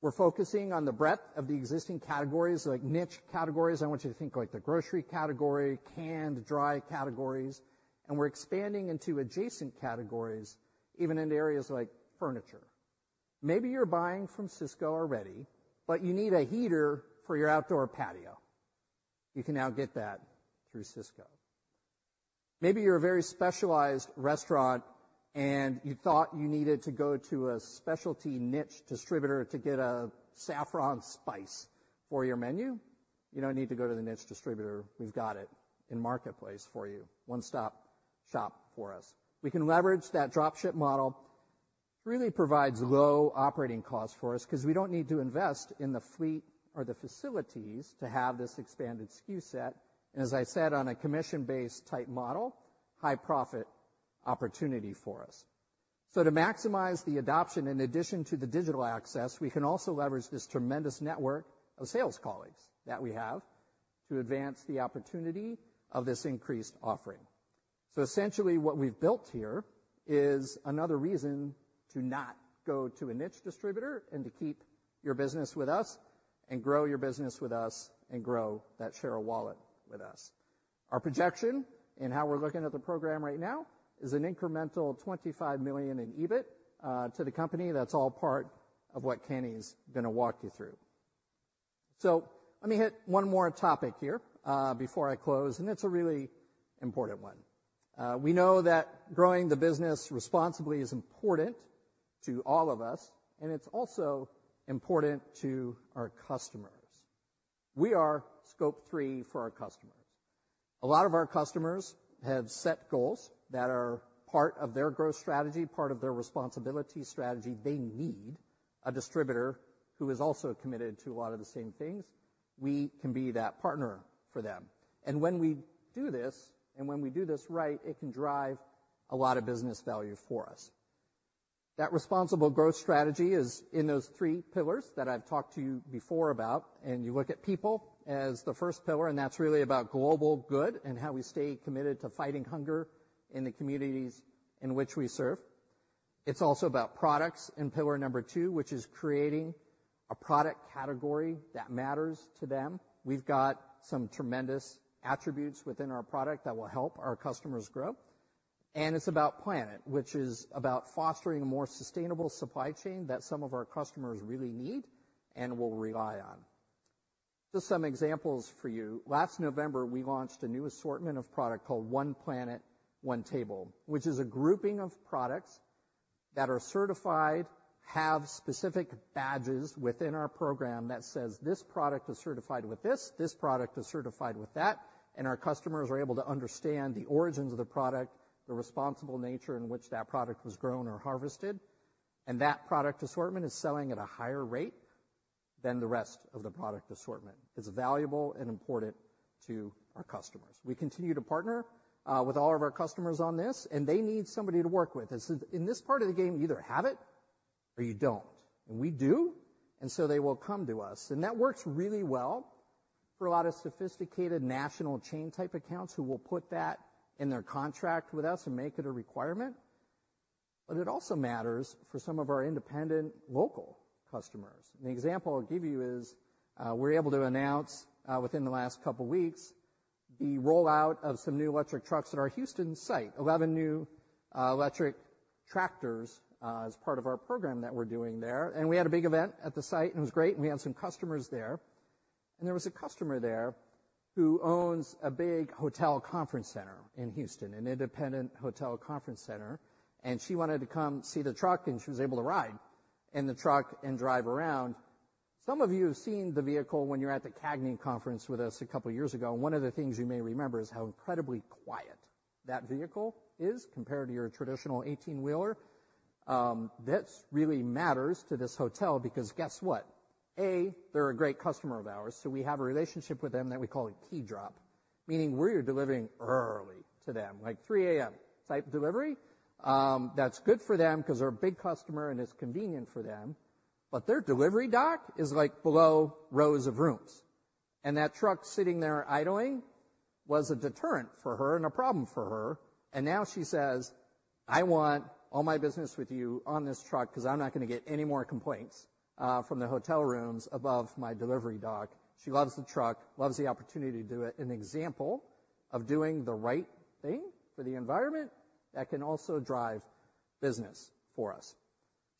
We're focusing on the breadth of the existing categories, like niche categories. I want you to think like the grocery category, canned, dry categories, and we're expanding into adjacent categories, even into areas like furniture. Maybe you're buying from Sysco already, but you need a heater for your outdoor patio. You can now get that through Sysco. Maybe you're a very specialized restaurant and you thought you needed to go to a specialty niche distributor to get a saffron spice for your menu. You don't need to go to the niche distributor. We've got it in Marketplace for you. One-stop shop for us. We can leverage that Drop Ship model, really provides low operating costs for us because we don't need to invest in the fleet or the facilities to have this expanded SKU set, and as I said, on a commission-based type model, high profit opportunity for us. So to maximize the adoption, in addition to the digital access, we can also leverage this tremendous network of sales colleagues that we have to advance the opportunity of this increased offering. So essentially, what we've built here is another reason to not go to a niche distributor and to keep your business with us and grow your business with us and grow that share of wallet with us. Our projection and how we're looking at the program right now is an incremental $25 million in EBIT to the company. That's all part of what Kenny's going to walk you through. So let me hit one more topic here, before I close, and it's a really important one. We know that growing the business responsibly is important to all of us, and it's also important to our customers. We are scope three for our customers. A lot of our customers have set goals that are part of their growth strategy, part of their responsibility strategy. They need a distributor who is also committed to a lot of the same things. We can be that partner for them. And when we do this, and when we do this right, it can drive a lot of business value for us. That responsible growth strategy is in those three pillars that I've talked to you before about, and you look at people as the first pillar, and that's really about global good and how we stay committed to fighting hunger in the communities in which we serve. It's also about products in pillar number two, which is creating a product category that matters to them. We've got some tremendous attributes within our product that will help our customers grow, and it's about planet, which is about fostering a more sustainable supply chain that some of our customers really need and will rely on. Just some examples for you. Last November, we launched a new assortment of product called One Planet. One Table, which is a grouping of products that are certified, have specific badges within our program that says, "This product is certified with this, this product is certified with that," and our customers are able to understand the origins of the product, the responsible nature in which that product was grown or harvested, and that product assortment is selling at a higher rate than the rest of the product assortment. It's valuable and important to our customers. We continue to partner with all of our customers on this, and they need somebody to work with. In this part of the game, you either have it or you don't, and we do, and so they will come to us. That works really well for a lot of sophisticated national chain type accounts who will put that in their contract with us and make it a requirement. But it also matters for some of our independent local customers. An example I'll give you is, we're able to announce, within the last couple of weeks, the rollout of some new electric trucks at our Houston site. 11 new electric tractors, as part of our program that we're doing there. We had a big event at the site, and it was great, and we had some customers there. There was a customer there who owns a big hotel conference center in Houston, an independent hotel conference center, and she wanted to come see the truck, and she was able to ride in the truck and drive around. Some of you have seen the vehicle when you were at the CAGNY Conference with us a couple of years ago, and one of the things you may remember is how incredibly quiet that vehicle is compared to your traditional 18-wheeler. This really matters to this hotel because guess what? They're a great customer of ours, so we have a relationship with them that we call a key drop, meaning we're delivering early to them, like 3:00 A.M. type delivery. That's good for them because they're a big customer, and it's convenient for them, but their delivery dock is like below rows of rooms, and that truck sitting there idling was a deterrent for her and a problem for her. And now she says, "I want all my business with you on this truck because I'm not going to get any more complaints from the hotel rooms above my delivery dock." She loves the truck, loves the opportunity to do it. An example of doing the right thing for the environment that can also drive business for us.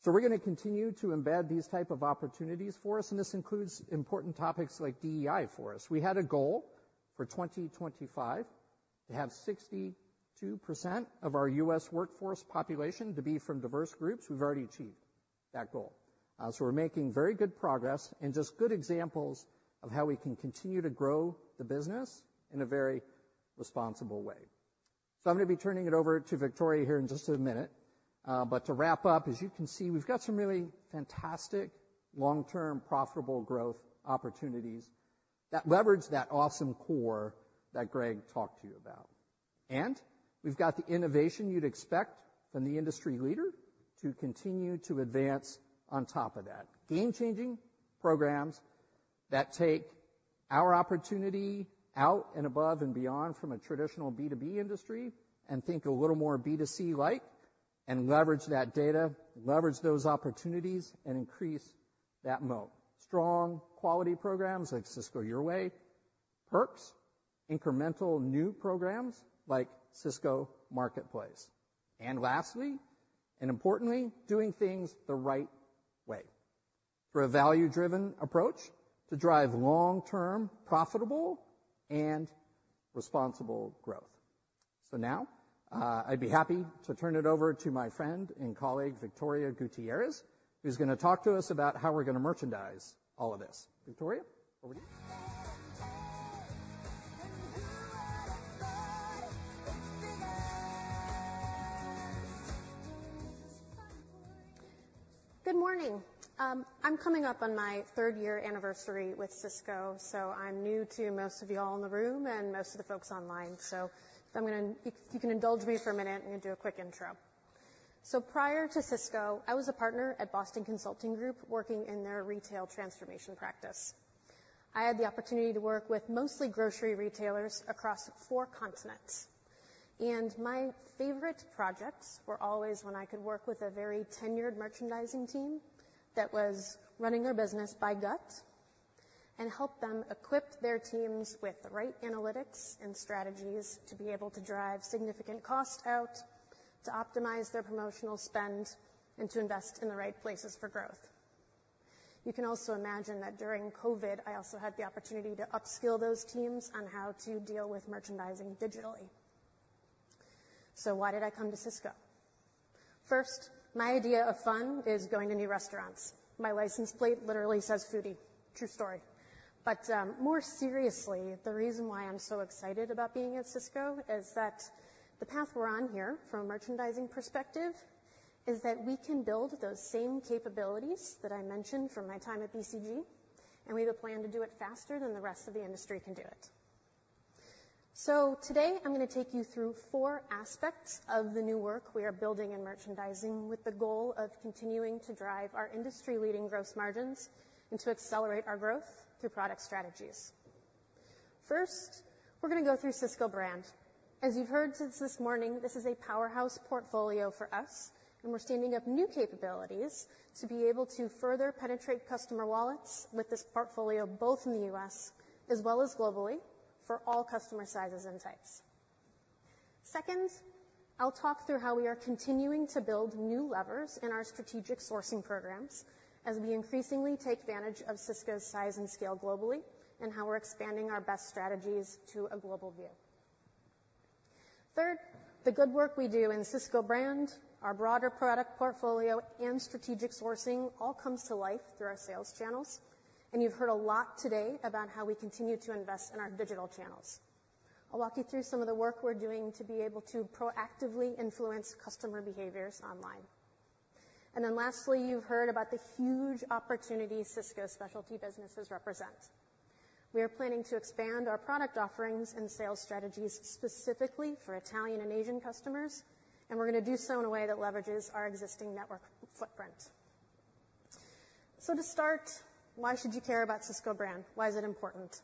So we're going to continue to embed these type of opportunities for us, and this includes important topics like DEI for us. We had a goal for 2025 to have 62% of our U.S. workforce population to be from diverse groups. We've already achieved that goal. So we're making very good progress and just good examples of how we can continue to grow the business in a very responsible way. So I'm going to be turning it over to Victoria here in just a minute, but to wrap up, as you can see, we've got some really fantastic long-term profitable growth opportunities that leverage that awesome core that Greg talked to you about. And we've got the innovation you'd expect from the industry leader to continue to advance on top of that. Game-changing programs that take our opportunity out and above and beyond from a traditional B2B industry, and think a little more B2C-like, and leverage that data, leverage those opportunities, and increase that moat. Strong quality programs like Sysco Your Way, Perks, incremental new programs like Sysco Marketplace, and lastly, and importantly, doing things the right way for a value-driven approach to drive long-term, profitable, and responsible growth. Now, I'd be happy to turn it over to my friend and colleague, Victoria Gutierrez, who's gonna talk to us about how we're gonna merchandise all of this. Victoria, over to you. Good morning. I'm coming up on my third-year anniversary with Sysco, so I'm new to most of you all in the room and most of the folks online. So I'm gonna, if you can indulge me for a minute, I'm gonna do a quick intro. So prior to Sysco, I was a partner at Boston Consulting Group, working in their retail transformation practice. I had the opportunity to work with mostly grocery retailers across four continents, and my favorite projects were always when I could work with a very tenured merchandising team that was running their business by gut and help them equip their teams with the right analytics and strategies to be able to drive significant cost out, to optimize their promotional spend, and to invest in the right places for growth. You can also imagine that during COVID, I also had the opportunity to upskill those teams on how to deal with merchandising digitally. So why did I come to Sysco? First, my idea of fun is going to new restaurants. My license plate literally says, "Foodie." True story. But, more seriously, the reason why I'm so excited about being at Sysco is that the path we're on here, from a merchandising perspective, is that we can build those same capabilities that I mentioned from my time at BCG, and we have a plan to do it faster than the rest of the industry can do it. So today I'm going to take you through four aspects of the new work we are building in merchandising, with the goal of continuing to drive our industry-leading gross margins and to accelerate our growth through product strategies. First, we're going to go through Sysco Brand. As you've heard since this morning, this is a powerhouse portfolio for us, and we're standing up new capabilities to be able to further penetrate customer wallets with this portfolio, both in the U.S. as well as globally, for all customer sizes and types. Second, I'll talk through how we are continuing to build new levers in our strategic sourcing programs as we increasingly take advantage of Sysco's size and scale globally, and how we're expanding our best strategies to a global view. Third, the good work we do in Sysco Brand, our broader product portfolio, and strategic sourcing all comes to life through our sales channels. You've heard a lot today about how we continue to invest in our digital channels. I'll walk you through some of the work we're doing to be able to proactively influence customer behaviors online. Then lastly, you've heard about the huge opportunity Sysco specialty businesses represent. We are planning to expand our product offerings and sales strategies specifically for Italian and Asian customers, and we're going to do so in a way that leverages our existing network footprint. So to start, why should you care about Sysco Brand? Why is it important?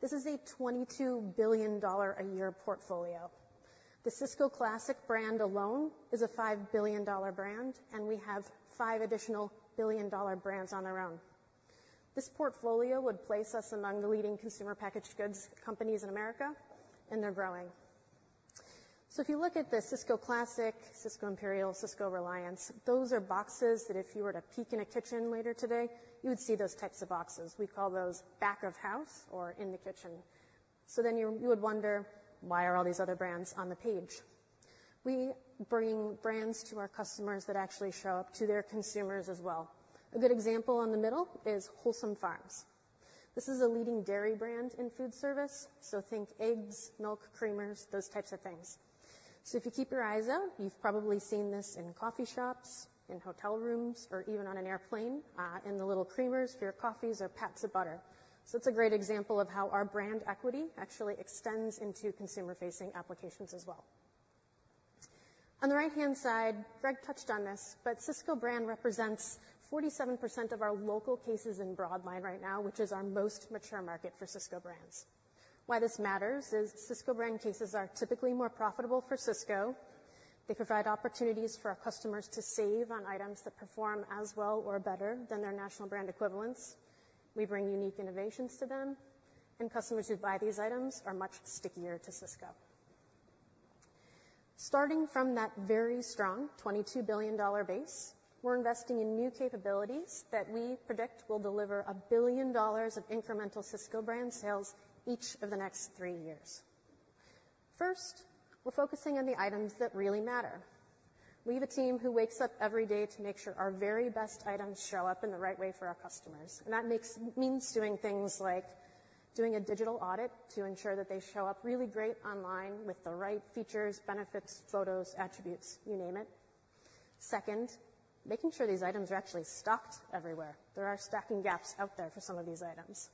This is a $22 billion a year portfolio. The Sysco Classic brand alone is a $5 billion brand, and we have five additional billion-dollar brands on our own. This portfolio would place us among the leading consumer packaged goods companies in America, and they're growing. So if you look at the Sysco Classic, Sysco Imperial, Sysco Reliance, those are boxes that if you were to peek in a kitchen later today, you would see those types of boxes. We call those back of house or in the kitchen. So then you would wonder, why are all these other brands on the page? We bring brands to our customers that actually show up to their consumers as well. A good example in the middle is Wholesome Farms. This is a leading dairy brand in food service, so think eggs, milk, creamers, those types of things. So if you keep your eyes out, you've probably seen this in coffee shops, in hotel rooms, or even on an airplane, in the little creamers for your coffees or packs of butter. So it's a great example of how our brand equity actually extends into consumer-facing applications as well. On the right-hand side, Greg touched on this, but Sysco Brand represents 47% of our local cases in broad line right now, which is our most mature market for Sysco Brands. Why this matters is Sysco Brand cases are typically more profitable for Sysco. They provide opportunities for our customers to save on items that perform as well or better than their national brand equivalents. We bring unique innovations to them, and customers who buy these items are much stickier to Sysco. Starting from that very strong $22 billion base, we're investing in new capabilities that we predict will deliver $1 billion of incremental Sysco Brand sales each of the next three years. First, we're focusing on the items that really matter. We have a team who wakes up every day to make sure our very best items show up in the right way for our customers, and that means doing things like doing a digital audit to ensure that they show up really great online with the right features, benefits, photos, attributes, you name it. Second, making sure these items are actually stocked everywhere. There are stocking gaps out there for some of these items.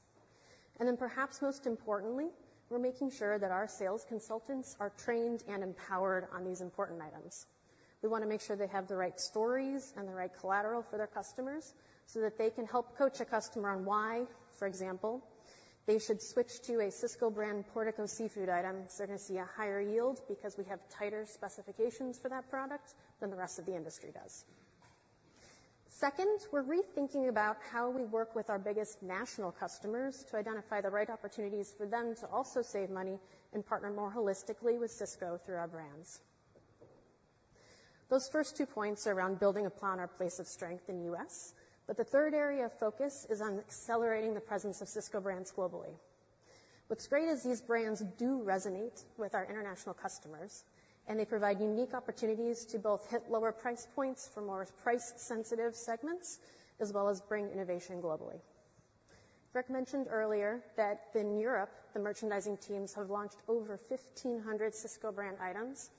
And then, perhaps most importantly, we're making sure that our sales consultants are trained and empowered on these important items. We want to make sure they have the right stories and the right collateral for their customers.... so that they can help coach a customer on why, for example, they should switch to a Sysco brand Portico seafood item, so they're going to see a higher yield because we have tighter specifications for that product than the rest of the industry does. Second, we're rethinking about how we work with our biggest national customers to identify the right opportunities for them to also save money and partner more holistically with Sysco through our brands. Those first two points are around building upon our place of strength in U.S., but the third area of focus is on accelerating the presence of Sysco brands globally. What's great is these brands do resonate with our international customers, and they provide unique opportunities to both hit lower price points for more price-sensitive segments, as well as bring innovation globally. Greg mentioned earlier that in Europe, the merchandising teams have launched over 1,500 Sysco brand items,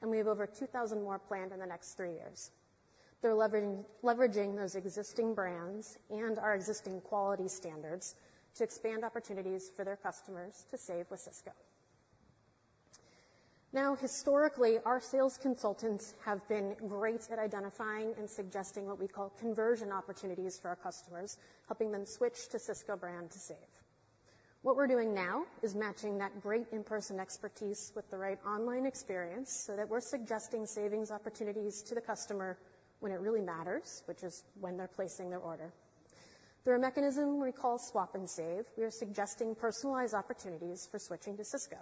and we have over 2,000 more planned in the next three years. They're leveraging those existing brands and our existing quality standards to expand opportunities for their customers to save with Sysco. Now, historically, our sales consultants have been great at identifying and suggesting what we call conversion opportunities for our customers, helping them switch to Sysco brand to save. What we're doing now is matching that great in-person expertise with the right online experience, so that we're suggesting savings opportunities to the customer when it really matters, which is when they're placing their order. Through a mechanism we call Swap and Save, we are suggesting personalized opportunities for switching to Sysco.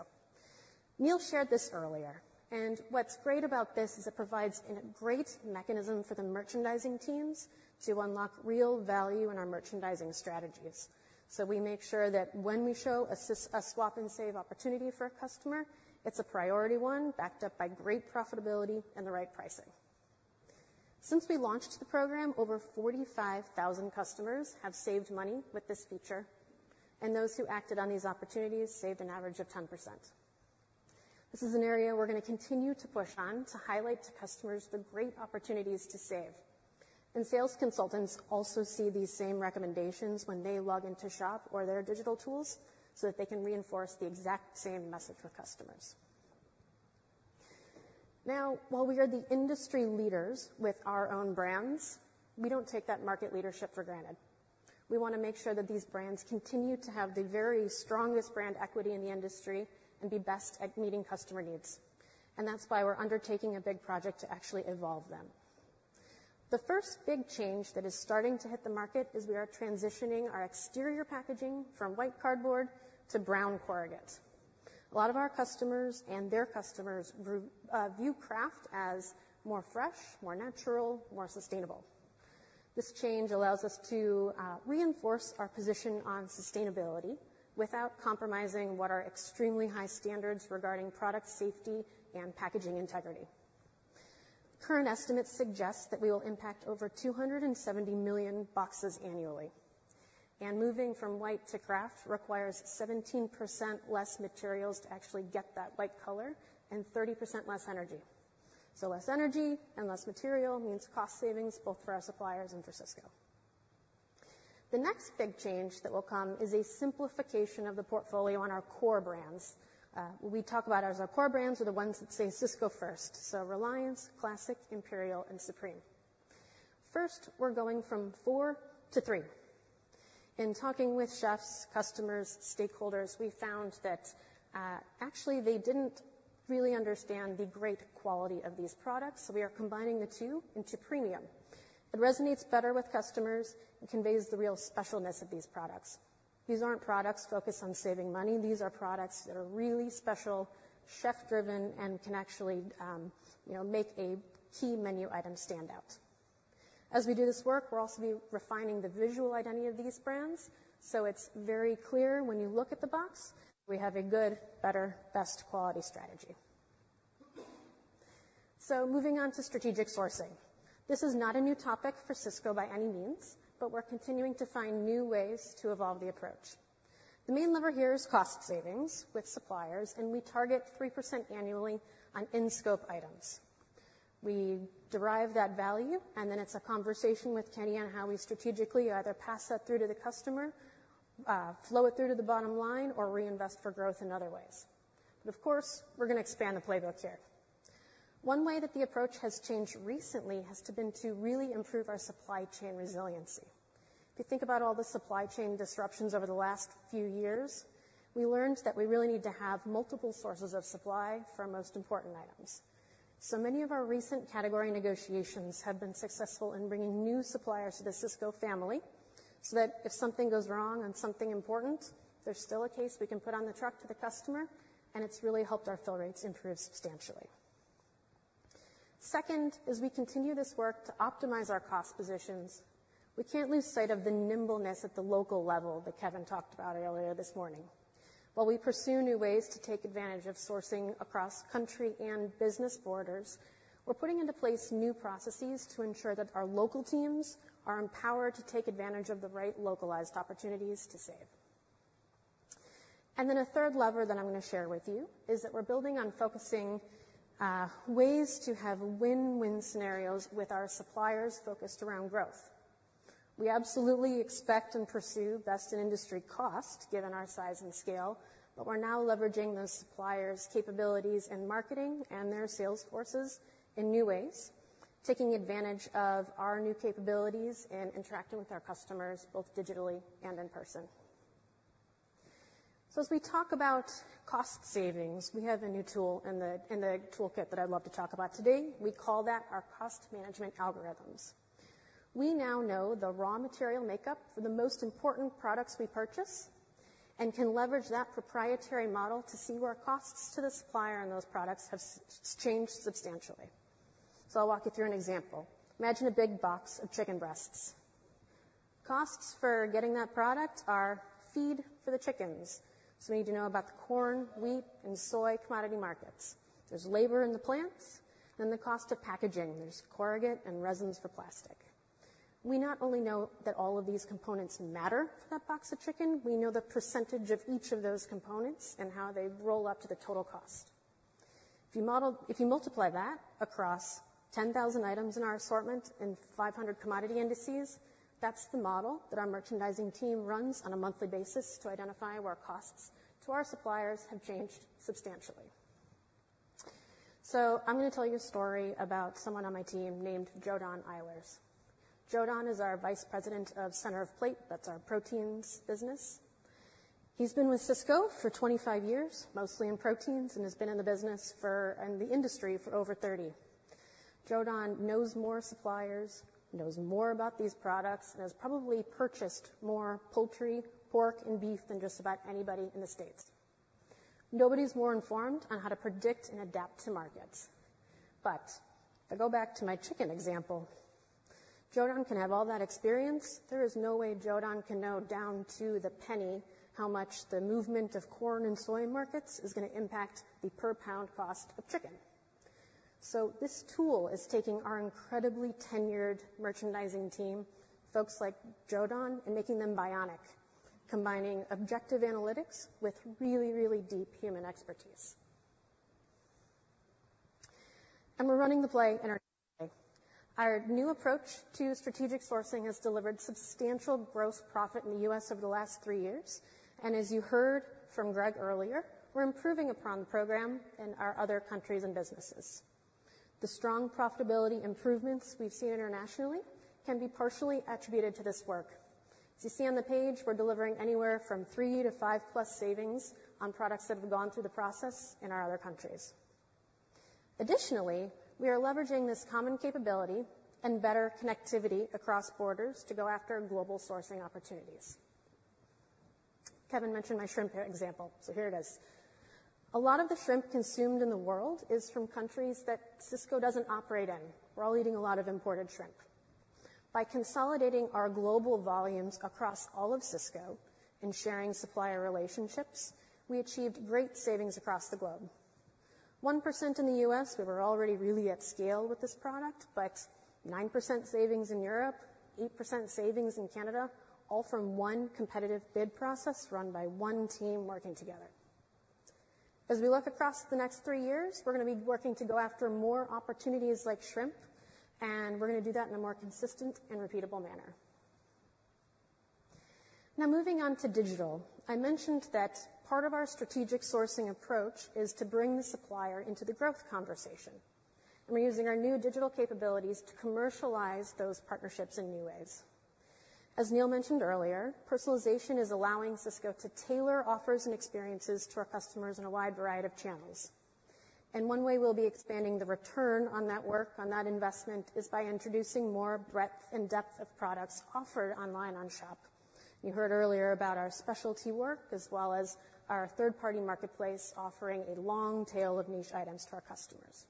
Neil shared this earlier, and what's great about this is it provides a great mechanism for the merchandising teams to unlock real value in our merchandising strategies. So we make sure that when we show a Swap and Save opportunity for a customer, it's a priority one, backed up by great profitability and the right pricing. Since we launched the program, over 45,000 customers have saved money with this feature, and those who acted on these opportunities saved an average of 10%. This is an area we're going to continue to push on to highlight to customers the great opportunities to save. Sales consultants also see these same recommendations when they log in to shop or their digital tools, so that they can reinforce the exact same message for customers. Now, while we are the industry leaders with our own brands, we don't take that market leadership for granted. We want to make sure that these brands continue to have the very strongest brand equity in the industry and be best at meeting customer needs, and that's why we're undertaking a big project to actually evolve them. The first big change that is starting to hit the market is we are transitioning our exterior packaging from white cardboard to brown corrugated. A lot of our customers and their customers view kraft as more fresh, more natural, more sustainable. This change allows us to reinforce our position on sustainability without compromising what are extremely high standards regarding product safety and packaging integrity. Current estimates suggest that we will impact over 270 million boxes annually, and moving from white to craft requires 17% less materials to actually get that white color and 30% less energy. So less energy and less material means cost savings both for our suppliers and for Sysco. The next big change that will come is a simplification of the portfolio on our core brands. We talk about as our core brands are the ones that say Sysco first, so Reliance, Classic, Imperial, and Supreme. First, we're going from four to three. In talking with chefs, customers, stakeholders, we found that, actually, they didn't really understand the great quality of these products, so we are combining the two into premium. It resonates better with customers and conveys the real specialness of these products. These aren't products focused on saving money. These are products that are really special, chef-driven, and can actually, you know, make a key menu item stand out. As we do this work, we're also going to be refining the visual identity of these brands, so it's very clear when you look at the box, we have a good, better, best quality strategy. Moving on to strategic sourcing. This is not a new topic for Sysco by any means, but we're continuing to find new ways to evolve the approach. The main lever here is cost savings with suppliers, and we target 3% annually on in-scope items. We derive that value, and then it's a conversation with Kenny on how we strategically either pass that through to the customer, flow it through to the bottom line, or reinvest for growth in other ways. But of course, we're going to expand the playbook here. One way that the approach has changed recently has been to really improve our supply chain resiliency. If you think about all the supply chain disruptions over the last few years, we learned that we really need to have multiple sources of supply for our most important items. So many of our recent category negotiations have been successful in bringing new suppliers to the Sysco family so that if something goes wrong and something important, there's still a case we can put on the truck to the customer, and it's really helped our fill rates improve substantially. Second, as we continue this work to optimize our cost positions, we can't lose sight of the nimbleness at the local level that Kevin talked about earlier this morning. While we pursue new ways to take advantage of sourcing across country and business borders, we're putting into place new processes to ensure that our local teams are empowered to take advantage of the right localized opportunities to save. And then a third lever that I'm going to share with you is that we're building on focusing ways to have win-win scenarios with our suppliers focused around growth. We absolutely expect and pursue best in industry cost, given our size and scale, but we're now leveraging those suppliers' capabilities in marketing and their sales forces in new ways, taking advantage of our new capabilities and interacting with our customers both digitally and in person. As we talk about cost savings, we have a new tool in the toolkit that I'd love to talk about today. We call that our cost management algorithms. We now know the raw material makeup for the most important products we purchase and can leverage that proprietary model to see where costs to the supplier on those products have changed substantially. So I'll walk you through an example. Imagine a big box of chicken breasts. Costs for getting that product are feed for the chickens, so we need to know about the corn, wheat, and soy commodity markets. There's labor in the plants and the cost of packaging. There's corrugated and resins for plastic. We not only know that all of these components matter for that box of chicken, we know the percentage of each of those components and how they roll up to the total cost. If you multiply that across 10,000 items in our assortment and 500 commodity indices, that's the model that our merchandising team runs on a monthly basis to identify where costs to our suppliers have changed substantially. So I'm going to tell you a story about someone on my team named JoDon Eilers. JoDon is our Vice President of Center of Plate. That's our proteins business. He's been with Sysco for 25 years, mostly in proteins, and has been in the business for... and the industry for over 30. JoDon knows more suppliers, knows more about these products, and has probably purchased more poultry, pork, and beef than just about anybody in the States. Nobody's more informed on how to predict and adapt to markets. But if I go back to my chicken example, JoDon can have all that experience, there is no way JoDon can know down to the penny how much the movement of corn and soy markets is going to impact the per-pound cost of chicken. So this tool is taking our incredibly tenured merchandising team, folks like JoDon, and making them bionic, combining objective analytics with really, really deep human expertise. And we're running the play in our way. Our new approach to strategic sourcing has delivered substantial gross profit in the U.S. over the last 3 years, and as you heard from Greg earlier, we're improving upon the program in our other countries and businesses. The strong profitability improvements we've seen internationally can be partially attributed to this work. As you see on the page, we're delivering anywhere from 3-5+ savings on products that have gone through the process in our other countries. Additionally, we are leveraging this common capability and better connectivity across borders to go after global sourcing opportunities. Kevin mentioned my shrimp example, so here it is. A lot of the shrimp consumed in the world is from countries that Sysco doesn't operate in. We're all eating a lot of imported shrimp. By consolidating our global volumes across all of Sysco and sharing supplier relationships, we achieved great savings across the globe. 1% in the U.S., we were already really at scale with this product, but 9% savings in Europe, 8% savings in Canada, all from one competitive bid process run by one team working together. As we look across the next three years, we're going to be working to go after more opportunities like shrimp, and we're going to do that in a more consistent and repeatable manner. Now, moving on to digital, I mentioned that part of our strategic sourcing approach is to bring the supplier into the growth conversation. We're using our new digital capabilities to commercialize those partnerships in new ways. As Neil mentioned earlier, personalization is allowing Sysco to tailor offers and experiences to our customers in a wide variety of channels, and one way we'll be expanding the return on that work, on that investment, is by introducing more breadth and depth of products offered online on Shop. You heard earlier about our specialty work, as well as our third-party marketplace, offering a long tail of niche items to our customers.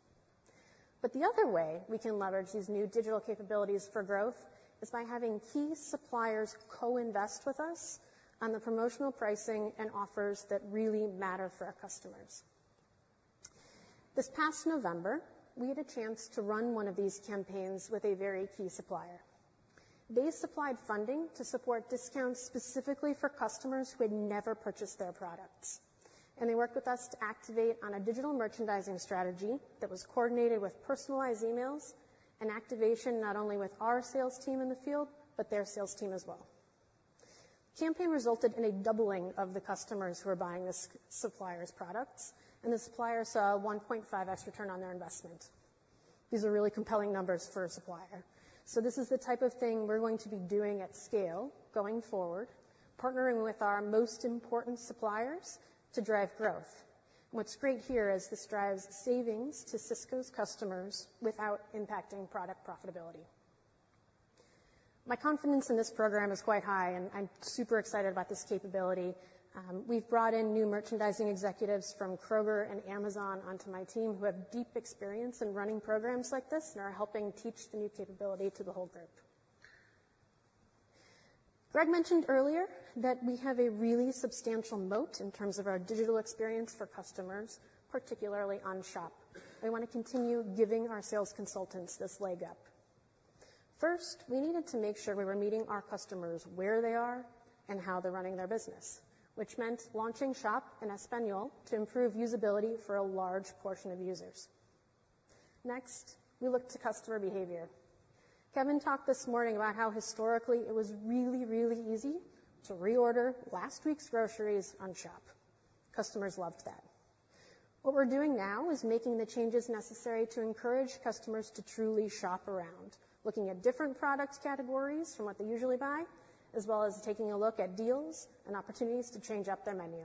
But the other way we can leverage these new digital capabilities for growth is by having key suppliers co-invest with us on the promotional pricing and offers that really matter for our customers. This past November, we had a chance to run one of these campaigns with a very key supplier. They supplied funding to support discounts specifically for customers who had never purchased their products, and they worked with us to activate on a digital merchandising strategy that was coordinated with personalized emails and activation, not only with our sales team in the field, but their sales team as well. The campaign resulted in a doubling of the customers who are buying this supplier's products, and the supplier saw a 1.5x return on their investment. These are really compelling numbers for a supplier. So this is the type of thing we're going to be doing at scale going forward, partnering with our most important suppliers to drive growth. What's great here is this drives savings to Sysco's customers without impacting product profitability. My confidence in this program is quite high, and I'm super excited about this capability. We've brought in new merchandising executives from Kroger and Amazon onto my team, who have deep experience in running programs like this and are helping teach the new capability to the whole group. Greg mentioned earlier that we have a really substantial moat in terms of our digital experience for customers, particularly on Shop. We want to continue giving our sales consultants this leg up. First, we needed to make sure we were meeting our customers where they are and how they're running their business, which meant launching Shop in Español to improve usability for a large portion of users. Next, we looked to customer behavior. Kevin talked this morning about how historically it was really, really easy to reorder last week's groceries on Shop. Customers loved that. What we're doing now is making the changes necessary to encourage customers to truly shop around, looking at different product categories from what they usually buy, as well as taking a look at deals and opportunities to change up their menu.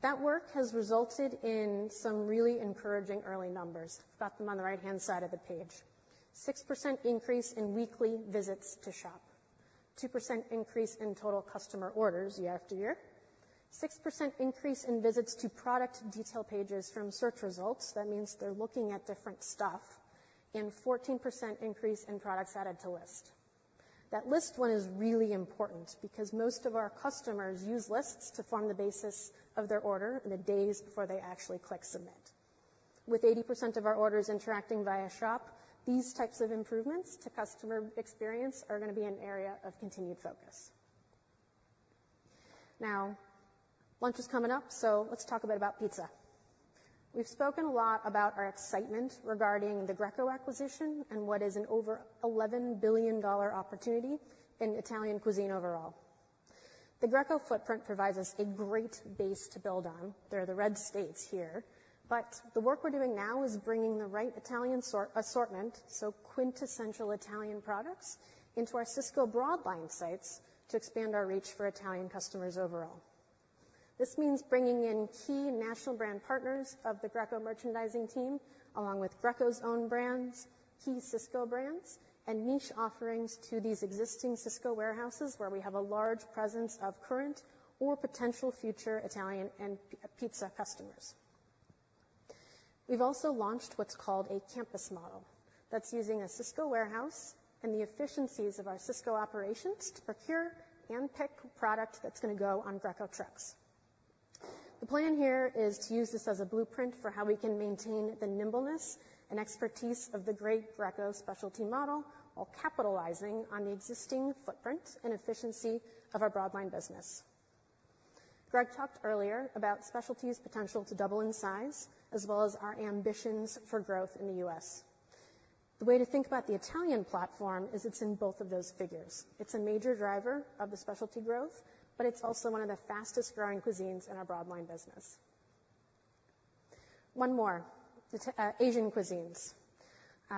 That work has resulted in some really encouraging early numbers. I've got them on the right-hand side of the page. 6% increase in weekly visits to shop, 2% increase in total customer orders year-over-year, 6% increase in visits to product detail pages from search results. That means they're looking at different stuff, and 14% increase in products added to list. That list one is really important because most of our customers use lists to form the basis of their order in the days before they actually click Submit. With 80% of our orders interacting via shop, these types of improvements to customer experience are going to be an area of continued focus. Now, lunch is coming up, so let's talk a bit about pizza. We've spoken a lot about our excitement regarding the Greco acquisition and what is an over $11 billion opportunity in Italian cuisine overall. The Greco footprint provides us a great base to build on. They're the red states here, but the work we're doing now is bringing the right Italian sort—assortment, so quintessential Italian products, into our Sysco broad line sites to expand our reach for Italian customers overall. This means bringing in key national brand partners of the Greco merchandising team, along with Greco's own brands, key Sysco brands, and niche offerings to these existing Sysco warehouses, where we have a large presence of current or potential future Italian and pizza customers. We've also launched what's called a campus model. That's using a Sysco warehouse and the efficiencies of our Sysco operations to procure and pick product that's going to go on Greco trucks. The plan here is to use this as a blueprint for how we can maintain the nimbleness and expertise of the great Greco specialty model, while capitalizing on the existing footprint and efficiency of our broad line business. Greg talked earlier about Specialty's potential to double in size as well as our ambitions for growth in the U.S. The way to think about the Italian platform is it's in both of those figures. It's a major driver of the specialty growth, but it's also one of the fastest-growing cuisines in our broadline business. One more, the Asian cuisines.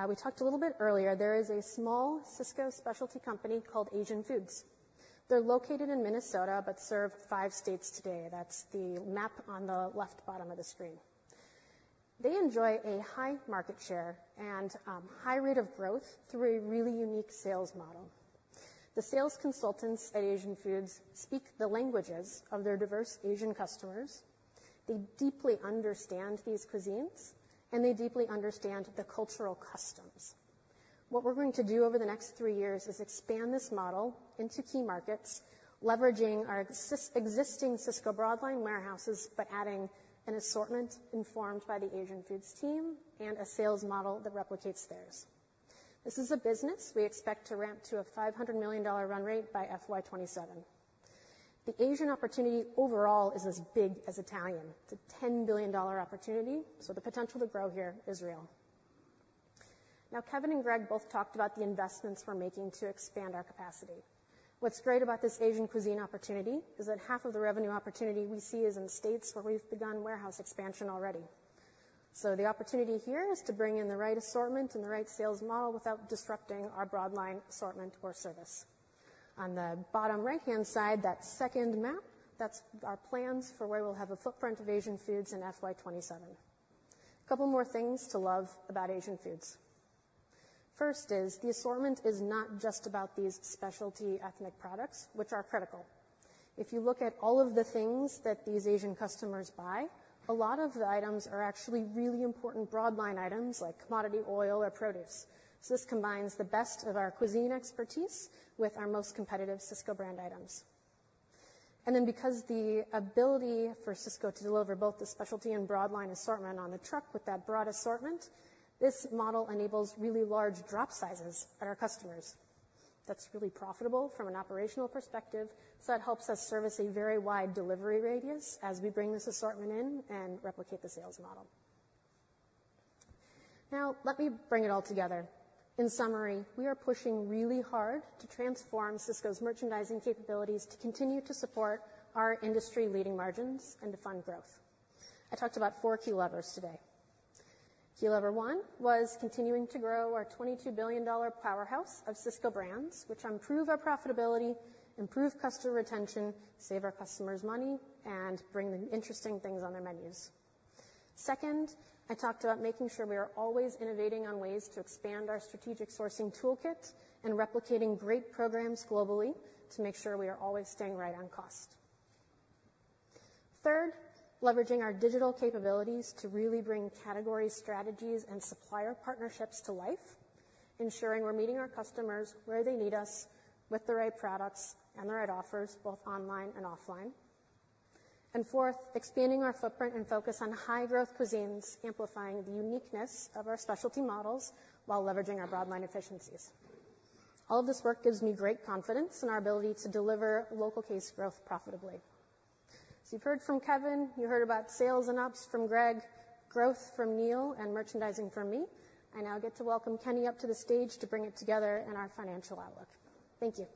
We talked a little bit earlier. There is a small Sysco specialty company called Asian Foods. They're located in Minnesota but serve five states today. That's the map on the left bottom of the screen. They enjoy a high market share and high rate of growth through a really unique sales model. The sales consultants at Asian Foods speak the languages of their diverse Asian customers. They deeply understand these cuisines, and they deeply understand the cultural customs. What we're going to do over the next three years is expand this model into key markets, leveraging our existing Sysco broadline warehouses, but adding an assortment informed by the Asian Foods team and a sales model that replicates theirs. This is a business we expect to ramp to a $500 million run rate by FY 2027. The Asian opportunity overall is as big as Italian. It's a $10 billion opportunity, so the potential to grow here is real. Now, Kevin and Greg both talked about the investments we're making to expand our capacity. What's great about this Asian cuisine opportunity is that half of the revenue opportunity we see is in states where we've begun warehouse expansion already. The opportunity here is to bring in the right assortment and the right sales model without disrupting our broadline assortment or service. On the bottom right-hand side, that second map, that's our plans for where we'll have a footprint of Asian Foods in FY 2027. A couple more things to love about Asian Foods. First, the assortment is not just about these specialty ethnic products, which are critical. If you look at all of the things that these Asian customers buy, a lot of the items are actually really important broadline items like commodity oil or produce. So this combines the best of our cuisine expertise with our most competitive Sysco brand items. And then, because the ability for Sysco to deliver both the specialty and broadline assortment on a truck with that broad assortment, this model enables really large drop sizes at our customers. That's really profitable from an operational perspective. So that helps us service a very wide delivery radius as we bring this assortment in and replicate the sales model. Now let me bring it all together. In summary, we are pushing really hard to transform Sysco's merchandising capabilities to continue to support our industry-leading margins and to fund growth. I talked about four key levers today. Key lever one was continuing to grow our $22 billion powerhouse of Sysco brands, which improve our profitability, improve customer retention, save our customers money, and bring them interesting things on their menus. Second, I talked about making sure we are always innovating on ways to expand our strategic sourcing toolkit and replicating great programs globally to make sure we are always staying right on cost. Third, leveraging our digital capabilities to really bring category strategies and supplier partnerships to life, ensuring we're meeting our customers where they need us with the right products and the right offers, both online and offline. And fourth, expanding our footprint and focus on high-growth cuisines, amplifying the uniqueness of our specialty models while leveraging our broad line efficiencies. All of this work gives me great confidence in our ability to deliver local case growth profitably. So you've heard from Kevin, you heard about sales and ops from Greg, growth from Neil, and merchandising from me. I now get to welcome Kenny up to the stage to bring it together in our financial outlook. Thank you.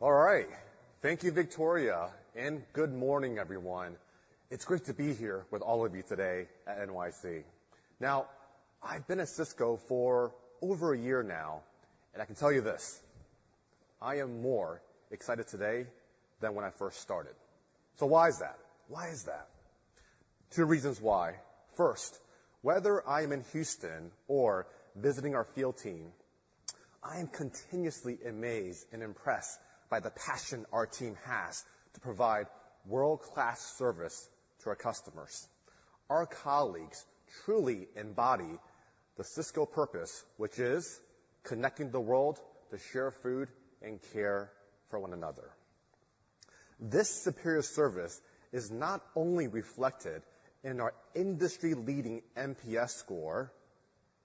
All right. Thank you, Victoria, and good morning, everyone. It's great to be here with all of you today at NYC. Now, I've been at Sysco for over a year now, and I can tell you this, I am more excited today than when I first started. So why is that? Why is that? Two reasons why. First, whether I am in Houston or visiting our field team, I am continuously amazed and impressed by the passion our team has to provide world-class service to our customers. Our colleagues truly embody the Sysco purpose, which is connecting the world to share food and care for one another. This superior service is not only reflected in our industry-leading NPS score,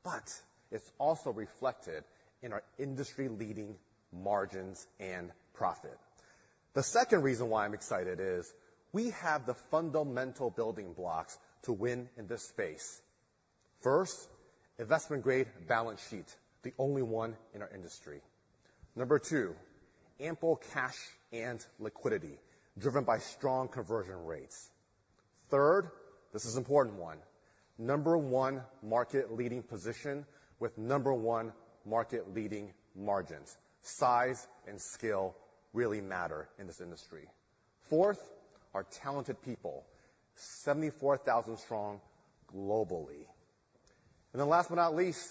but it's also reflected in our industry-leading margins and profit. The second reason why I'm excited is we have the fundamental building blocks to win in this space. First, investment-grade balance sheet, the only one in our industry. Number two, ample cash and liquidity driven by strong conversion rates. Third, this is important one. Number one, market-leading position with number one market-leading margins. Size and scale really matter in this industry. Fourth, our talented people, 74,000 strong globally. And then last but not least,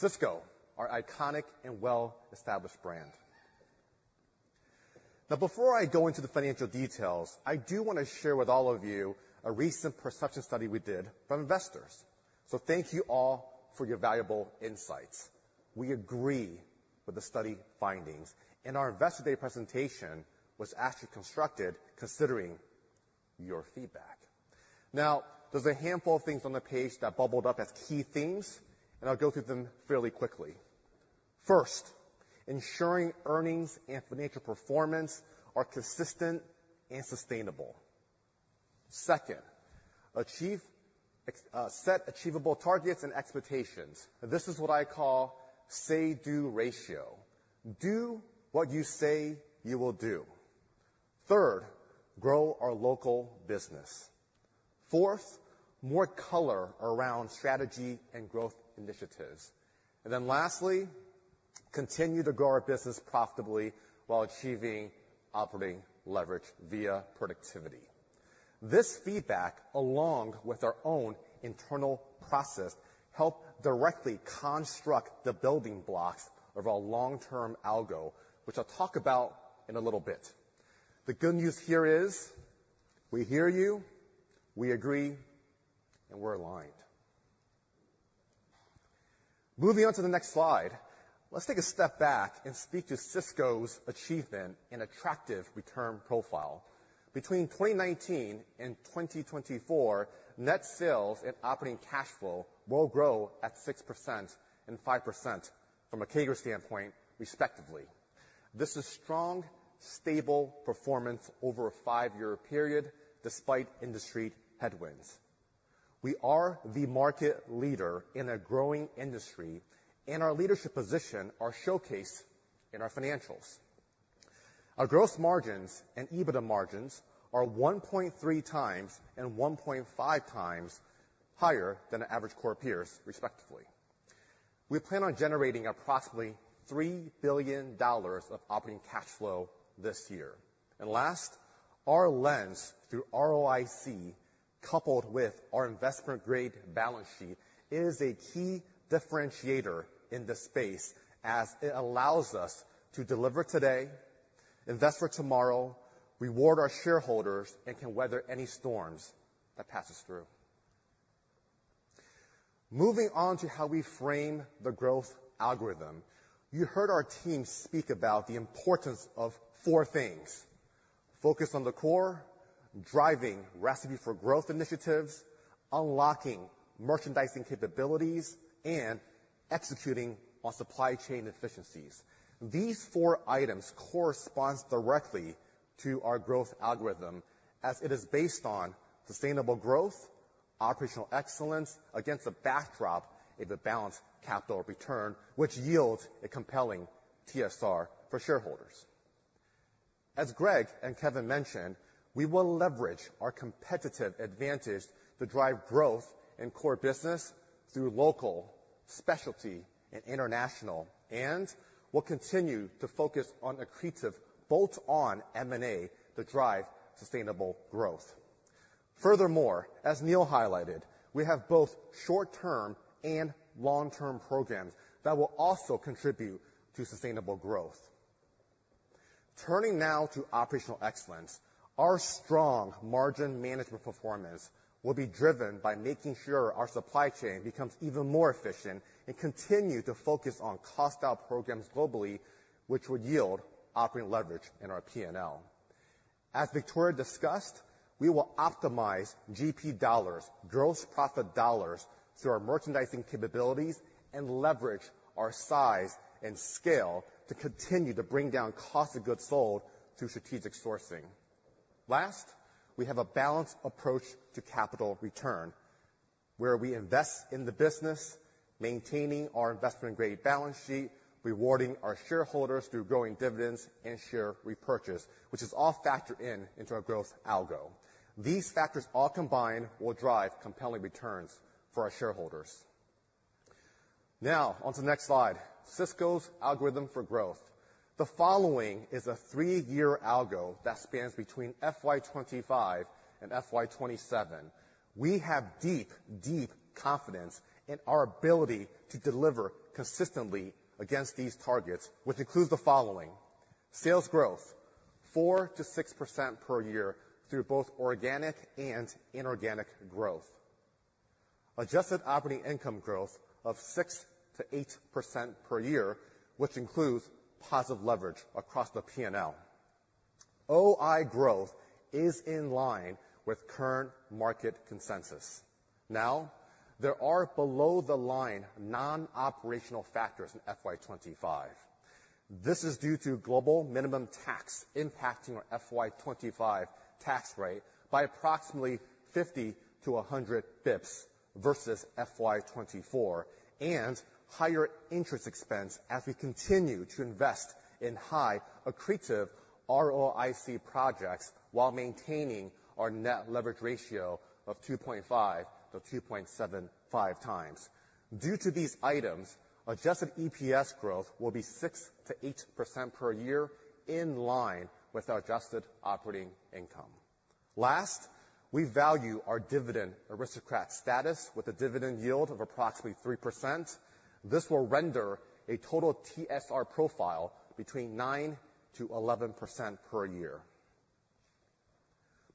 Sysco, our iconic and well-established brand. Now, before I go into the financial details, I do wanna share with all of you a recent perception study we did from investors. So thank you all for your valuable insights. We agree with the study findings, and our Investor Day presentation was actually constructed considering your feedback. Now, there's a handful of things on the page that bubbled up as key themes, and I'll go through them fairly quickly. First, ensuring earnings and financial performance are consistent and sustainable. Second, achieve, set achievable targets and expectations. This is what I call say-do ratio. Do what you say you will do. Third, grow our local business. Fourth, more color around strategy and growth initiatives. And then lastly, continue to grow our business profitably while achieving operating leverage via productivity. This feedback, along with our own internal process, helped directly construct the building blocks of our long-term algo, which I'll talk about in a little bit. The good news here is we hear you, we agree, and we're aligned. Moving on to the next slide. Let's take a step back and speak to Sysco's achievement and attractive return profile. Between 2019 and 2024, net sales and operating cash flow will grow at 6% and 5% from a CAGR standpoint, respectively. This is strong, stable performance over a five-year period, despite industry headwinds. We are the market leader in a growing industry, and our leadership position are showcased in our financials. Our gross margins and EBITDA margins are 1.3x and 1.5x higher than the average core peers, respectively. We plan on generating approximately $3 billion of operating cash flow this year. And last, our lens through ROIC, coupled with our investment-grade balance sheet, is a key differentiator in this space as it allows us to deliver today, invest for tomorrow, reward our shareholders, and can weather any storms that passes through. Moving on to how we frame the growth algorithm. You heard our team speak about the importance of four things: focus on the core, driving Recipe for Growth initiatives, unlocking merchandising capabilities, and executing on supply chain efficiencies. These four items corresponds directly to our growth algorithm as it is based on sustainable growth, operational excellence, against the backdrop of a balanced capital return, which yields a compelling TSR for shareholders. As Greg and Kevin mentioned, we will leverage our competitive advantage to drive growth in core business through local, specialty, and international, and we'll continue to focus on accretive bolt-on M&A to drive sustainable growth. Furthermore, as Neil highlighted, we have both short-term and long-term programs that will also contribute to sustainable growth. Turning now to operational excellence. Our strong margin management performance will be driven by making sure our supply chain becomes even more efficient and continue to focus on cost out programs globally, which would yield operating leverage in our P&L. As Victoria discussed, we will optimize GP dollars, gross profit dollars, through our merchandising capabilities and leverage our size and scale to continue to bring down cost of goods sold through strategic sourcing. Last, we have a balanced approach to capital return, where we invest in the business, maintaining our investment-grade balance sheet, rewarding our shareholders through growing dividends and share repurchase, which is all factored in into our growth algo. These factors, all combined, will drive compelling returns for our shareholders. Now, on to the next slide. Sysco's algorithm for growth. The following is a three-year algo that spans between FY 2025 and FY 2027. We have deep, deep confidence in our ability to deliver consistently against these targets, which includes the following: sales growth, 4%-6% per year through both organic and inorganic growth. Adjusted operating income growth of 6%-8% per year, which includes positive leverage across the P&L. OI growth is in line with current market consensus. Now, there are below-the-line, non-operational factors in FY 2025. This is due to global minimum tax impacting our FY 2025 tax rate by approximately 50-100 basis points versus FY 2024, and higher interest expense as we continue to invest in high accretive ROIC projects while maintaining our net leverage ratio of 2.5x-2.75x. Due to these items, adjusted EPS growth will be 6%-8% per year, in line with our adjusted operating income. Last, we value our Dividend Aristocrat status with a dividend yield of approximately 3%. This will render a total TSR profile between 9%-11% per year.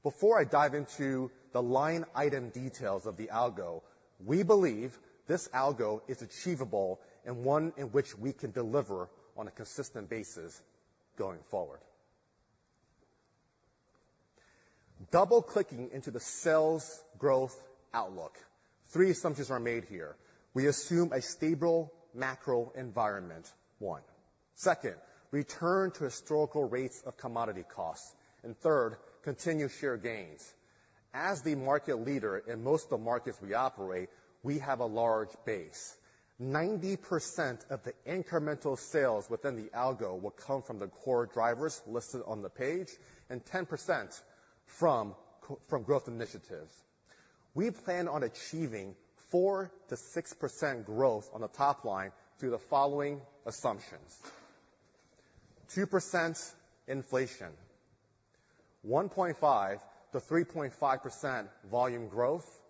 Before I dive into the line item details of the algo, we believe this algo is achievable and one in which we can deliver on a consistent basis going forward. Double-clicking into the sales growth outlook, three assumptions are made here. We assume a stable macro environment, one. Second, return to historical rates of commodity costs, and third, continue share gains. As the market leader in most of the markets we operate, we have a large base. 90% of the incremental sales within the algo will come from the core drivers listed on the page, and 10% from growth initiatives. We plan on achieving 4%-6% growth on the top line through the following assumptions: 2% inflation, 1.5%-3.5% volume growth,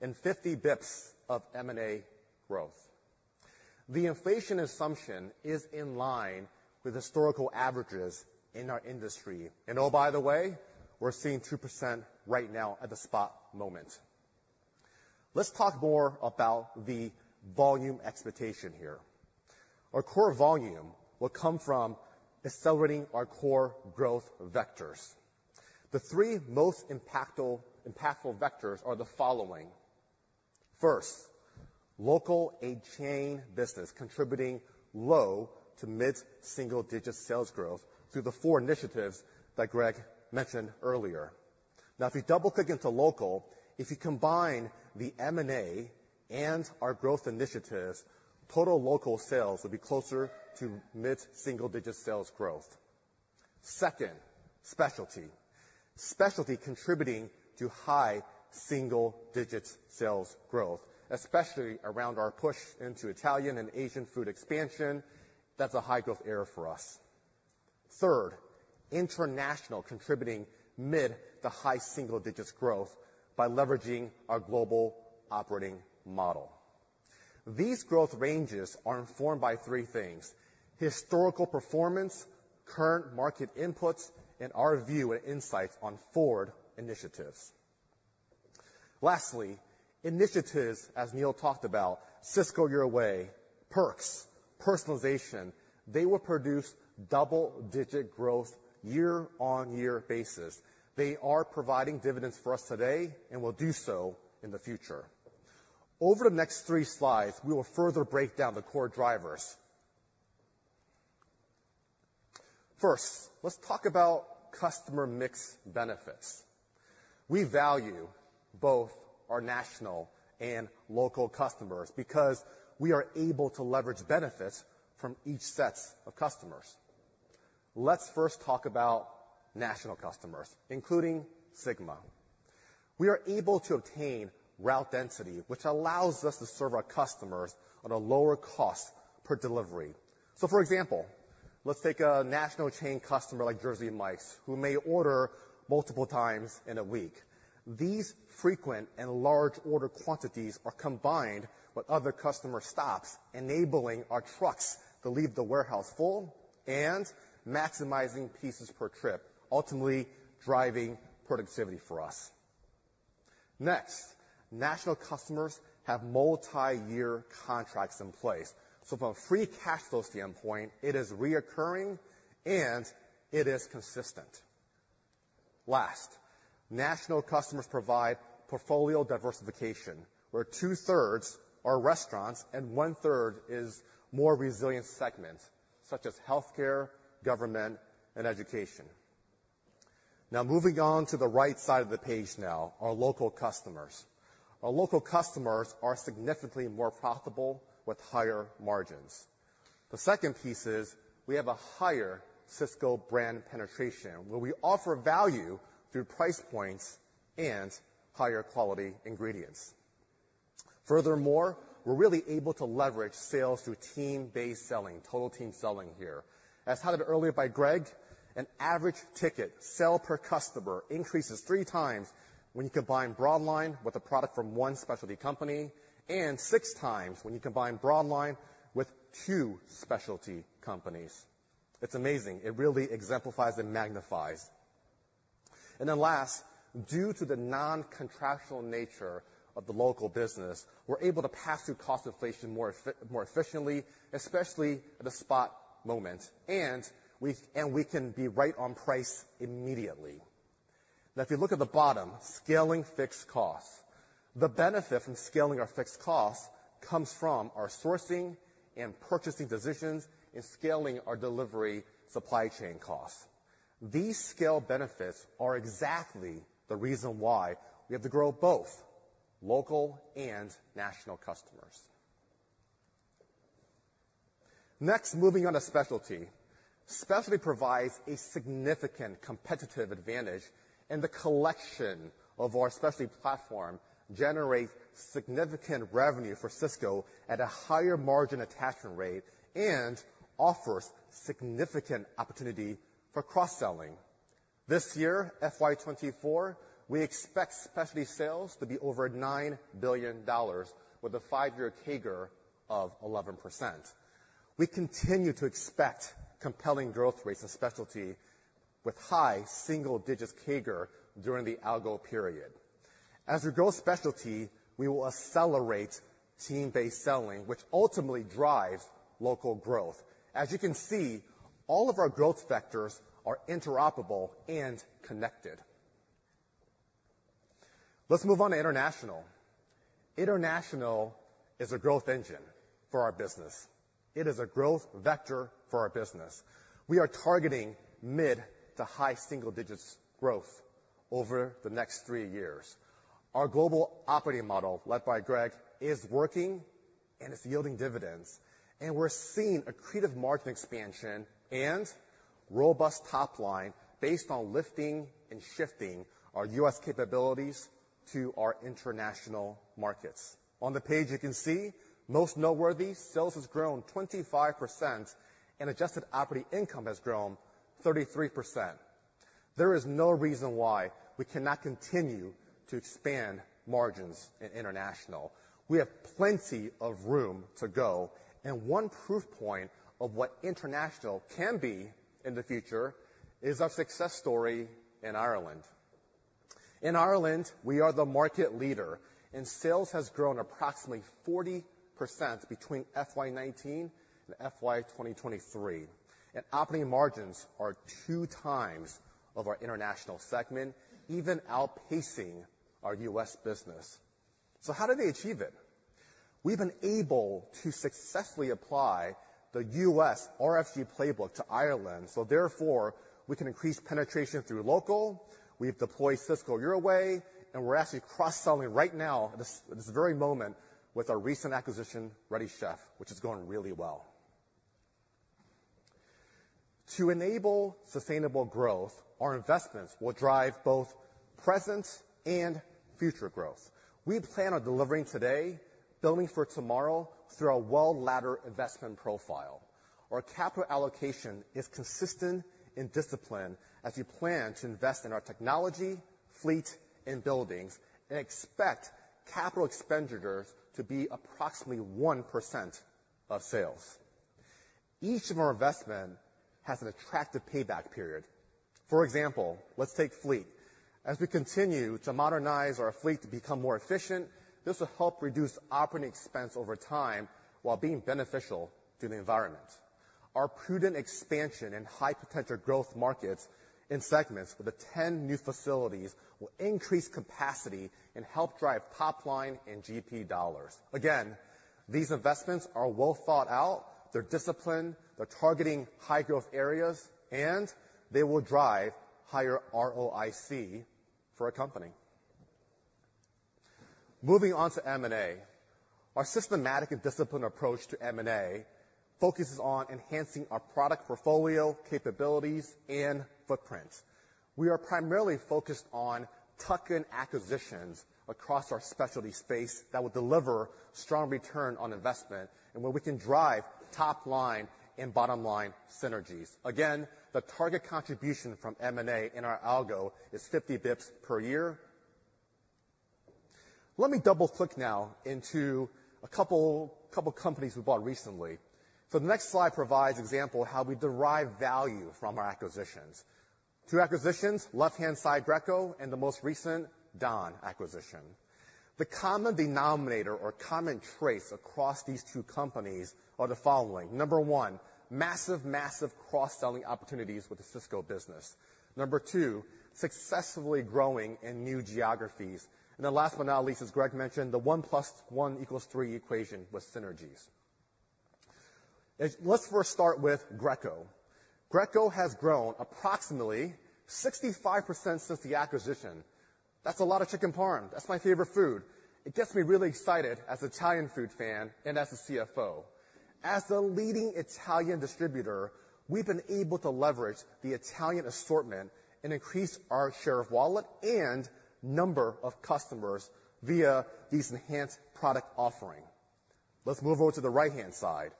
and 50 basis points of M&A growth. The inflation assumption is in line with historical averages in our industry. And oh, by the way, we're seeing 2% right now at the spot moment. Let's talk more about the volume expectation here. Our core volume will come from accelerating our core growth vectors. The three most impactful vectors are the following: First, local and chain business, contributing low to mid-single-digit sales growth through the four initiatives that Greg mentioned earlier. Now, if we double-click into local, if you combine the M&A and our growth initiatives, total local sales will be closer to mid-single-digit sales growth. Second, specialty. Specialty contributing to high single-digit sales growth, especially around our push into Italian and Asian food expansion. That's a high-growth area for us. Third, international contributing mid-to-high single-digit growth by leveraging our global operating model. These growth ranges are informed by three things: historical performance, current market inputs, and our view and insights on forward initiatives. Lastly, initiatives, as Neil talked about, Sysco Your Way, perks, personalization, they will produce double-digit growth year-on-year basis. They are providing dividends for us today and will do so in the future. Over the next three slides, we will further break down the core drivers. First, let's talk about customer mix benefits. We value both our national and local customers because we are able to leverage benefits from each sets of customers. Let's first talk about national customers, including Sigma. We are able to obtain route density, which allows us to serve our customers at a lower cost per delivery. So for example, let's take a national chain customer like Jersey Mike's, who may order multiple times in a week. These frequent and large order quantities are combined with other customer stops, enabling our trucks to leave the warehouse full and maximizing pieces per trip, ultimately driving productivity for us. Next, national customers have multiyear contracts in place, so from a free cash flow standpoint, it is recurring and it is consistent. Last, national customers provide portfolio diversification, where 2/3 are restaurants and 1/3 is more resilient segments such as healthcare, government, and education.... Now moving on to the right side of the page now, our local customers. Our local customers are significantly more profitable with higher margins. The second piece is we have a higher Sysco brand penetration, where we offer value through price points and higher quality ingredients. Furthermore, we're really able to leverage sales through team-based selling, Total Team Selling here. As highlighted earlier by Greg, an average ticket sale per customer increases three times when you combine broadline with a product from one specialty company, and six times when you combine broadline with two specialty companies. It's amazing. It really exemplifies and magnifies. And then last, due to the non-contractual nature of the local business, we're able to pass through cost inflation more efficiently, especially at a spot moment, and we can be right on price immediately. Now, if you look at the bottom, scaling fixed costs. The benefit from scaling our fixed costs comes from our sourcing and purchasing decisions and scaling our delivery supply chain costs. These scale benefits are exactly the reason why we have to grow both local and national customers. Next, moving on to specialty. Specialty provides a significant competitive advantage, and the collection of our specialty platform generates significant revenue for Sysco at a higher margin attachment rate and offers significant opportunity for cross-selling. This year, FY 2024, we expect specialty sales to be over $9 billion, with a five-year CAGR of 11%. We continue to expect compelling growth rates of specialty with high-single-digits CAGR during the ALGO period. As we grow specialty, we will accelerate team-based selling, which ultimately drives local growth. As you can see, all of our growth vectors are interoperable and connected. Let's move on to international. International is a growth engine for our business. It is a growth vector for our business. We are targeting mid- to high-single-digits growth over the next three years. Our Global Operating Model, led by Greg, is working and it's yielding dividends, and we're seeing accretive margin expansion and robust top line based on lifting and shifting our U.S. capabilities to our international markets. On the page, you can see most noteworthy, sales has grown 25% and adjusted operating income has grown 33%. There is no reason why we cannot continue to expand margins in international. We have plenty of room to go, and one proof point of what international can be in the future is our success story in Ireland. In Ireland, we are the market leader, and sales has grown approximately 40% between FY 2019 and FY 2023. And operating margins are two times of our international segment, even outpacing our U.S. business. So how did they achieve it? We've been able to successfully apply the US RFG playbook to Ireland, so therefore we can increase penetration through local. We've deployed Sysco Your Way, and we're actually cross-selling right now, at this, this very moment, with our recent acquisition, Ready Chef, which is going really well. To enable sustainable growth, our investments will drive both present and future growth. We plan on delivering today, building for tomorrow, through our well-ladder investment profile. Our capital allocation is consistent and disciplined as we plan to invest in our technology, fleet, and buildings, and expect capital expenditures to be approximately 1% of sales. Each of our investment has an attractive payback period. For example, let's take fleet. As we continue to modernize our fleet to become more efficient, this will help reduce operating expense over time while being beneficial to the environment. Our prudent expansion in high-potential growth markets and segments with the 10 new facilities will increase capacity and help drive top line and GP dollars. Again, these investments are well thought out, they're disciplined, they're targeting high-growth areas, and they will drive higher ROIC for our company. Moving on to M&A. Our systematic and disciplined approach to M&A focuses on enhancing our product portfolio, capabilities, and footprint. We are primarily focused on tuck-in acquisitions across our specialty space that will deliver strong return on investment and where we can drive top-line and bottom-line synergies. Again, the target contribution from M&A in our ALGO is 50 bps per year. Let me double-click now into a couple, couple companies we bought recently. So the next slide provides example of how we derive value from our acquisitions. Two acquisitions, left-hand side, Greco, and the most recent, Don acquisition. The common denominator or common traits across these two companies are the following: number one, massive, massive cross-selling opportunities with the Sysco business. Number two, successfully growing in new geographies. And the last but not least, as Greg mentioned, the 1 + 1 = 3 equation with synergies.... Let's first start with Greco. Greco has grown approximately 65% since the acquisition. That's a lot of chicken parm. That's my favorite food. It gets me really excited as an Italian food fan and as a CFO. As the leading Italian distributor, we've been able to leverage the Italian assortment and increase our share of wallet and number of customers via these enhanced product offering. Let's move over to the right-hand side.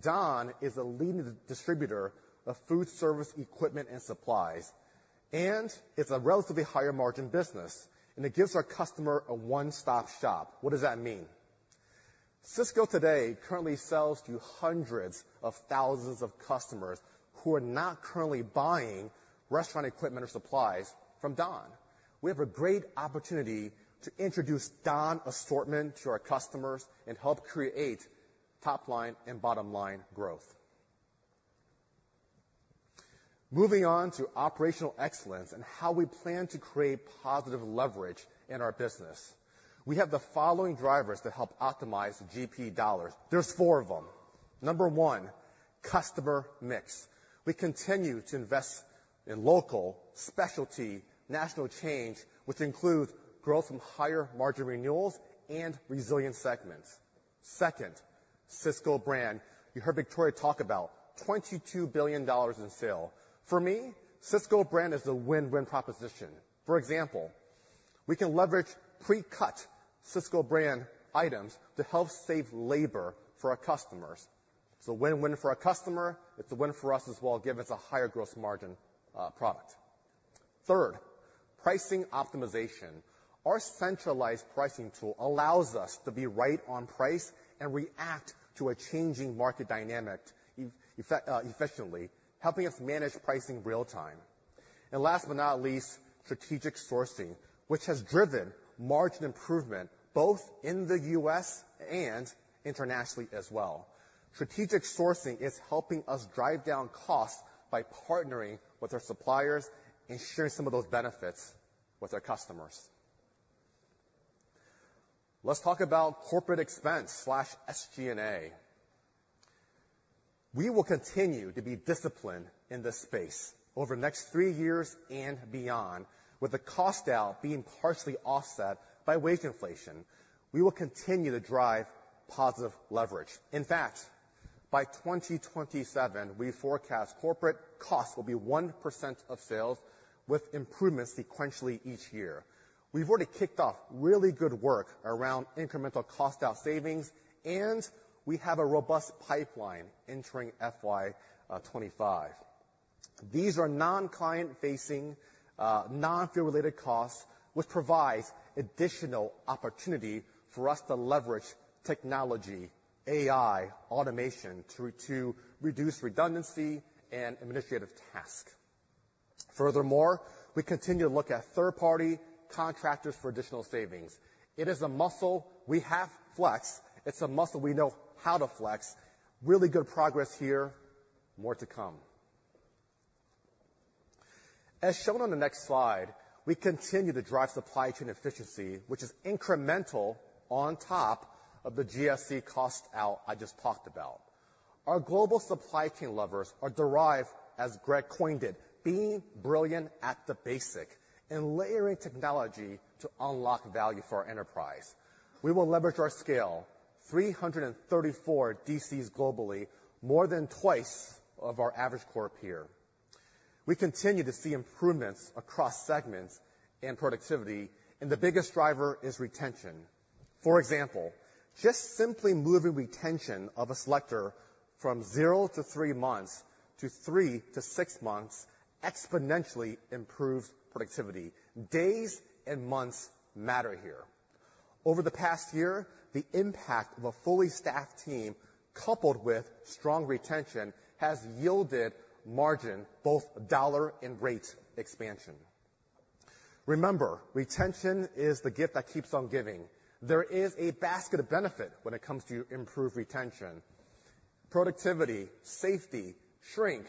Don is a leading distributor of food service, equipment, and supplies, and it's a relatively higher margin business, and it gives our customer a one-stop shop. What does that mean? Sysco today currently sells to hundreds of thousands of customers who are not currently buying restaurant equipment or supplies from Don. We have a great opportunity to introduce Don assortment to our customers and help create top line and bottom line growth. Moving on to operational excellence and how we plan to create positive leverage in our business. We have the following drivers to help optimize GP dollars. There's four of them. Number one, customer mix. We continue to invest in local specialty national chains, which include growth from higher margin renewals and resilient segments. Second, Sysco Brand. You heard Victoria talk about $22 billion in sales. For me, Sysco brand is a win-win proposition. For example, we can leverage pre-cut Sysco brand items to help save labor for our customers. It's a win-win for our customer, it's a win for us as well, give us a higher gross margin product. Third, pricing optimization. Our centralized pricing tool allows us to be right on price and react to a changing market dynamic efficiently, helping us manage pricing real time. And last but not least, strategic sourcing, which has driven margin improvement both in the U.S. and internationally as well. Strategic sourcing is helping us drive down costs by partnering with our suppliers and sharing some of those benefits with our customers. Let's talk about corporate expense/SG&A. We will continue to be disciplined in this space over the next three years and beyond, with the cost out being partially offset by wage inflation. We will continue to drive positive leverage. In fact, by 2027, we forecast corporate costs will be 1% of sales, with improvements sequentially each year. We've already kicked off really good work around incremental cost out savings, and we have a robust pipeline entering FY 2025. These are non-client-facing, non-field-related costs, which provides additional opportunity for us to leverage technology, AI, automation, through to reduce redundancy and administrative task. Furthermore, we continue to look at third-party contractors for additional savings. It is a muscle we have flexed. It's a muscle we know how to flex. Really good progress here. More to come. As shown on the next slide, we continue to drive supply chain efficiency, which is incremental on top of the GSC cost out I just talked about. Our global supply chain levers are derived, as Greg coined it, being brilliant at the basic and layering technology to unlock value for our enterprise. We will leverage our scale, 334 DCs globally, more than twice of our average core peer. We continue to see improvements across segments and productivity, and the biggest driver is retention. For example, just simply moving retention of a selector from 0-3 months to 3-6 months exponentially improves productivity. Days and months matter here. Over the past year, the impact of a fully staffed team, coupled with strong retention, has yielded margin, both dollar and rate expansion. Remember, retention is the gift that keeps on giving. There is a basket of benefit when it comes to improved retention, productivity, safety, shrink,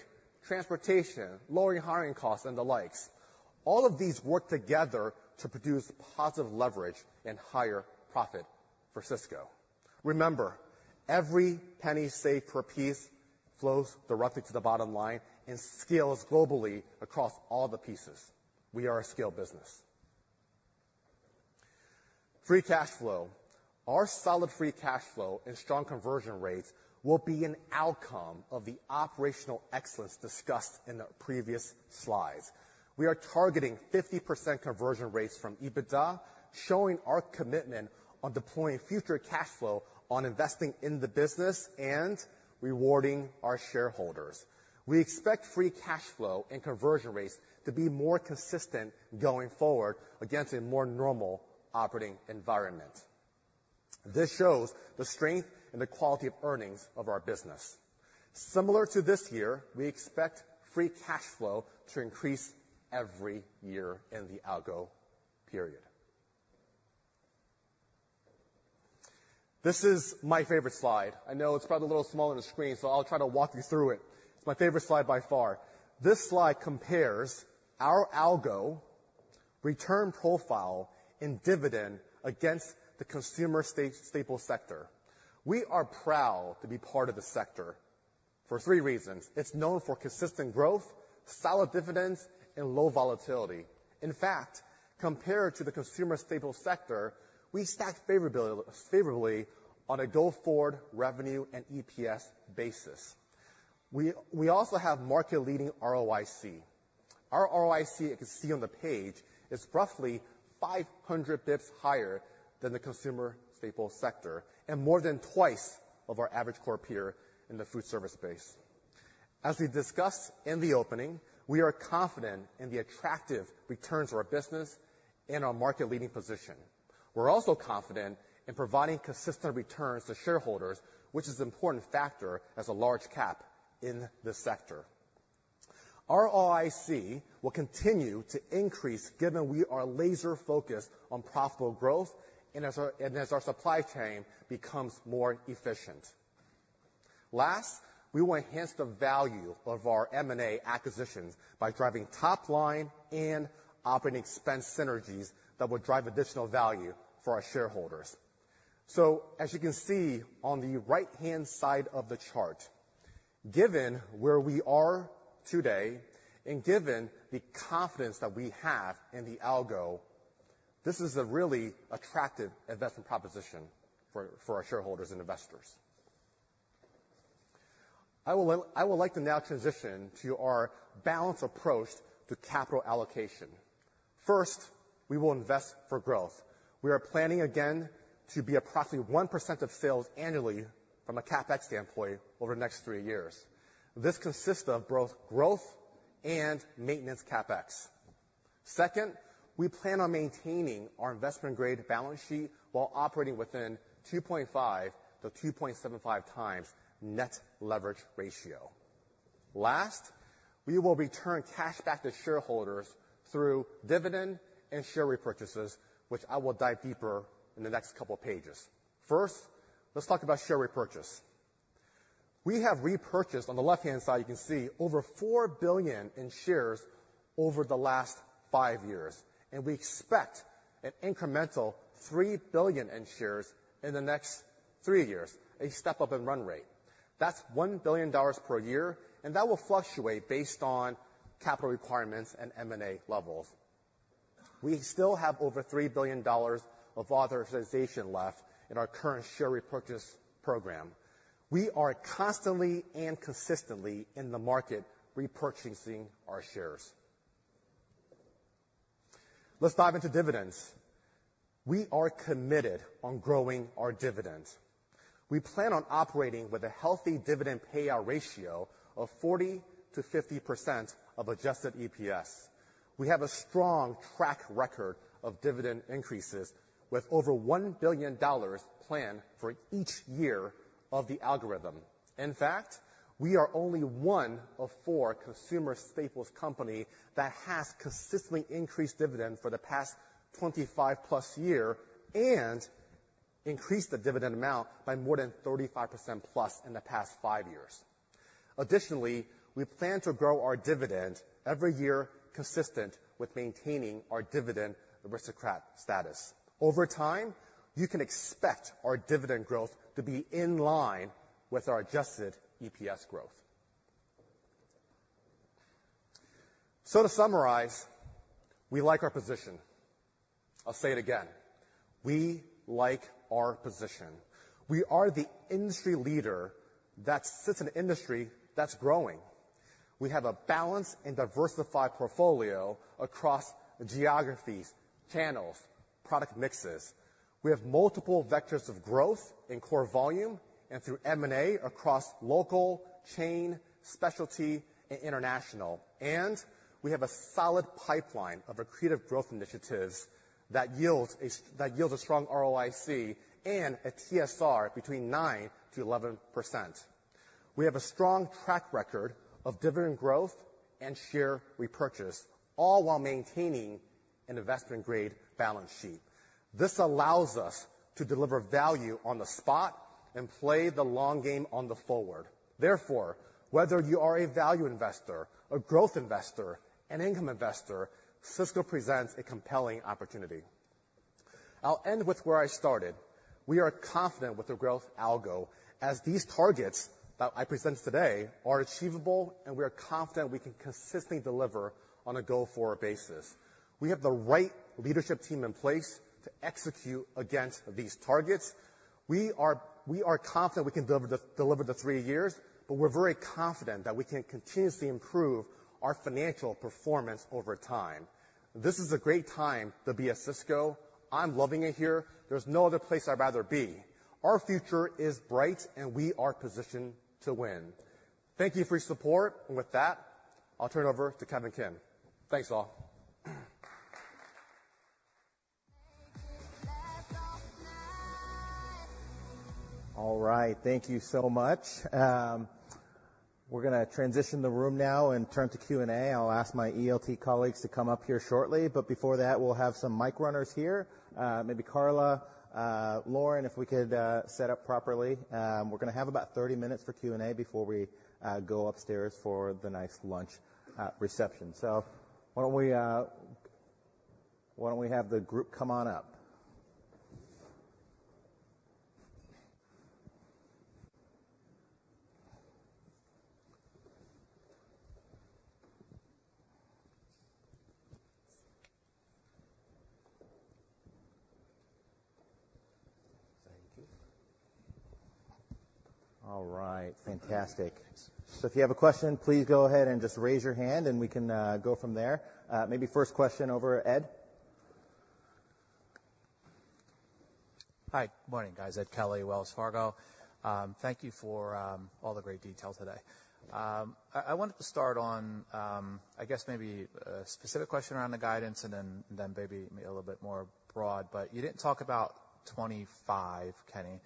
transportation, lowering hiring costs, and the likes. All of these work together to produce positive leverage and higher profit for Sysco. Remember, every penny saved per piece flows directly to the bottom line and scales globally across all the pieces. We are a scale business. Free cash flow. Our solid free cash flow and strong conversion rates will be an outcome of the operational excellence discussed in the previous slides. We are targeting 50% conversion rates from EBITDA, showing our commitment on deploying future cash flow, on investing in the business and rewarding our shareholders. We expect free cash flow and conversion rates to be more consistent going forward against a more normal operating environment. This shows the strength and the quality of earnings of our business. Similar to this year, we expect free cash flow to increase every year in the algo period. This is my favorite slide. I know it's probably a little small on the screen, so I'll try to walk you through it. It's my favorite slide by far. This slide compares our total return profile and dividend against the consumer staples sector. We are proud to be part of the sector for three reasons: It's known for consistent growth, solid dividends, and low volatility. In fact, compared to the consumer staples sector, we stack favorably on a go-forward revenue and EPS basis. We also have market-leading ROIC. Our ROIC, as you can see on the page, is roughly 500 basis points higher than the consumer staples sector and more than twice of our average core peer in the foodservice space. As we discussed in the opening, we are confident in the attractive returns of our business and our market-leading position. We're also confident in providing consistent returns to shareholders, which is an important factor as a large cap in this sector. Our ROIC will continue to increase, given we are laser-focused on profitable growth and as our supply chain becomes more efficient. Last, we will enhance the value of our M&A acquisitions by driving top-line and operating expense synergies that will drive additional value for our shareholders. So as you can see on the right-hand side of the chart, given where we are today and given the confidence that we have in the algo, this is a really attractive investment proposition for our shareholders and investors. I would like to now transition to our balanced approach to capital allocation. First, we will invest for growth. We are planning again to be approximately 1% of sales annually from a CapEx standpoint over the next three years. This consists of both growth and maintenance CapEx. Second, we plan on maintaining our investment-grade balance sheet while operating within 2.5x-2.75x net leverage ratio. Last, we will return cash back to shareholders through dividend and share repurchases, which I will dive deeper in the next couple of pages. First, let's talk about share repurchase. We have repurchased, on the left-hand side, you can see, over $4 billion in shares over the last five years, and we expect an incremental $3 billion in shares in the next three years, a step-up in run rate. That's $1 billion per year, and that will fluctuate based on capital requirements and M&A levels. We still have over $3 billion of authorization left in our current share repurchase program. We are constantly and consistently in the market, repurchasing our shares. Let's dive into dividends. We are committed on growing our dividend. We plan on operating with a healthy dividend payout ratio of 40%-50% of adjusted EPS. We have a strong track record of dividend increases, with over $1 billion planned for each year of the algorithm. In fact, we are only one of four consumer staples company that has consistently increased dividend for the past 25+ years and increased the dividend amount by more than 35%+ in the past five years. Additionally, we plan to grow our dividend every year, consistent with maintaining our Dividend Aristocrat status. Over time, you can expect our dividend growth to be in line with our adjusted EPS growth. So to summarize, we like our position. I'll say it again, we like our position. We are the industry leader that sits in an industry that's growing. We have a balanced and diversified portfolio across geographies, channels, product mixes. We have multiple vectors of growth in core volume and through M&A across local, chain, specialty, and international. And we have a solid pipeline of accretive growth initiatives that yields a strong ROIC and a TSR between 9%-11%. We have a strong track record of dividend growth and share repurchase, all while maintaining an investment-grade balance sheet. This allows us to deliver value on the spot and play the long game on the forward. Therefore, whether you are a value investor, a growth investor, an income investor, Sysco presents a compelling opportunity. I'll end with where I started. We are confident with the growth algo, as these targets that I presented today are achievable, and we are confident we can consistently deliver on a go-forward basis. We have the right leadership team in place to execute against these targets. We are confident we can deliver the three years, but we're very confident that we can continuously improve our financial performance over time. This is a great time to be at Sysco. I'm loving it here. There's no other place I'd rather be. Our future is bright, and we are positioned to win. Thank you for your support, and with that, I'll turn it over to Kevin Hourican. Thanks, all. All right. Thank you so much. We're gonna transition the room now and turn to Q&A. I'll ask my ELT colleagues to come up here shortly, but before that, we'll have some mic runners here. Maybe Carla, Lauren, if we could set up properly. We're gonna have about 30 minutes for Q&A before we go upstairs for the nice lunch reception. So why don't we have the group come on up?... All right, fantastic. So if you have a question, please go ahead and just raise your hand, and we can go from there. Maybe first question over, Ed? Hi. Good morning, guys. Ed Kelly, Wells Fargo. Thank you for all the great detail today. I wanted to start on, I guess maybe a specific question around the guidance and then maybe a little bit more broad. But you didn't talk about 25, Kenny.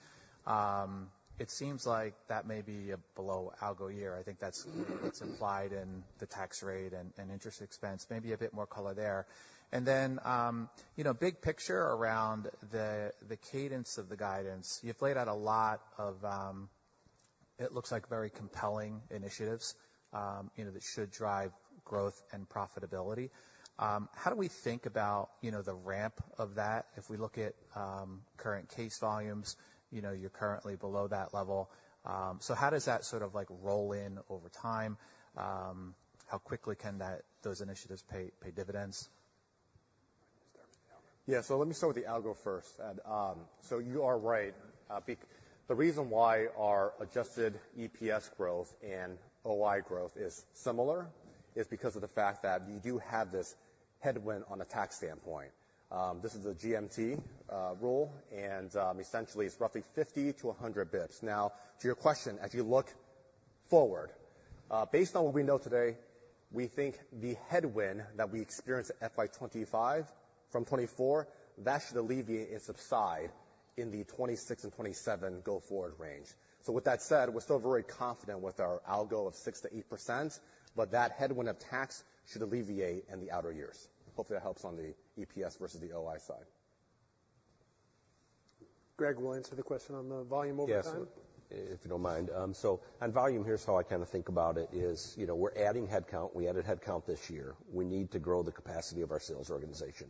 It seems like that may be a below algo year. I think that's implied in the tax rate and interest expense. Maybe a bit more color there. And then, you know, big picture around the cadence of the guidance. You've laid out a lot of it looks like very compelling initiatives, you know, that should drive growth and profitability. How do we think about, you know, the ramp of that? If we look at current case volumes, you know, you're currently below that level. So how does that sort of, like, roll in over time? How quickly can those initiatives pay dividends? Yeah, so let me start with the algo first, Ed. So you are right. The reason why our adjusted EPS growth and OI growth is similar is because of the fact that you do have this headwind on the tax standpoint. This is a GMT rule, and essentially, it's roughly 50-100 bits. Now, to your question, as you look forward, based on what we know today, we think the headwind that we experience at FY 2025, from 2024, that should alleviate and subside in the 2026 and 2027 go-forward range. So with that said, we're still very confident with our algo of 6%-8%, but that headwind of tax should alleviate in the outer years. Hopefully, that helps on the EPS versus the OI side. Greg, you want to answer the question on the volume over time? Yes, if you don't mind. So on volume, here's how I kind of think about it, is, you know, we're adding headcount. We added headcount this year. We need to grow the capacity of our sales organization.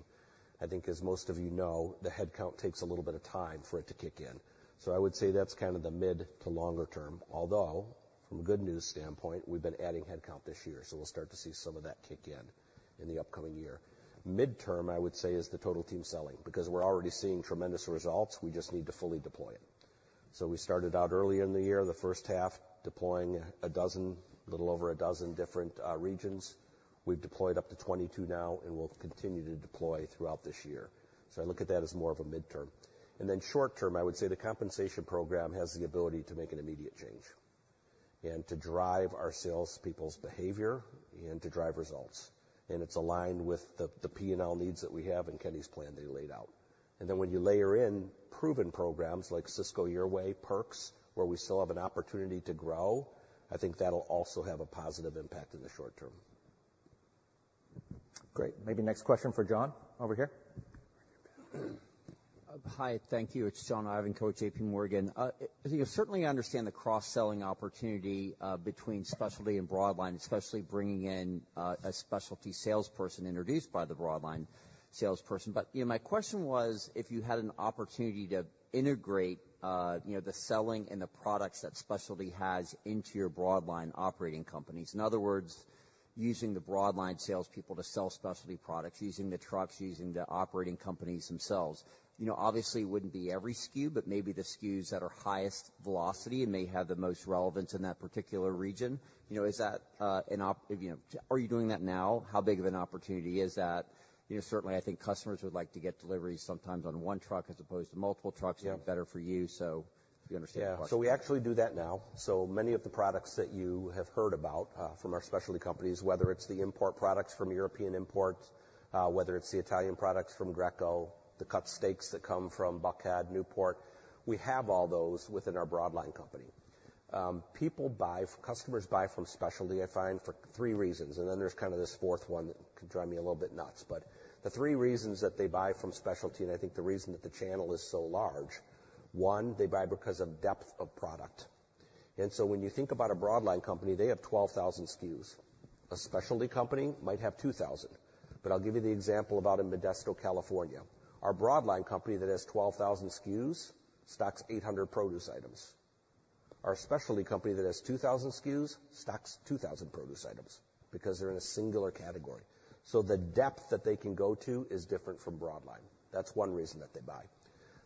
I think, as most of you know, the headcount takes a little bit of time for it to kick in. So I would say that's kind of the mid- to longer-term, although from a good news standpoint, we've been adding headcount this year, so we'll start to see some of that kick in in the upcoming year. Midterm, I would say, is the Total Team Selling, because we're already seeing tremendous results, we just need to fully deploy it. So we started out early in the year, the first half, deploying 12, a little over 12 different regions. We've deployed up to 22 now, and we'll continue to deploy throughout this year. So I look at that as more of a midterm. And then short term, I would say the compensation program has the ability to make an immediate change and to drive our salespeople's behavior and to drive results. And it's aligned with the P&L needs that we have in Kenny's plan that he laid out. And then when you layer in proven programs like Sysco Your Way, Perks, where we still have an opportunity to grow, I think that'll also have a positive impact in the short term. Great. Maybe next question for John, over here. Hi, thank you. It's John Ivanko, JPMorgan. You know, I certainly understand the cross-selling opportunity between specialty and broadline, especially bringing in a specialty salesperson introduced by the broadline salesperson. But, you know, my question was, if you had an opportunity to integrate, you know, the selling and the products that specialty has into your broadline operating companies, in other words, using the broadline salespeople to sell specialty products, using the trucks, using the operating companies themselves. You know, obviously, it wouldn't be every SKU, but maybe the SKUs that are highest velocity and may have the most relevance in that particular region. You know, is that, You know, are you doing that now? How big of an opportunity is that? You know, certainly, I think customers would like to get deliveries sometimes on one truck as opposed to multiple trucks. Yeah. It's better for you, so if you understand the question. Yeah. So we actually do that now. So many of the products that you have heard about from our specialty companies, whether it's the import products from European Imports, whether it's the Italian products from Greco, the cut steaks that come from Buckhead, Newport, we have all those within our broadline company. Customers buy from specialty, I find, for three reasons, and then there's kind of this fourth one that can drive me a little bit nuts. But the three reasons that they buy from specialty, and I think the reason that the channel is so large, one, they buy because of depth of product. And so when you think about a broadline company, they have 12,000 SKUs. A specialty company might have 2,000, but I'll give you the example about in Modesto, California. Our broadline company that has 12,000 SKUs stocks 800 produce items. Our specialty company that has 2,000 SKUs stocks 2,000 produce items because they're in a singular category. So the depth that they can go to is different from broadline. That's one reason that they buy.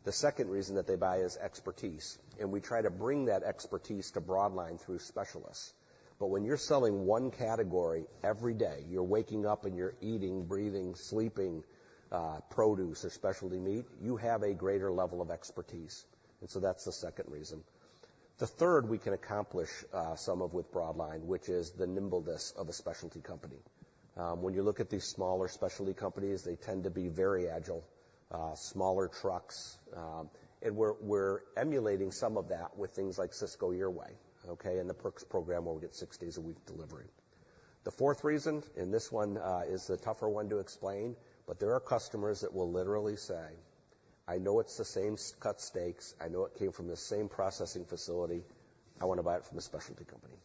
The second reason that they buy is expertise, and we try to bring that expertise to broadline through specialists. But when you're selling one category every day, you're waking up and you're eating, breathing, sleeping produce or specialty meat, you have a greater level of expertise, and so that's the second reason. The third, we can accomplish some of with broadline, which is the nimbleness of a specialty company. When you look at these smaller specialty companies, they tend to be very agile, smaller trucks, and we're emulating some of that with things like Sysco Your Way, okay? And the Perks program, where we get six days a week delivery. The fourth reason, and this one, is the tougher one to explain, but there are customers that will literally say, "I know it's the same cut steaks. I know it came from the same processing facility. I want to buy it from a specialty company....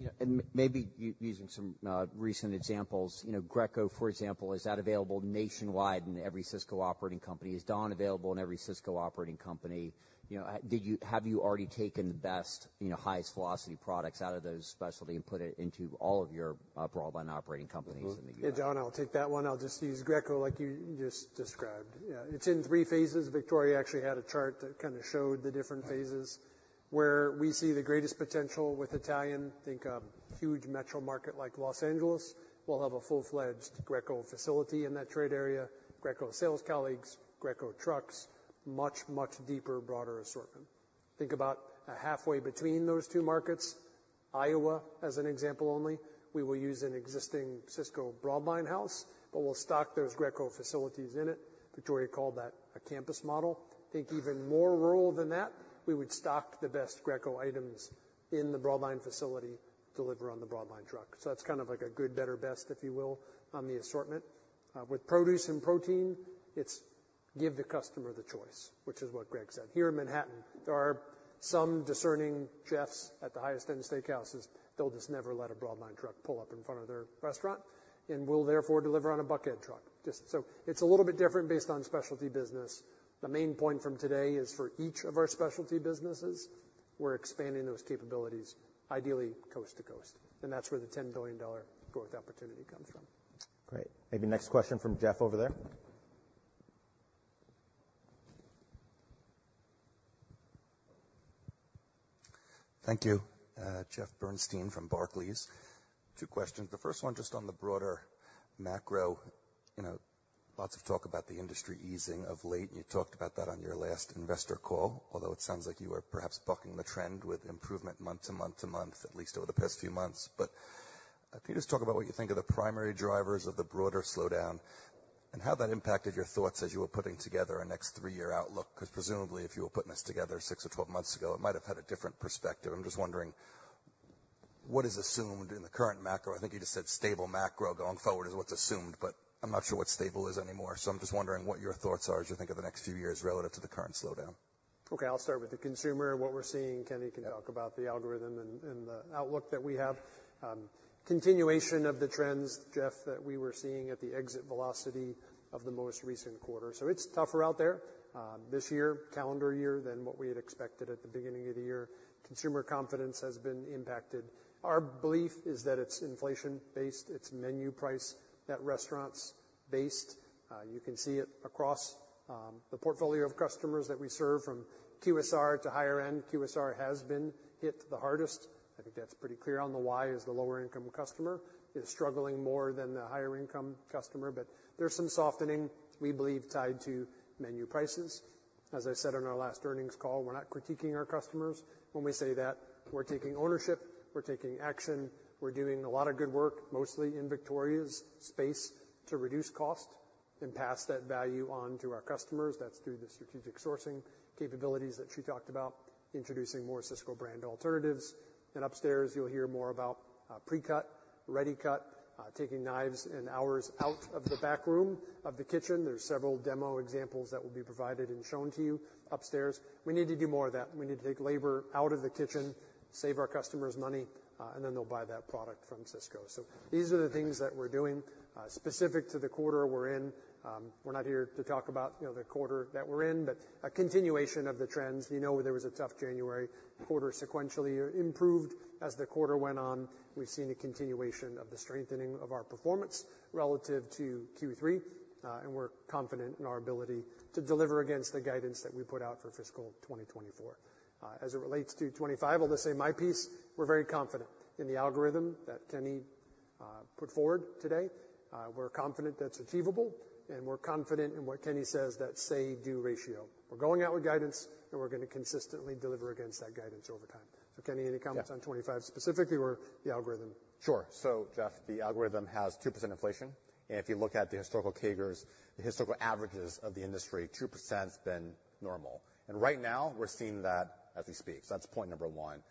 Yeah, and maybe using some recent examples, you know, Greco, for example, is that available nationwide in every Sysco operating company? Is Don available in every Sysco operating company? You know, have you already taken the best, you know, highest velocity products out of those specialty and put it into all of your Broadline operating companies in the U.S.? Yeah, Don, I'll take that one. I'll just use Greco like you just described. Yeah, it's in three phases. Victoria actually had a chart that kind of showed the different phases. Where we see the greatest potential with Italian, think a huge metro market like Los Angeles, will have a full-fledged Greco facility in that trade area, Greco sales colleagues, Greco trucks, much, much deeper, broader assortment. Think about, halfway between those two markets, Iowa, as an example only, we will use an existing Sysco Broadline house, but we'll stock those Greco facilities in it. Victoria called that a Campus Model. Think even more rural than that, we would stock the best Greco items in the Broadline facility, deliver on the Broadline truck. So that's kind of like a good, better, best, if you will, on the assortment. With produce and protein, it's give the customer the choice, which is what Greg said. Here in Manhattan, there are some discerning chefs at the highest-end steakhouses, they'll just never let a Broadline truck pull up in front of their restaurant, and we'll, therefore, deliver on a bucket truck. Just so it's a little bit different based on Specialty business. The main point from today is, for each of our Specialty businesses, we're expanding those capabilities, ideally coast to coast, and that's where the $10 billion growth opportunity comes from. Great. Maybe next question from Jeff over there. Thank you. Jeff Bernstein from Barclays. Two questions. The first one, just on the broader macro, you know, lots of talk about the industry easing of late, and you talked about that on your last investor call, although it sounds like you are perhaps bucking the trend with improvement month to month to month, at least over the past few months. But can you just talk about what you think are the primary drivers of the broader slowdown, and how that impacted your thoughts as you were putting together a next three-year outlook? Because presumably, if you were putting this together six or twelve months ago, it might have had a different perspective. I'm just wondering, what is assumed in the current macro? I think you just said stable macro going forward is what's assumed, but I'm not sure what stable is anymore. So I'm just wondering what your thoughts are as you think of the next few years relative to the current slowdown? Okay, I'll start with the consumer and what we're seeing. Kenny can talk about the algorithm and the outlook that we have. Continuation of the trends, Jeff, that we were seeing at the exit velocity of the most recent quarter. So it's tougher out there, this year, calendar year, than what we had expected at the beginning of the year. Consumer confidence has been impacted. Our belief is that it's inflation-based, it's menu price at restaurants-based. You can see it across the portfolio of customers that we serve, from QSR to higher end. QSR has been hit the hardest. I think that's pretty clear on the why, as the lower-income customer is struggling more than the higher-income customer, but there's some softening, we believe, tied to menu prices. As I said on our last earnings call, we're not critiquing our customers when we say that. We're taking ownership, we're taking action, we're doing a lot of good work, mostly in Victoria's space, to reduce cost and pass that value on to our customers. That's through the strategic sourcing capabilities that she talked about, introducing more Sysco brand alternatives. And upstairs, you'll hear more about, pre-cut, ready-cut, taking knives and hours out of the back room of the kitchen. There are several demo examples that will be provided and shown to you upstairs. We need to do more of that. We need to take labor out of the kitchen, save our customers money, and then they'll buy that product from Sysco. So these are the things that we're doing. Specific to the quarter we're in, we're not here to talk about, you know, the quarter that we're in, but a continuation of the trends. You know, there was a tough January. Quarter sequentially improved as the quarter went on. We've seen a continuation of the strengthening of our performance relative to Q3, and we're confident in our ability to deliver against the guidance that we put out for fiscal 2024. As it relates to 25, I'll just say my piece, we're very confident in the algorithm that Kenny put forward today. We're confident that's achievable, and we're confident in what Kenny says, that say-do ratio. We're going out with guidance, and we're gonna consistently deliver against that guidance over time. So, Kenny, any comments on 25 specifically or the algorithm? Sure. So, Jeff, the algorithm has 2% inflation, and if you look at the historical CAGRs, the historical averages of the industry, 2%'s been normal. And right now, we're seeing that as we speak. So that's point number one.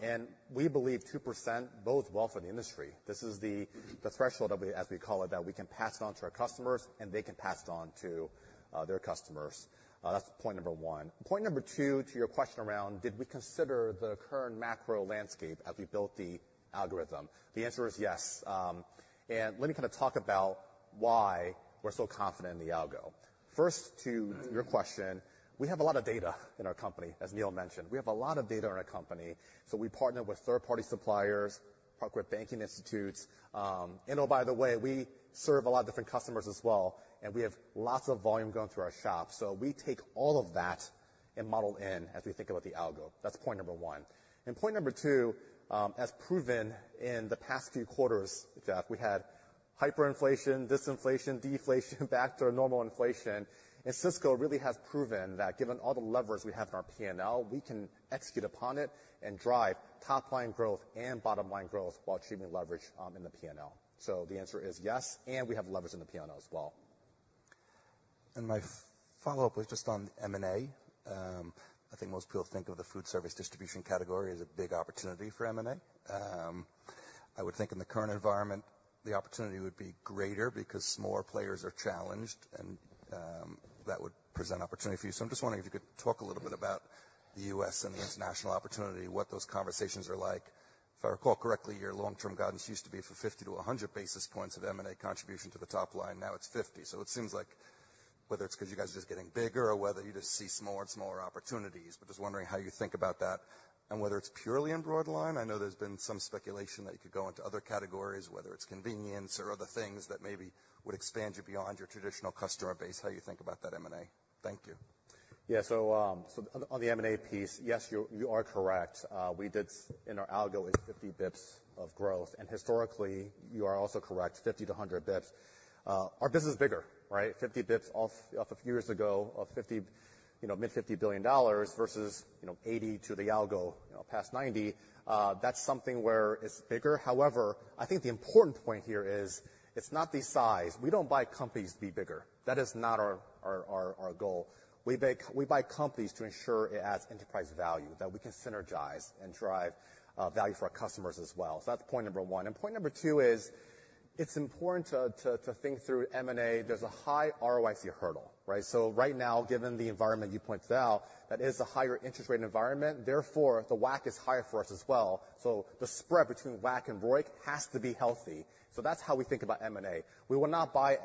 And we believe 2% bodes well for the industry. This is the, the threshold, as we call it, that we can pass it on to our customers, and they can pass it on to, their customers. That's point number one. Point number two, to your question around, did we consider the current macro landscape as we built the algorithm? The answer is yes. And let me kind of talk about why we're so confident in the algo. First, to your question, we have a lot of data in our company, as Neil mentioned. We have a lot of data in our company, so we partner with third-party suppliers, partner with banking institutes, and, oh, by the way, we serve a lot of different customers as well, and we have lots of volume going through our shop. So we take all of that and model in as we think about the algo. That's point number one. And point number two, as proven in the past few quarters, Jeff, we had hyperinflation, disinflation, deflation, back to our normal inflation. And Sysco really has proven that given all the levers we have in our P&L, we can execute upon it and drive top-line growth and bottom-line growth while achieving leverage in the P&L. So the answer is yes, and we have levers in the P&L as well. My follow-up was just on M&A. I think most people think of the food service distribution category as a big opportunity for M&A. I would think in the current environment, the opportunity would be greater because more players are challenged, and that would present opportunity for you. So I'm just wondering if you could talk a little bit about the U.S. and the international opportunity, what those conversations are like. If I recall correctly, your long-term guidance used to be from 50 to 100 basis points of M&A contribution to the top line. Now it's 50. So it seems like whether it's because you guys are just getting bigger or whether you just see smaller and smaller opportunities, but just wondering how you think about that and whether it's purely in broad line. I know there's been some speculation that you could go into other categories, whether it's convenience or other things that maybe would expand you beyond your traditional customer base, how you think about that M&A? Thank you. Yeah, so, so on, on the M&A piece, yes, you are correct. We did in our algo is 50 bips of growth, and historically, you are also correct, 50-100 bips. Our business is bigger, right? 50 bips off a few years ago of $50, you know, mid-$50 billion versus, you know, 80 to the algo, you know, past 90. That's something where it's bigger. However, I think the important point here is it's not the size. We don't buy companies to be bigger. That is not our goal. We buy companies to ensure it adds enterprise value, that we can synergize and drive value for our customers as well. So that's point number one. And point number two is, it's important to think through M&A. There's a high ROIC hurdle, right? So right now, given the environment you pointed out, that is a higher interest rate environment, therefore the WACC is higher for us as well. So the spread between WACC and ROIC has to be healthy. So that's how we think about M&A. We will not buy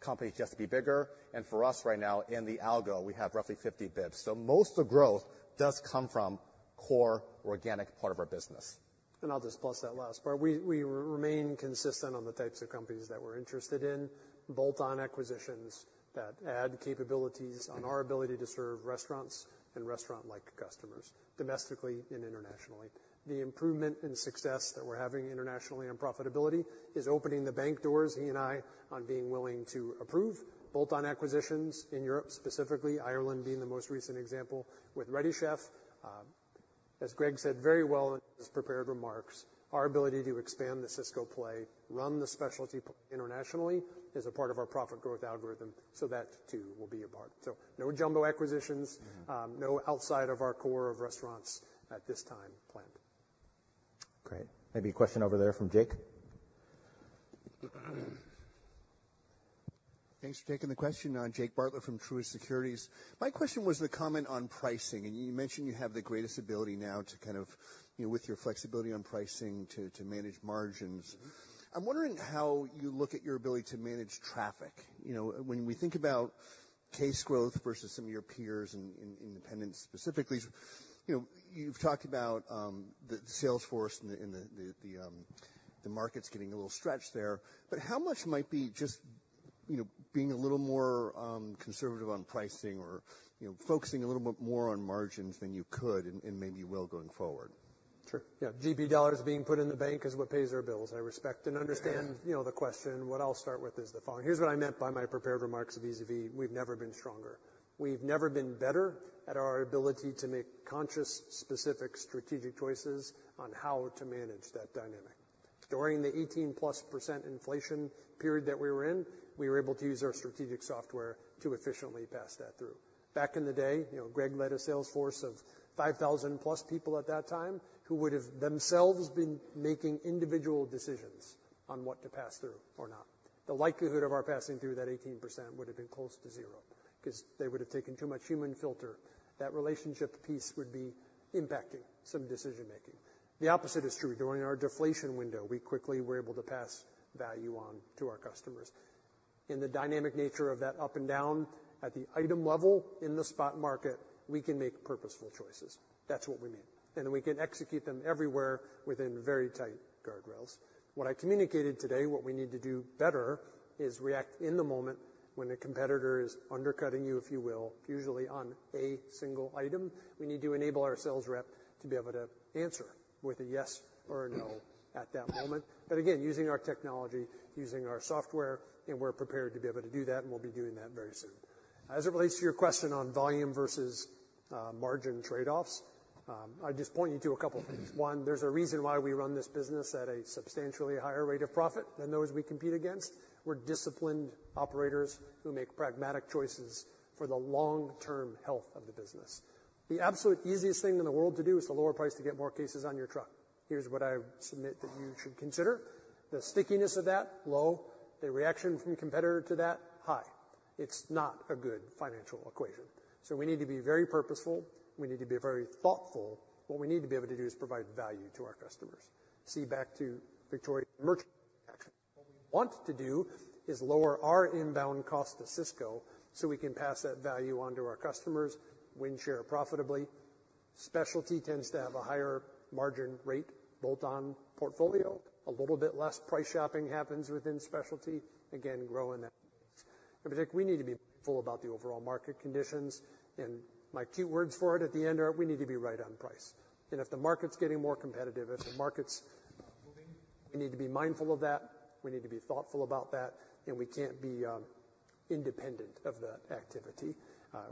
companies just to be bigger, and for us right now, in the algo, we have roughly 50 basis points. So most of the growth does come from core organic part of our business. And I'll just plus that last part. We remain consistent on the types of companies that we're interested in, bolt-on acquisitions that add capabilities on our ability to serve restaurants and restaurant-like customers, domestically and internationally. The improvement and success that we're having internationally on profitability is opening the bank doors, he and I, on being willing to approve bolt-on acquisitions in Europe, specifically, Ireland being the most recent example with Ready Chef. As Greg said very well in his prepared remarks, our ability to expand the Sysco play, run the specialty play internationally, is a part of our profit growth algorithm, so that, too, will be a part. So no jumbo acquisitions. Mm-hmm. No outside of our core of restaurants at this time planned. Great. Maybe a question over there from Jake? Thanks for taking the question. Jake Bartlett from Truist Securities. My question was the comment on pricing, and you mentioned you have the greatest ability now to kind of, you know, with your flexibility on pricing, to manage margins. I'm wondering how you look at your ability to manage traffic. You know, when we think about case growth versus some of your peers in independents, specifically, you know, you've talked about the sales force and the markets getting a little stretched there, but how much might be just, you know, being a little more conservative on pricing or, you know, focusing a little bit more on margins than you could and maybe will going forward? Sure, yeah. GB dollars being put in the bank is what pays our bills. I respect and understand, you know, the question. What I'll start with is the following. Here's what I meant by my prepared remarks vis-à-vis we've never been stronger. We've never been better at our ability to make conscious, specific, strategic choices on how to manage that dynamic. During the 18%+ inflation period that we were in, we were able to use our strategic software to efficiently pass that through. Back in the day, you know, Greg led a sales force of 5,000+ people at that time, who would have themselves been making individual decisions on what to pass through or not. The likelihood of our passing through that 18% would have been close to zero because they would have taken too much human filter. That relationship piece would be impacting some decision making. The opposite is true. During our deflation window, we quickly were able to pass value on to our customers. In the dynamic nature of that up and down at the item level in the spot market, we can make purposeful choices. That's what we mean, and we can execute them everywhere within very tight guardrails. What I communicated today, what we need to do better is react in the moment when a competitor is undercutting you, if you will, usually on a single item. We need to enable our sales rep to be able to answer with a yes or a no at that moment. But again, using our technology, using our software, and we're prepared to be able to do that, and we'll be doing that very soon. As it relates to your question on volume versus margin trade-offs, I'd just point you to a couple things. One, there's a reason why we run this business at a substantially higher rate of profit than those we compete against. We're disciplined operators who make pragmatic choices for the long-term health of the business. The absolute easiest thing in the world to do is to lower price to get more cases on your truck. Here's what I submit that you should consider. The stickiness of that, low, the reaction from competitor to that, high. It's not a good financial equation. So we need to be very purposeful. We need to be very thoughtful. What we need to be able to do is provide value to our customers. See, back to Victoria, merchandising, what we want to do is lower our inbound cost to Sysco, so we can pass that value on to our customers, win share profitably. Specialty tends to have a higher margin rate, bolt-on portfolio. A little bit less price shopping happens within specialty. Again, grow in that. And Jake, we need to be mindful about the overall market conditions, and my cute words for it at the end are we need to be right on price. And if the market's getting more competitive, if the market's moving, we need to be mindful of that, we need to be thoughtful about that, and we can't be independent of that activity.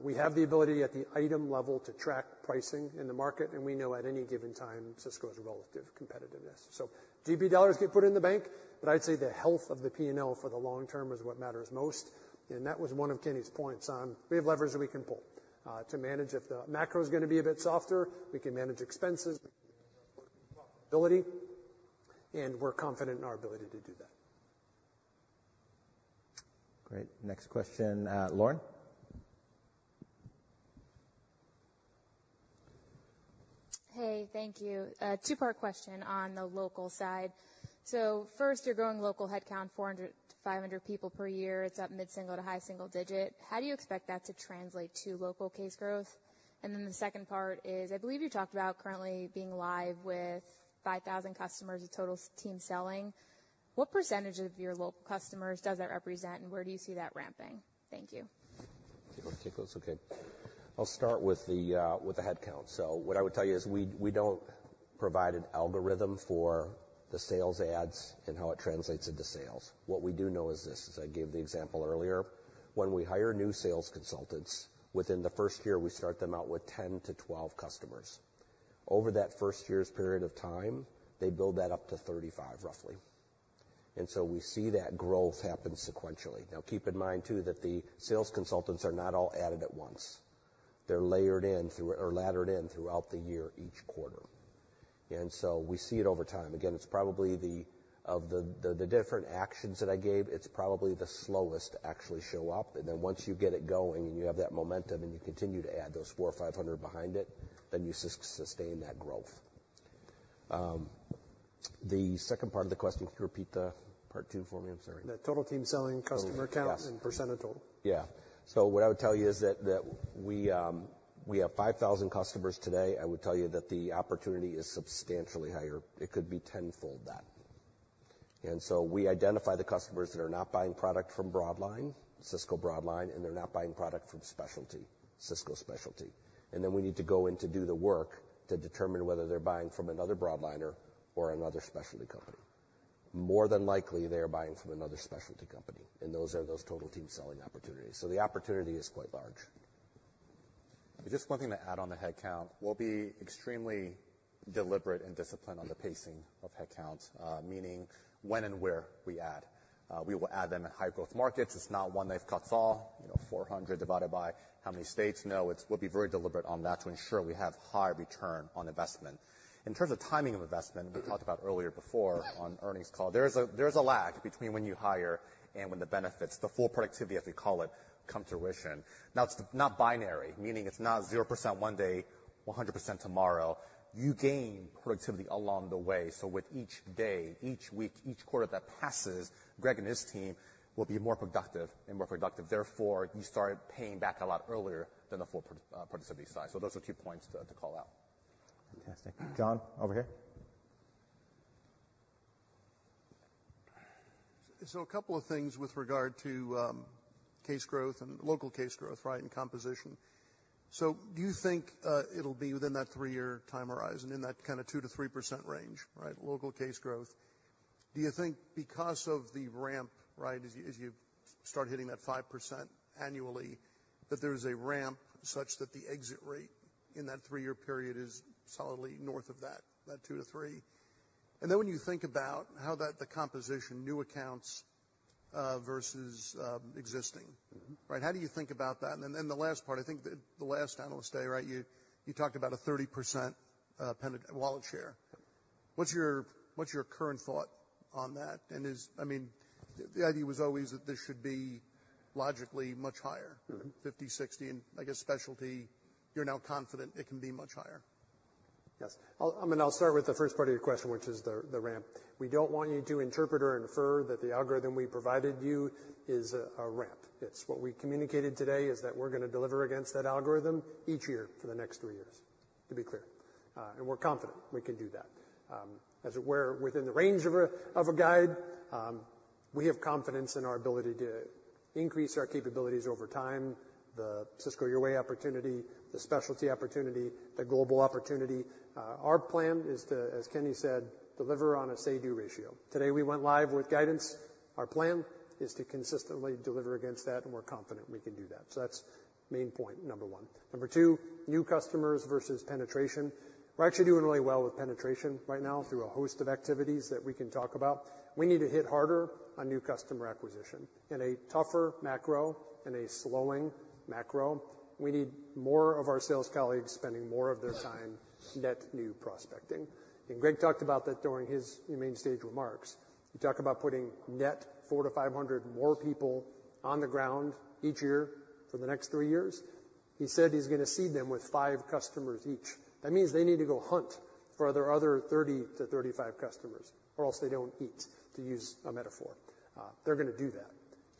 We have the ability at the item level to track pricing in the market, and we know at any given time, Sysco's relative competitiveness. So GB dollars get put in the bank, but I'd say the health of the P&L for the long term is what matters most, and that was one of Kenny's points on we have levers that we can pull to manage. If the macro is gonna be a bit softer, we can manage expenses, profitability, and we're confident in our ability to do that.... Great. Next question, Lauren? Hey, thank you. A two-part question on the local side. So first, you're growing local headcount, 400-500 people per year. It's up mid-single- to high-single-digit. How do you expect that to translate to local case growth? And then the second part is, I believe you talked about currently being live with 5,000 customers of Total Team Selling. What percentage of your local customers does that represent, and where do you see that ramping? Thank you. You want to take those? Okay. I'll start with the, with the headcount. So what I would tell you is we, we don't provide an algorithm for the sales adds and how it translates into sales. What we do know is this, as I gave the example earlier, when we hire new sales consultants, within the first year, we start them out with 10-12 customers. Over that first year's period of time, they build that up to 35, roughly. And so we see that growth happen sequentially. Now, keep in mind, too, that the sales consultants are not all added at once. They're layered in through or laddered in throughout the year, each quarter. And so we see it over time. Again, it's probably the... Of the different actions that I gave, it's probably the slowest to actually show up, and then once you get it going and you have that momentum and you continue to add those 400 or 500 behind it, then you sustain that growth. The second part of the question, could you repeat the part two for me? I'm sorry. The Total Team Selling customer count- Yes. and % of total. Yeah. So what I would tell you is that we have 5,000 customers today. I would tell you that the opportunity is substantially higher. It could be tenfold that. And so we identify the customers that are not buying product from broadline, Sysco broadline, and they're not buying product from specialty, Sysco specialty. And then we need to go in to do the work to determine whether they're buying from another broadliner or another specialty company. More than likely, they are buying from another specialty company, and those are those Total Team Selling opportunities. So the opportunity is quite large. Just one thing to add on the headcount. We'll be extremely deliberate and disciplined on the pacing of headcount, meaning when and where we add. We will add them in high-growth markets. It's not one knife cuts all. You know, 400 divided by how many states? No, it's-- we'll be very deliberate on that to ensure we have high return on investment. In terms of timing of investment, we talked about earlier, before on earnings call, there's a lag between when you hire and when the benefits, the full productivity, as we call it, come to fruition. Now, it's not binary, meaning it's not 0% one day, 100% tomorrow. You gain productivity along the way, so with each day, each week, each quarter that passes, Greg and his team will be more productive and more productive. Therefore, you start paying back a lot earlier than the full productivity side. So those are two points to call out. Fantastic. John, over here. So a couple of things with regard to case growth and local case growth, right, and composition. So do you think it'll be within that three-year time horizon, in that kind of 2%-3% range, right, local case growth? Do you think because of the ramp, right, as you start hitting that 5% annually, that there is a ramp such that the exit rate in that three-year period is solidly north of that, that 2%-3%? And then when you think about how that, the composition, new accounts versus existing. Mm-hmm. Right, how do you think about that? And then the last part, I think the last analyst day, right, you talked about a 30% penetration wallet share. What's your current thought on that? And is, I mean, the idea was always that this should be logically much higher. Mm-hmm. 50, 60, and I guess Specialty, you're now confident it can be much higher. Yes. I'll, I mean, I'll start with the first part of your question, which is the ramp. We don't want you to interpret or infer that the algorithm we provided you is a ramp. It's what we communicated today is that we're going to deliver against that algorithm each year for the next three years, to be clear, and we're confident we can do that. As we're within the range of a guide, we have confidence in our ability to increase our capabilities over time, the Sysco Your Way opportunity, the Specialty opportunity, the global opportunity. Our plan is to, as Kenny said, deliver on a CADU ratio. Today, we went live with guidance. Our plan is to consistently deliver against that, and we're confident we can do that. So that's main point number one. Number two, new customers versus penetration. We're actually doing really well with penetration right now through a host of activities that we can talk about. We need to hit harder on new customer acquisition. In a tougher macro, in a slowing macro, we need more of our sales colleagues spending more of their time net new prospecting. And Greg talked about that during his main stage remarks. He talked about putting net 400-500 more people on the ground each year for the next three years. He said he's going to seed them with five customers each. That means they need to go hunt for their other 30-35 customers, or else they don't eat, to use a metaphor. They're going to do that.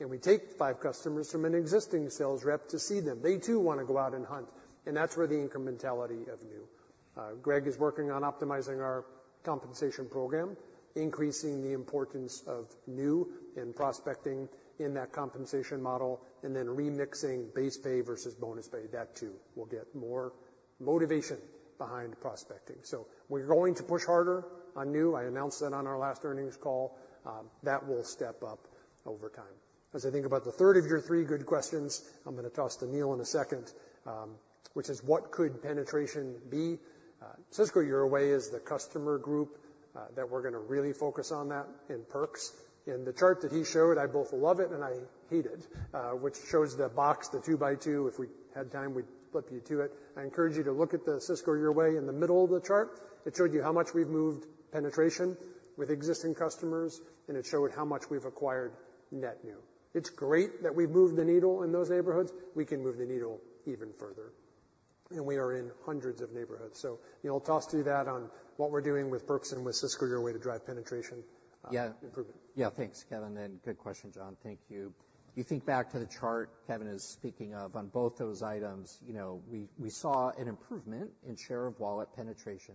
And we take five customers from an existing sales rep to seed them. They, too, want to go out and hunt, and that's where the incrementality of new. Greg is working on optimizing our compensation program, increasing the importance of new and prospecting in that compensation model, and then remixing base pay versus bonus pay. That, too, will get more motivation behind prospecting. So we're going to push harder on new. I announced that on our last earnings call. That will step up over time. As I think about the third of your three good questions, I'm going to toss to Neil in a second, which is: What could penetration be? Sysco Your Way is the customer group that we're going to really focus on that in Perks. In the chart that he showed, I both love it and I hate it, which shows the box, the two by two. If we had time, we'd flip you to it. I encourage you to look at the Sysco Your Way in the middle of the chart. It showed you how much we've moved penetration with existing customers, and it showed how much we've acquired net new. It's great that we've moved the needle in those neighborhoods. We can move the needle even further. And we are in hundreds of neighborhoods. So, you know, I'll toss to you that on what we're doing with Perks and with Sysco Your Way to drive penetration. Yeah. Improvement. Yeah, thanks, Kevin, and good question, John. Thank you. You think back to the chart Kevin is speaking of on both those items, you know, we saw an improvement in share of wallet penetration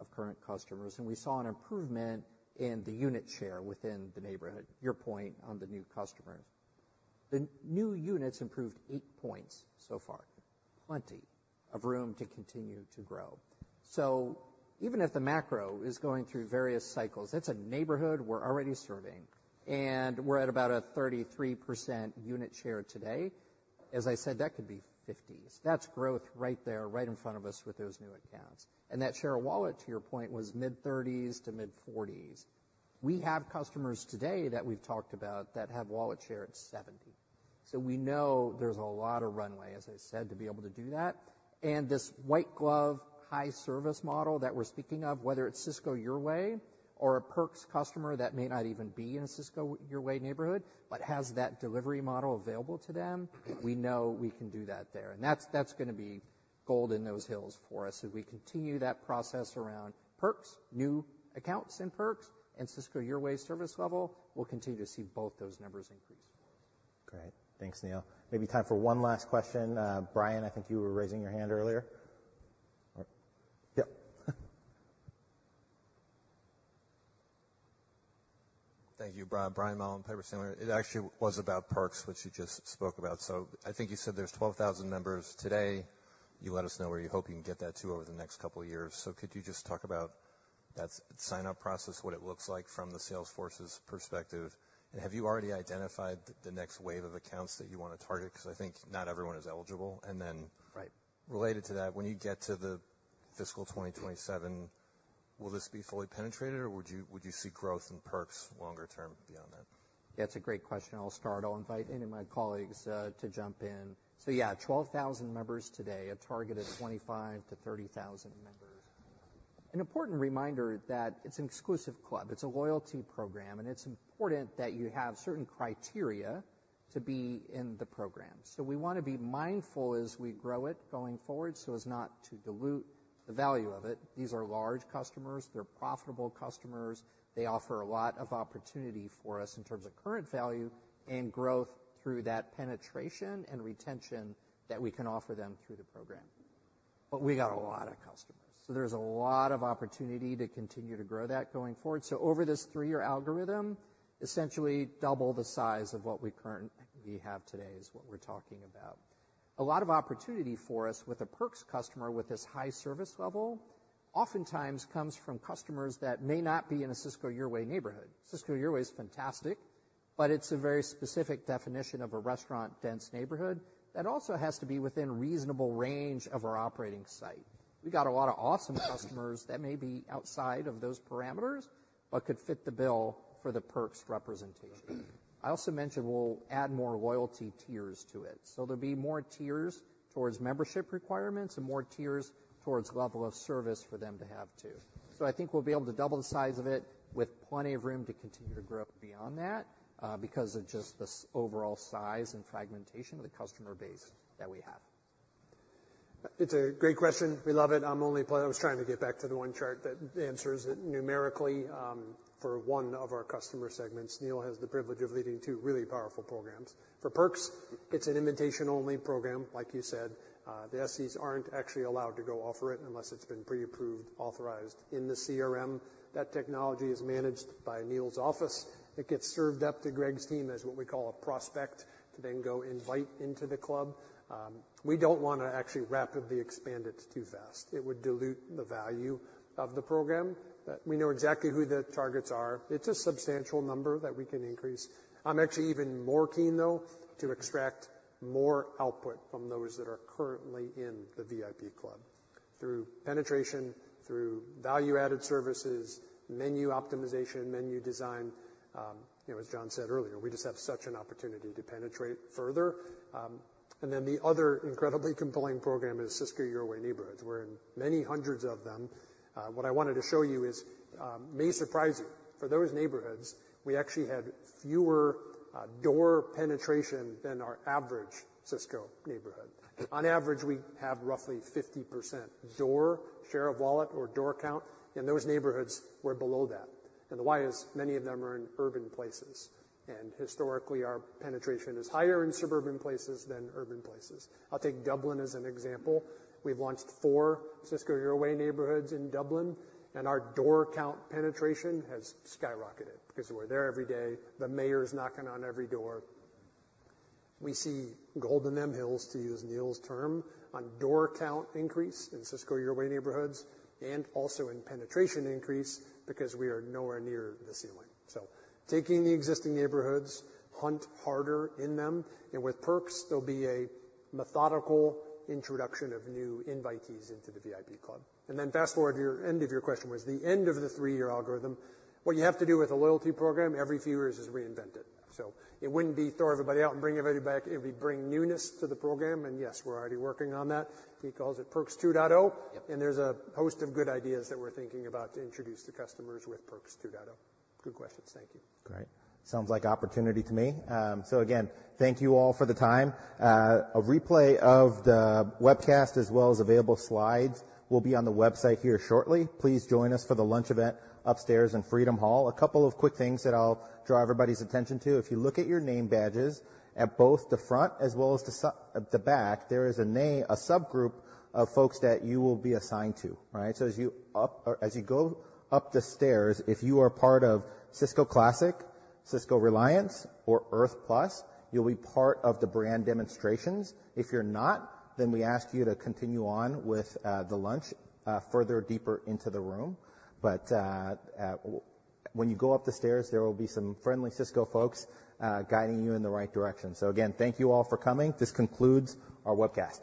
of current customers, and we saw an improvement in the unit share within the neighborhood. Your point on the new customers. The new units improved eight points so far, plenty of room to continue to grow. So even if the macro is going through various cycles, that's a neighborhood we're already serving, and we're at about a 33% unit share today. As I said, that could be 50s. That's growth right there, right in front of us with those new accounts. And that share of wallet, to your point, was mid-30s to mid-40s. We have customers today that we've talked about that have wallet share at 70, so we know there's a lot of runway, as I said, to be able to do that. And this white glove, high service model that we're speaking of, whether it's Sysco Your Way or a Perks customer, that may not even be in a Sysco Your Way neighborhood, but has that delivery model available to them. We know we can do that there, and that's, that's gonna be gold in those hills for us as we continue that process around Perks, new accounts in Perks and Sysco Your Way service level, we'll continue to see both those numbers increase. Great. Thanks, Neil. Maybe time for one last question. Brian, I think you were raising your hand earlier. Yep. Thank you. Brian, Brian Mullan, Piper Sandler. It actually was about Perks, which you just spoke about. So I think you said there's 12,000 members today. You let us know where you hope you can get that to over the next couple of years. So could you just talk about that sign-up process, what it looks like from the sales force's perspective, and have you already identified the next wave of accounts that you want to target? Because I think not everyone is eligible. And then- Right. Related to that, when you get to the fiscal 2027, will this be fully penetrated, or would you, would you see growth in Perks longer term beyond that? That's a great question. I'll start. I'll invite any of my colleagues to jump in. So yeah, 12,000 members today, a target of 25,000-30,000 members. An important reminder that it's an exclusive club, it's a loyalty program, and it's important that you have certain criteria to be in the program. So we want to be mindful as we grow it going forward, so as not to dilute the value of it. These are large customers. They're profitable customers. They offer a lot of opportunity for us in terms of current value and growth through that penetration and retention that we can offer them through the program. But we got a lot of customers, so there's a lot of opportunity to continue to grow that going forward. So over this three-year algorithm, essentially double the size of what we currently have today is what we're talking about. A lot of opportunity for us with a Perks customer, with this high service level, oftentimes comes from customers that may not be in a Sysco Your Way neighborhood. Sysco Your Way is fantastic, but it's a very specific definition of a restaurant-dense neighborhood that also has to be within reasonable range of our operating site. We got a lot of awesome customers that may be outside of those parameters, but could fit the bill for the Perks representation. I also mentioned we'll add more loyalty tiers to it, so there'll be more tiers towards membership requirements and more tiers towards level of service for them to have, too. So I think we'll be able to double the size of it with plenty of room to continue to grow beyond that, because of just the overall size and fragmentation of the customer base that we have. It's a great question. We love it. I was trying to get back to the one chart that answers it numerically, for one of our customer segments. Neil has the privilege of leading two really powerful programs. For Perks, it's an invitation-only program, like you said. The SEs aren't actually allowed to go offer it unless it's been pre-approved, authorized in the CRM. That technology is managed by Neil's office. It gets served up to Greg's team as what we call a prospect, to then go invite into the club. We don't want to actually rapidly expand it too fast. It would dilute the value of the program, but we know exactly who the targets are. It's a substantial number that we can increase. I'm actually even more keen, though, to extract more output from those that are currently in the VIP club through penetration, through value-added services, menu optimization, menu design. You know, as John said earlier, we just have such an opportunity to penetrate further. And then the other incredibly compelling program is Sysco Your Way neighborhoods. We're in many hundreds of them. What I wanted to show you is, may surprise you. For those neighborhoods, we actually had fewer, door penetration than our average Sysco neighborhood. On average, we have roughly 50% door share of wallet or door count, and those neighborhoods were below that. And the why is many of them are in urban places, and historically, our penetration is higher in suburban places than urban places. I'll take Dublin as an example. We've launched four Sysco Your Way neighborhoods in Dublin, and our door count penetration has skyrocketed because we're there every day. The mayor is knocking on every door. We see gold in them hills, to use Neil's term, on door count increase in Sysco Your Way neighborhoods and also in penetration increase because we are nowhere near the ceiling. So taking the existing neighborhoods, hunt harder in them, and with Perks, there'll be a methodical introduction of new invitees into the VIP club. And then fast-forward, your end of your question was the end of the three-year algorithm. What you have to do with a loyalty program every few years is reinvent it, so it wouldn't be throw everybody out and bring everybody back. It'd be bring newness to the program, and yes, we're already working on that. He calls it Perks 2.0. Yep. There's a host of good ideas that we're thinking about to introduce to customers with Perks 2.0. Good questions. Thank you. Great. Sounds like opportunity to me. So again, thank you all for the time. A replay of the webcast, as well as available slides, will be on the website here shortly. Please join us for the lunch event upstairs in Freedom Hall. A couple of quick things that I'll draw everybody's attention to. If you look at your name badges at both the front as well as the back, there is a subgroup of folks that you will be assigned to, right? So as you go up the stairs, if you are part of Sysco Classic, Sysco Reliance, or Earth Plus, you'll be part of the brand demonstrations. If you're not, then we ask you to continue on with the lunch further deeper into the room. When you go up the stairs, there will be some friendly Sysco folks guiding you in the right direction. Again, thank you all for coming. This concludes our webcast.